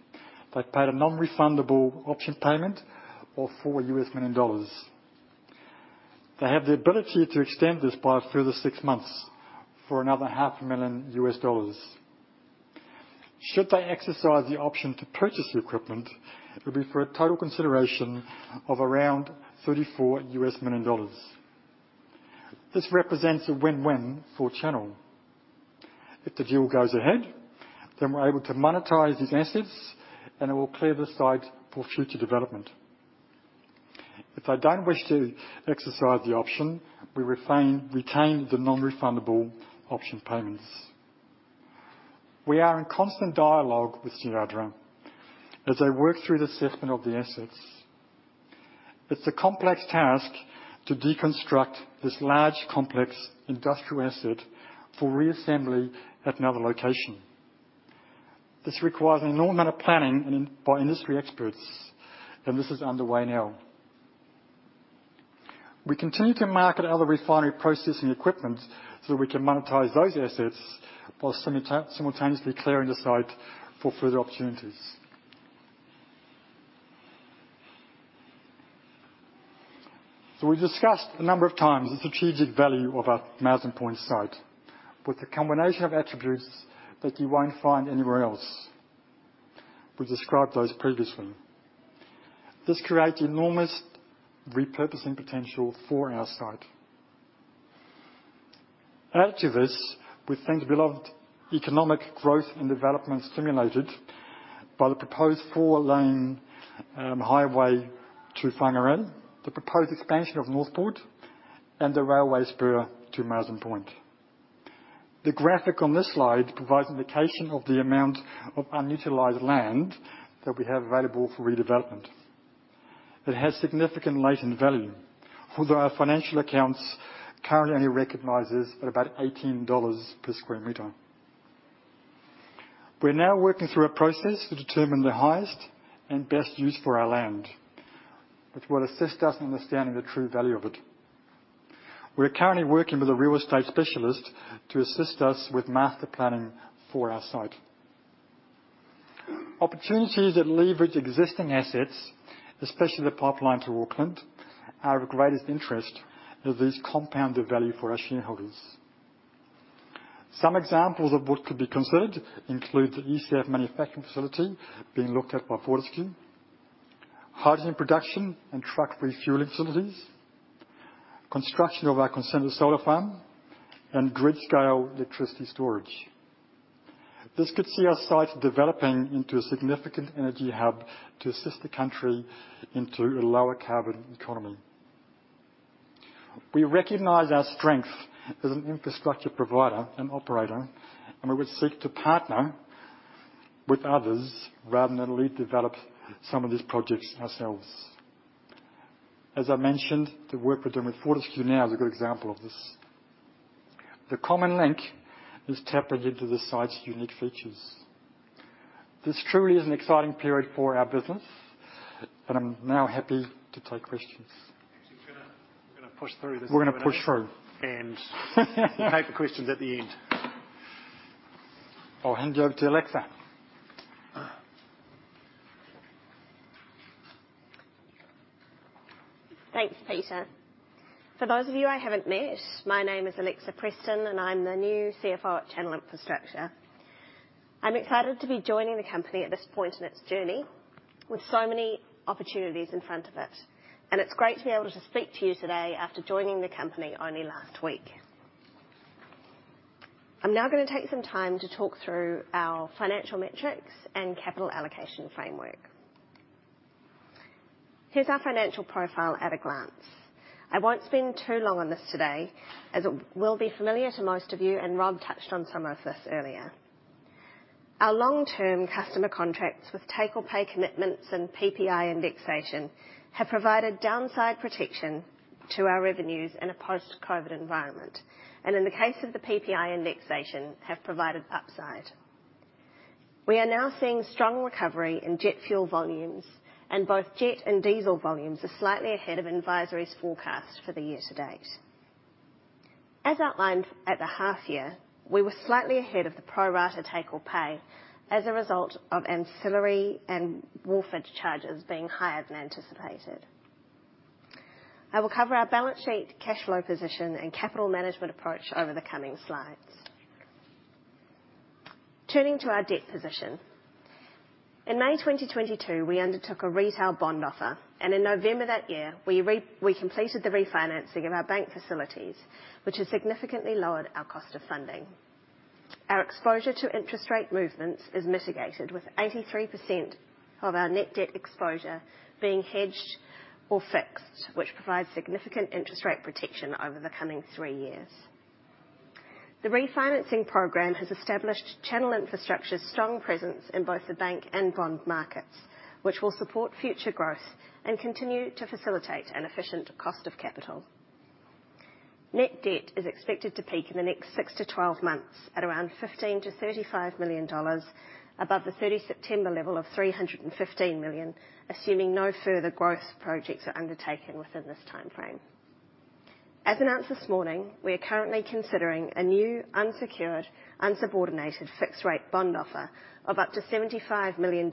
S5: They've paid a non-refundable option payment of $4 million. They have the ability to extend this by a further six months for another $500,000. Should they exercise the option to purchase the equipment, it will be for a total consideration of around $34 million. This represents a win-win for Channel. If the deal goes ahead, then we're able to monetize these assets, and it will clear the site for future development. If they don't wish to exercise the option, we retain the non-refundable option payments. We are in constant dialogue with Seadra as they work through the assessment of the assets. It's a complex task to deconstruct this large, complex industrial asset for reassembly at another location. This requires an enormous amount of planning and by industry experts, and this is underway now. We continue to market other refinery processing equipment so we can monetize those assets while simultaneously clearing the site for further opportunities. So we've discussed a number of times the strategic value of our Marsden Point site, with a combination of attributes that you won't find anywhere else. We've described those previously. This creates enormous repurposing potential for our site. Add to this, we think broad-based economic growth and development stimulated by the proposed four-lane highway through Whangarei, the proposed expansion of Northport, and the railway spur to Marsden Point. The graphic on this slide provides indication of the amount of unutilized land that we have available for redevelopment. It has significant latent value, although our financial accounts currently only recognizes at about 18 dollars per sq m. We're now working through a process to determine the highest and best use for our land, which will assist us in understanding the true value of it. We're currently working with a real estate specialist to assist us with master planning for our site. Opportunities that leverage existing assets, especially the pipeline to Auckland, are of greatest interest, as these compound the value for our shareholders. Some examples of what could be considered include the eSAF manufacturing facility being looked at by Fortescue, hydrogen production and truck refueling facilities, construction of our consented solar farm, and grid-scale electricity storage. This could see our site developing into a significant energy hub to assist the country into a lower carbon economy. We recognize our strength as an infrastructure provider and operator, and we would seek to partner with others rather than redevelop some of these projects ourselves. As I mentioned, the work we're doing with Fortescue now is a good example of this. The common link is tapping into the site's unique features. This truly is an exciting period for our business, and I'm now happy to take questions.
S1: Actually, we're gonna push through this-
S5: We're gonna push through.
S1: Take the questions at the end.
S5: I'll hand you over to Alexa.
S13: Thanks, Peter. For those of you I haven't met, my name is Alexa Preston, and I'm the new CFO at Channel Infrastructure. I'm excited to be joining the company at this point in its journey with so many opportunities in front of it, and it's great to be able to speak to you today after joining the company only last week. I'm now gonna take some time to talk through our financial metrics and capital allocation framework. Here's our financial profile at a glance. I won't spend too long on this today, as it will be familiar to most of you, and Rob touched on some of this earlier. Our long-term customer contracts with take-or-pay commitments and PPI indexation have provided downside protection to our revenues in a post-COVID environment, and in the case of the PPI indexation, have provided upside. We are now seeing strong recovery in jet fuel volumes, and both jet and diesel volumes are slightly ahead of advisory's forecast for the year to date. As outlined at the half year, we were slightly ahead of the pro rata take-or-pay as a result of ancillary and wharfage charges being higher than anticipated. I will cover our balance sheet, cash flow position, and capital management approach over the coming slides. Turning to our debt position. In May 2022, we undertook a retail bond offer, and in November that year, we completed the refinancing of our bank facilities, which has significantly lowered our cost of funding. Our exposure to interest rate movements is mitigated, with 83% of our net debt exposure being hedged or fixed, which provides significant interest rate protection over the coming three years. The refinancing program has established Channel Infrastructure's strong presence in both the bank and bond markets, which will support future growth and continue to facilitate an efficient cost of capital. Net debt is expected to peak in the next 6-12 months at around 15 million-35 million dollars, above the September 30, level of 315 million, assuming no further growth projects are undertaken within this timeframe. As announced this morning, we are currently considering a new unsecured, unsubordinated, fixed-rate bond offer of up to NZD 75 million,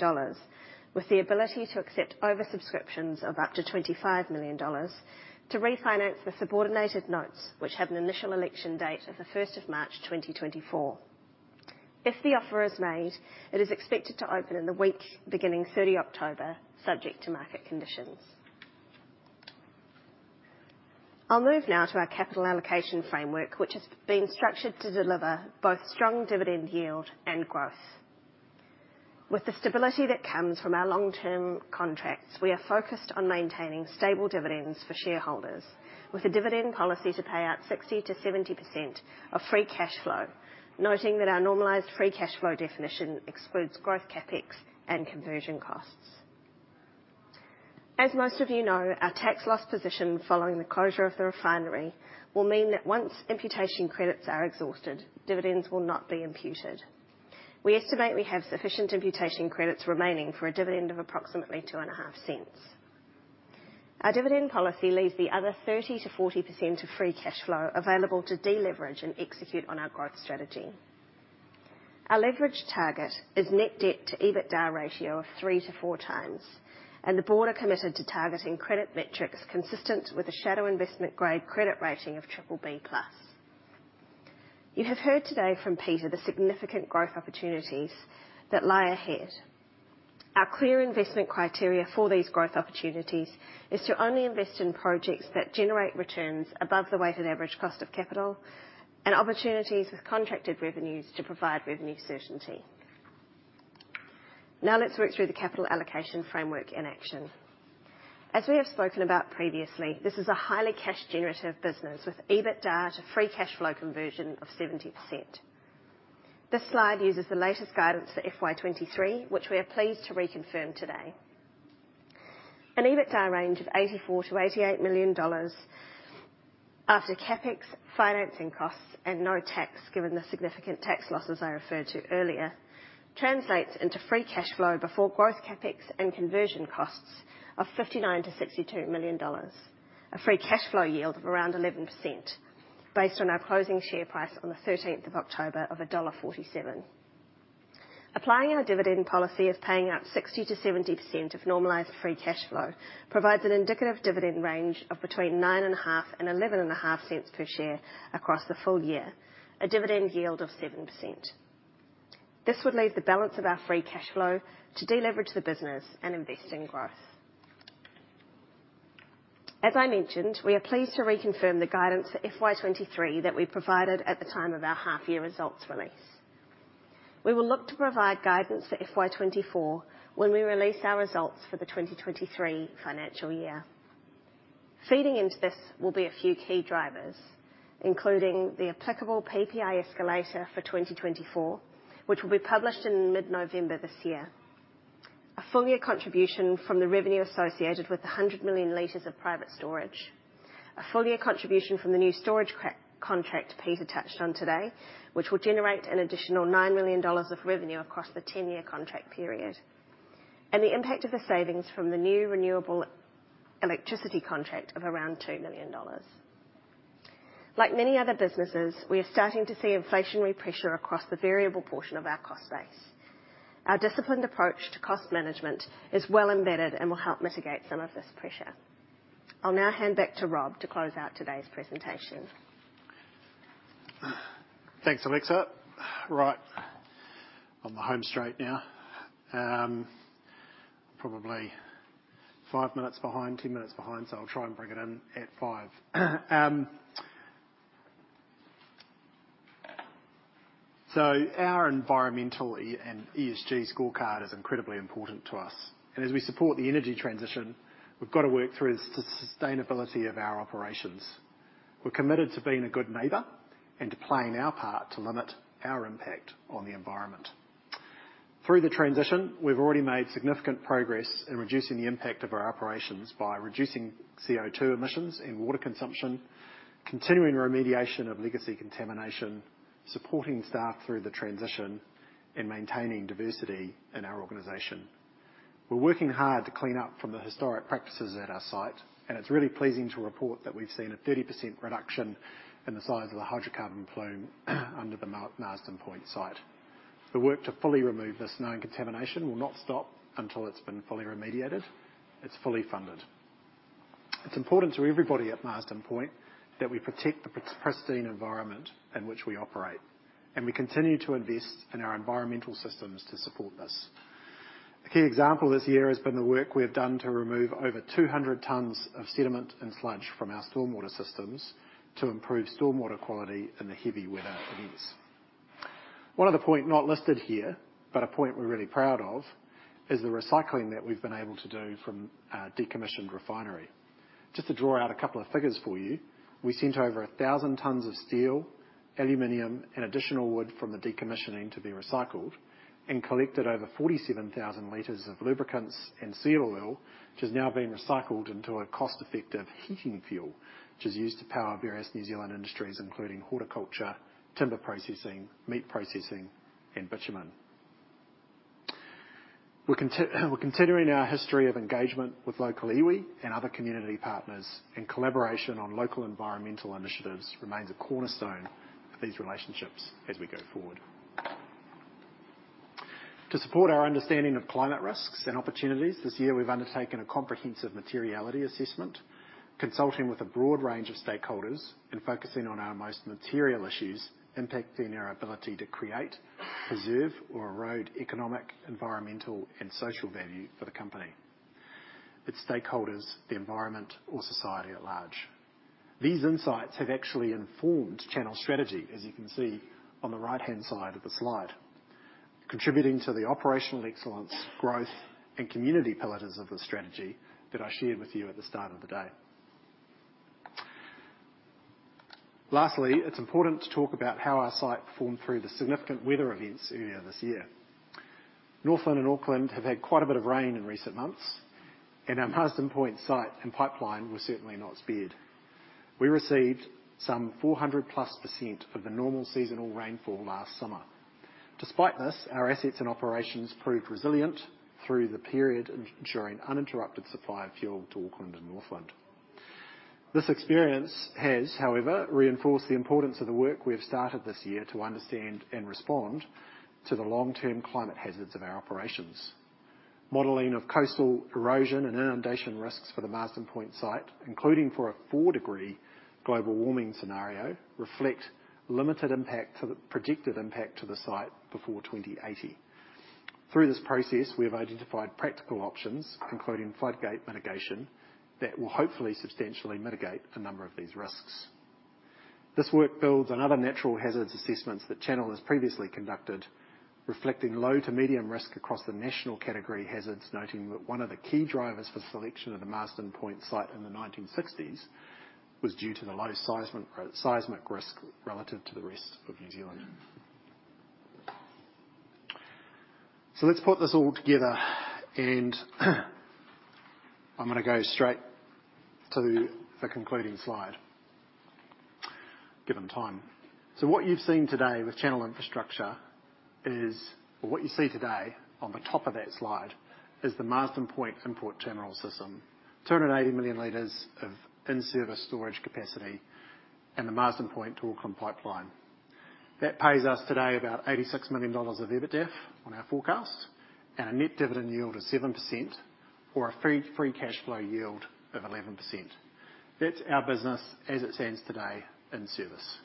S13: with the ability to accept oversubscriptions of up to NZD 25 million, to refinance the subordinated notes, which have an initial election date of the first of March 2024. If the offer is made, it is expected to open in the week beginning October 30, subject to market conditions. I'll move now to our capital allocation framework, which has been structured to deliver both strong dividend yield and growth. With the stability that comes from our long-term contracts, we are focused on maintaining stable dividends for shareholders, with a dividend policy to pay out 60%-70% of free cash flow, noting that our normalized free cash flow definition excludes growth CapEx and conversion costs. As most of you know, our tax loss position following the closure of the refinery will mean that once imputation credits are exhausted, dividends will not be imputed. We estimate we have sufficient imputation credits remaining for a dividend of approximately 0.025. Our dividend policy leaves the other 30%-40% of free cash flow available to deleverage and execute on our growth strategy. Our leverage target is net debt to EBITDA ratio of 3-4x, and the board are committed to targeting credit metrics consistent with the shadow investment grade credit rating of BBB+. You have heard today from Peter the significant growth opportunities that lie ahead. Our clear investment criteria for these growth opportunities is to only invest in projects that generate returns above the weighted average cost of capital, and opportunities with contracted revenues to provide revenue certainty. Now let's work through the capital allocation framework in action. As we have spoken about previously, this is a highly cash-generative business, with EBITDA to free cash flow conversion of 70%. This slide uses the latest guidance for FY 2023, which we are pleased to reconfirm today. An EBITDA range of 84 million-88 million dollars after CapEx, financing costs, and no tax, given the significant tax losses I referred to earlier, translates into free cash flow before growth CapEx and conversion costs of 59 million-62 million dollars. A free cash flow yield of around 11% based on our closing share price on the thirteenth of October of dollar 1.47. Applying our dividend policy of paying out 60%-70% of normalized free cash flow provides an indicative dividend range of between 0.095 and 0.115 per share across the full year, a dividend yield of 7%. This would leave the balance of our free cash flow to deleverage the business and invest in growth. As I mentioned, we are pleased to reconfirm the guidance for FY 2023 that we provided at the time of our half-year results release. We will look to provide guidance for FY 2024 when we release our results for the 2023 financial year. Feeding into this will be a few key drivers, including the applicable PPI escalator for 2024, which will be published in mid-November this year. A full year contribution from the revenue associated with the 100 million L of private storage. A full year contribution from the new storage contract Peter touched on today, which will generate an additional 9 million dollars of revenue across the 10-year contract period. And the impact of the savings from the new renewable electricity contract of around 2 million dollars. Like many other businesses, we are starting to see inflationary pressure across the variable portion of our cost base. Our disciplined approach to cost management is well embedded and will help mitigate some of this pressure. I'll now hand back to Rob to close out today's presentation.
S1: Thanks, Alexa. Right, on the home straight now. Probably five minutes behind, 10 minutes behind, so I'll try and bring it in at five. So our environmental and ESG scorecard is incredibly important to us, and as we support the energy transition, we've got to work through the sustainability of our operations. We're committed to being a good neighbor and to playing our part to limit our impact on the environment. Through the transition, we've already made significant progress in reducing the impact of our operations by reducing CO2 emissions and water consumption, continuing remediation of legacy contamination, supporting staff through the transition, and maintaining diversity in our organization. We're working hard to clean up from the historic practices at our site, and it's really pleasing to report that we've seen a 30% reduction in the size of the hydrocarbon plume under the Marsden Point site. The work to fully remove this known contamination will not stop until it's been fully remediated. It's fully funded. It's important to everybody at Marsden Point that we protect the pristine environment in which we operate, and we continue to invest in our environmental systems to support this. A key example this year has been the work we have done to remove over 200 tons of sediment and sludge from our stormwater systems to improve stormwater quality in the heavy weather events. One other point not listed here, but a point we're really proud of, is the recycling that we've been able to do from our decommissioned refinery. Just to draw out a couple of figures for you, we sent over 1,000 tons of steel, aluminum, and additional wood from the decommissioning to be recycled, and collected over 47,000 L of lubricants and seal oil, which is now being recycled into a cost-effective heating fuel, which is used to power various New Zealand industries, including horticulture, timber processing, meat processing, and bitumen. We're continuing our history of engagement with local iwi and other community partners, and collaboration on local environmental initiatives remains a cornerstone of these relationships as we go forward. To support our understanding of climate risks and opportunities, this year, we've undertaken a comprehensive materiality assessment, consulting with a broad range of stakeholders and focusing on our most material issues, impacting our ability to create, preserve, or erode economic, environmental, and social value for the company, its stakeholders, the environment or society at large. These insights have actually informed Channel's strategy, as you can see on the right-hand side of the slide, contributing to the operational excellence, growth, and community pillars of the strategy that I shared with you at the start of the day. Lastly, it's important to talk about how our site performed through the significant weather events earlier this year. Northland and Auckland have had quite a bit of rain in recent months, and our Marsden Point site and pipeline were certainly not spared. We received some 400%+ of the normal seasonal rainfall last summer. Despite this, our assets and operations proved resilient through the period, ensuring uninterrupted supply of fuel to Auckland and Northland. This experience has, however, reinforced the importance of the work we have started this year to understand and respond to the long-term climate hazards of our operations. Modeling of coastal erosion and inundation risks for the Marsden Point site, including for a 4-degree global warming scenario, reflect limited impact to the predicted impact to the site before 2080. Through this process, we have identified practical options, including floodgate mitigation, that will hopefully substantially mitigate a number of these risks. This work builds on other natural hazards assessments that Channel has previously conducted, reflecting low to medium risk across the national category hazards, noting that one of the key drivers for selection of the Marsden Point site in the 1960s was due to the low seismic risk relative to the rest of New Zealand. So let's put this all together, and I'm gonna go straight to the concluding slide, given time. So what you've seen today with Channel Infrastructure is... Well, what you see today on the top of that slide is the Marsden Point import terminal system, 280 million L of in-service storage capacity and the Marsden Point to Auckland pipeline. That pays us today about 86 million dollars of EBITDAF on our forecast and a net dividend yield of 7% or a free, free cash flow yield of 11%. That's our business as it stands today in service.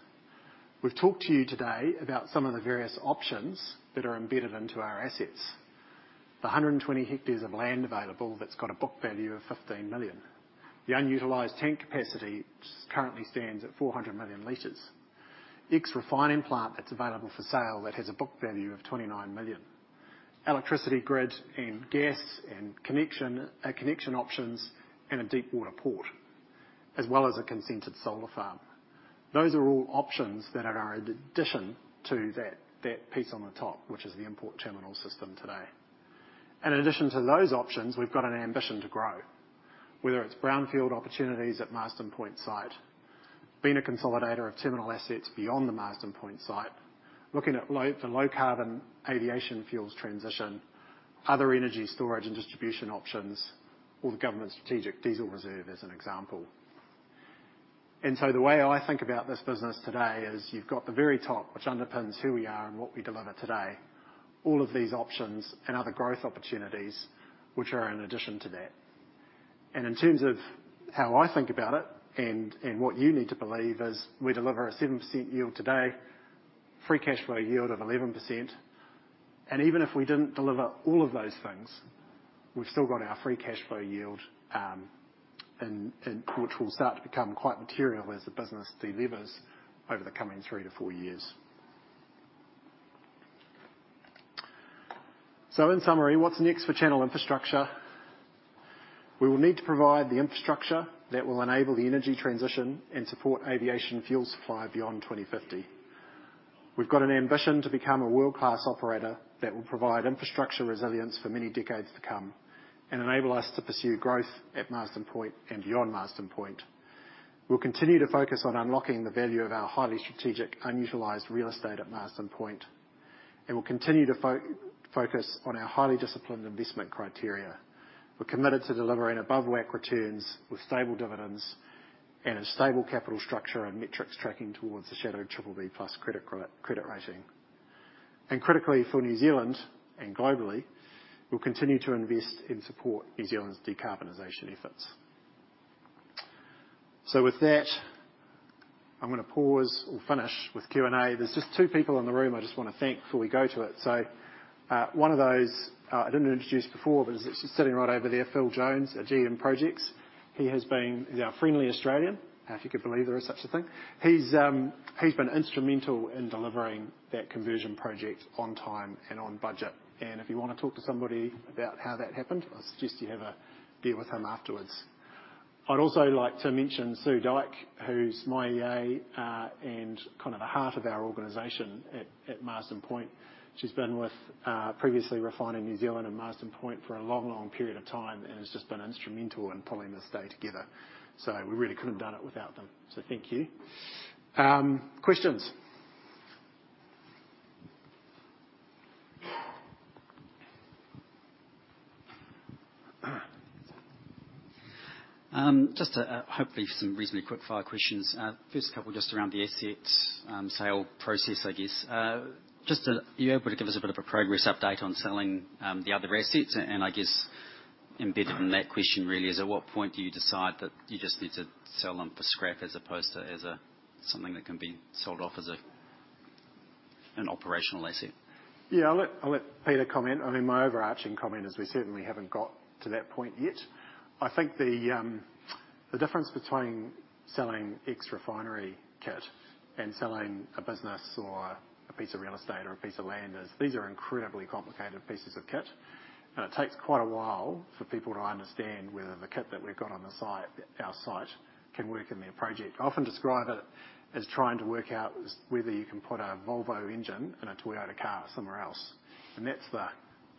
S1: We've talked to you today about some of the various options that are embedded into our assets. The 120 hectares of land available, that's got a book value of 15 million. The unutilized tank capacity just currently stands at 400 million L. Ex refining plant that's available for sale, that has a book value of 29 million. Electricity grid and gas and connection, connection options, and a deepwater port, as well as a consented solar farm. Those are all options that are an addition to that, that piece on the top, which is the import terminal system today. And in addition to those options, we've got an ambition to grow, whether it's brownfield opportunities at Marsden Point site, being a consolidator of terminal assets beyond the Marsden Point site, looking at the low-carbon aviation fuels transition, other energy storage and distribution options, or the government's strategic diesel reserve, as an example. And so the way I think about this business today is you've got the very top, which underpins who we are and what we deliver today, all of these options and other growth opportunities, which are in addition to that. In terms of how I think about it, and what you need to believe is we deliver a 7% yield today, free cash flow yield of 11%, and even if we didn't deliver all of those things, we've still got our free cash flow yield, and which will start to become quite material as the business de-levers over the coming three to four years. So in summary, what's next for Channel Infrastructure? We will need to provide the infrastructure that will enable the energy transition and support aviation fuel supply beyond 2050. We've got an ambition to become a world-class operator that will provide infrastructure resilience for many decades to come and enable us to pursue growth at Marsden Point and beyond Marsden Point. We'll continue to focus on unlocking the value of our highly strategic, unutilized real estate at Marsden Point, and we'll continue to focus on our highly disciplined investment criteria. We're committed to delivering above WACC returns with stable dividends and a stable capital structure and metrics tracking towards the shadowed BBB+ credit rating. And critically, for New Zealand and globally, we'll continue to invest and support New Zealand's decarbonization efforts. So with that, I'm gonna pause or finish with Q&A. There's just two people in the room I just wanna thank before we go to it. So, one of those, I didn't introduce before, but is actually sitting right over there, Phil Jones, our GM Projects. He has been our friendly Australian, if you could believe there is such a thing. He's been instrumental in delivering that conversion project on time and on budget. And if you wanna talk to somebody about how that happened, I suggest you have a beer with him afterwards.... I'd also like to mention Sue Dyke, who's my EA, and kind of the heart of our organization at Marsden Point. She's been with previously Refining NZ and Marsden Point for a long, long period of time, and has just been instrumental in pulling this day together. So we really couldn't have done it without them. So thank you. Questions?
S14: Just, hopefully some reasonably quick-fire questions. First couple, just around the assets sale process, I guess. Just, are you able to give us a bit of a progress update on selling the other assets? And, I guess, embedded in that question really is, at what point do you decide that you just need to sell them for scrap as opposed to, as, something that can be sold off as an operational asset?
S1: Yeah, I'll let, I'll let Peter comment. I mean, my overarching comment is we certainly haven't got to that point yet. I think the, the difference between selling ex-refinery kit and selling a business or a piece of real estate or a piece of land, is these are incredibly complicated pieces of kit. And it takes quite a while for people to understand whether the kit that we've got on the site, our site, can work in their project. I often describe it as trying to work out whether you can put a Volvo engine in a Toyota car somewhere else, and that's the,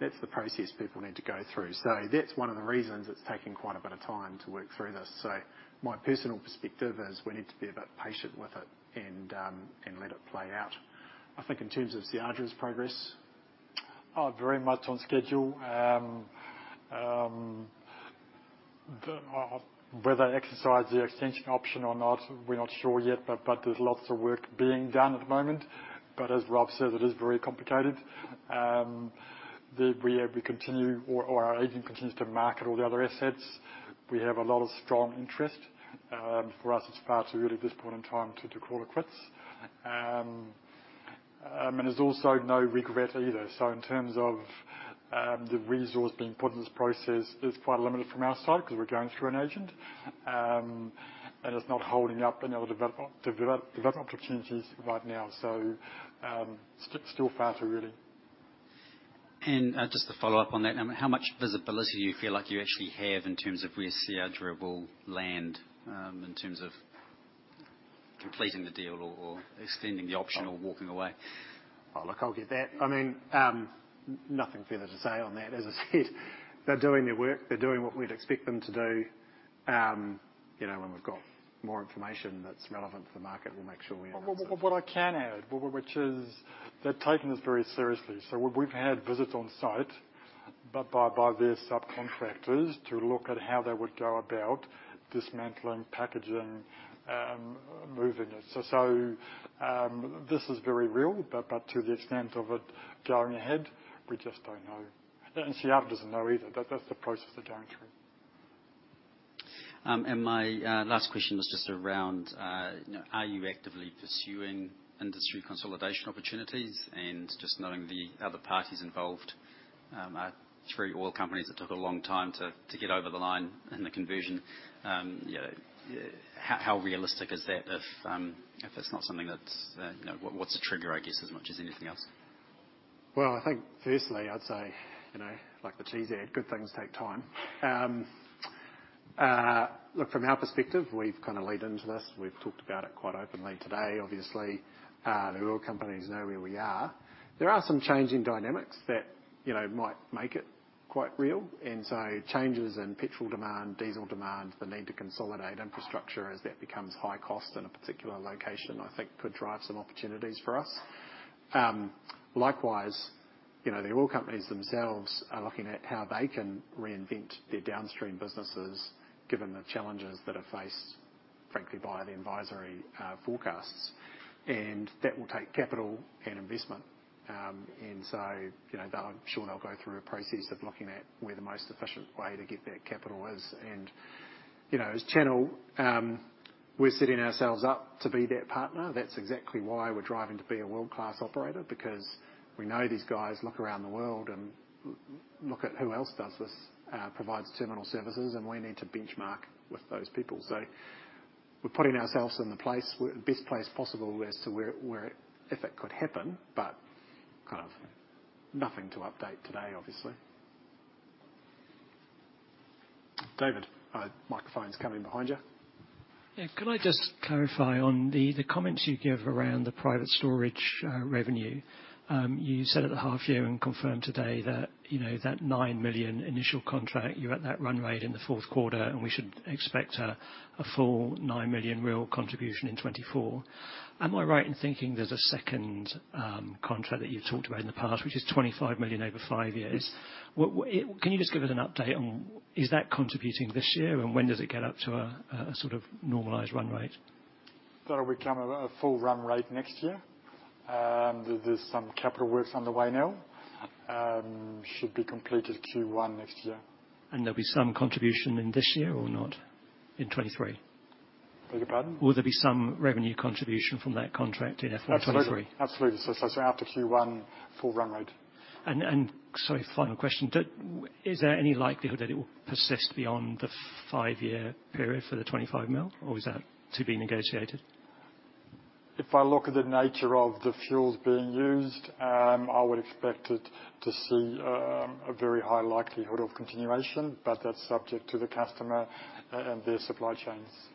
S1: that's the process people need to go through. So that's one of the reasons it's taking quite a bit of time to work through this. My personal perspective is we need to be a bit patient with it and, and let it play out. I think in terms of Seadra's progress?
S5: Very much on schedule. Whether they exercise their extension option or not, we're not sure yet, but there's lots of work being done at the moment. But as Rob said, it is very complicated. We continue or our agent continues to market all the other assets. We have a lot of strong interest. For us, it's far too early at this point in time to call it quits. And there's also no regret either. So in terms of the resource being put in, this process is quite limited from our side, because we're going through an agent. And it's not holding up any other development opportunities right now. So still far too early.
S14: Just to follow up on that, how much visibility do you feel like you actually have in terms of where Seadra will land in terms of completing the deal or extending the option or walking away?
S1: Oh, look, I'll get that. I mean, nothing further to say on that. As I said, they're doing their work, they're doing what we'd expect them to do. You know, when we've got more information that's relevant to the market, we'll make sure we-
S5: Well, what I can add, which is they're taking this very seriously. So we've had visits on site, by their subcontractors, to look at how they would go about dismantling, packaging, moving it. So this is very real, but to the extent of it going ahead, we just don't know. And Seadra doesn't know either, but that's the process they're going through.
S14: And my last question was just around, you know, are you actively pursuing industry consolidation opportunities? And just knowing the other parties involved are three oil companies that took a long time to get over the line in the conversion. You know, how realistic is that if that's not something that's... You know, what's the trigger, I guess, as much as anything else?
S1: Well, I think firstly, I'd say, you know, like the cheese ad, "Good things take time." Look, from our perspective, we've kind of led into this, we've talked about it quite openly today. Obviously, the oil companies know where we are. There are some changing dynamics that, you know, might make it quite real. And so changes in petrol demand, diesel demand, the need to consolidate infrastructure as that becomes high cost in a particular location, I think could drive some opportunities for us. Likewise, you know, the oil companies themselves are looking at how they can reinvent their downstream businesses, given the challenges that are faced, frankly, by the advisory forecasts. And that will take capital and investment. And so, you know, they'll, I'm sure they'll go through a process of looking at where the most efficient way to get that capital is. You know, as Channel, we're setting ourselves up to be their partner. That's exactly why we're driving to be a world-class operator, because we know these guys look around the world and look at who else does this, provides terminal services, and we need to benchmark with those people. So we're putting ourselves in the place, the best place possible as to where, where if it could happen, but kind of nothing to update today, obviously. David, microphone's coming behind you.
S8: Yeah. Could I just clarify on the, the comments you gave around the private storage revenue? You said at the half year and confirmed today that, you know, that 9 million initial contract, you're at that run rate in the fourth quarter, and we should expect a, a full 9 million real contribution in 2024. Am I right in thinking there's a second contract that you've talked about in the past, which is 25 million over five years?
S1: Yes.
S8: What, can you just give us an update on, is that contributing this year, and when does it get up to a, a sort of normalized run rate?
S5: That'll become a full run rate next year. There's some capital works underway now. Should be completed Q1 next year.
S8: There'll be some contribution in this year or not, in 2023?
S5: Beg your pardon?
S8: Will there be some revenue contribution from that contract in 2023?
S5: Absolutely. Absolutely. So, so after Q1, full run rate.
S8: Sorry, final question: Is there any likelihood that it will persist beyond the five-year period for the 25 million, or is that to be negotiated?
S5: If I look at the nature of the fuels being used, I would expect to see a very high likelihood of continuation, but that's subject to the customer and their supply chains.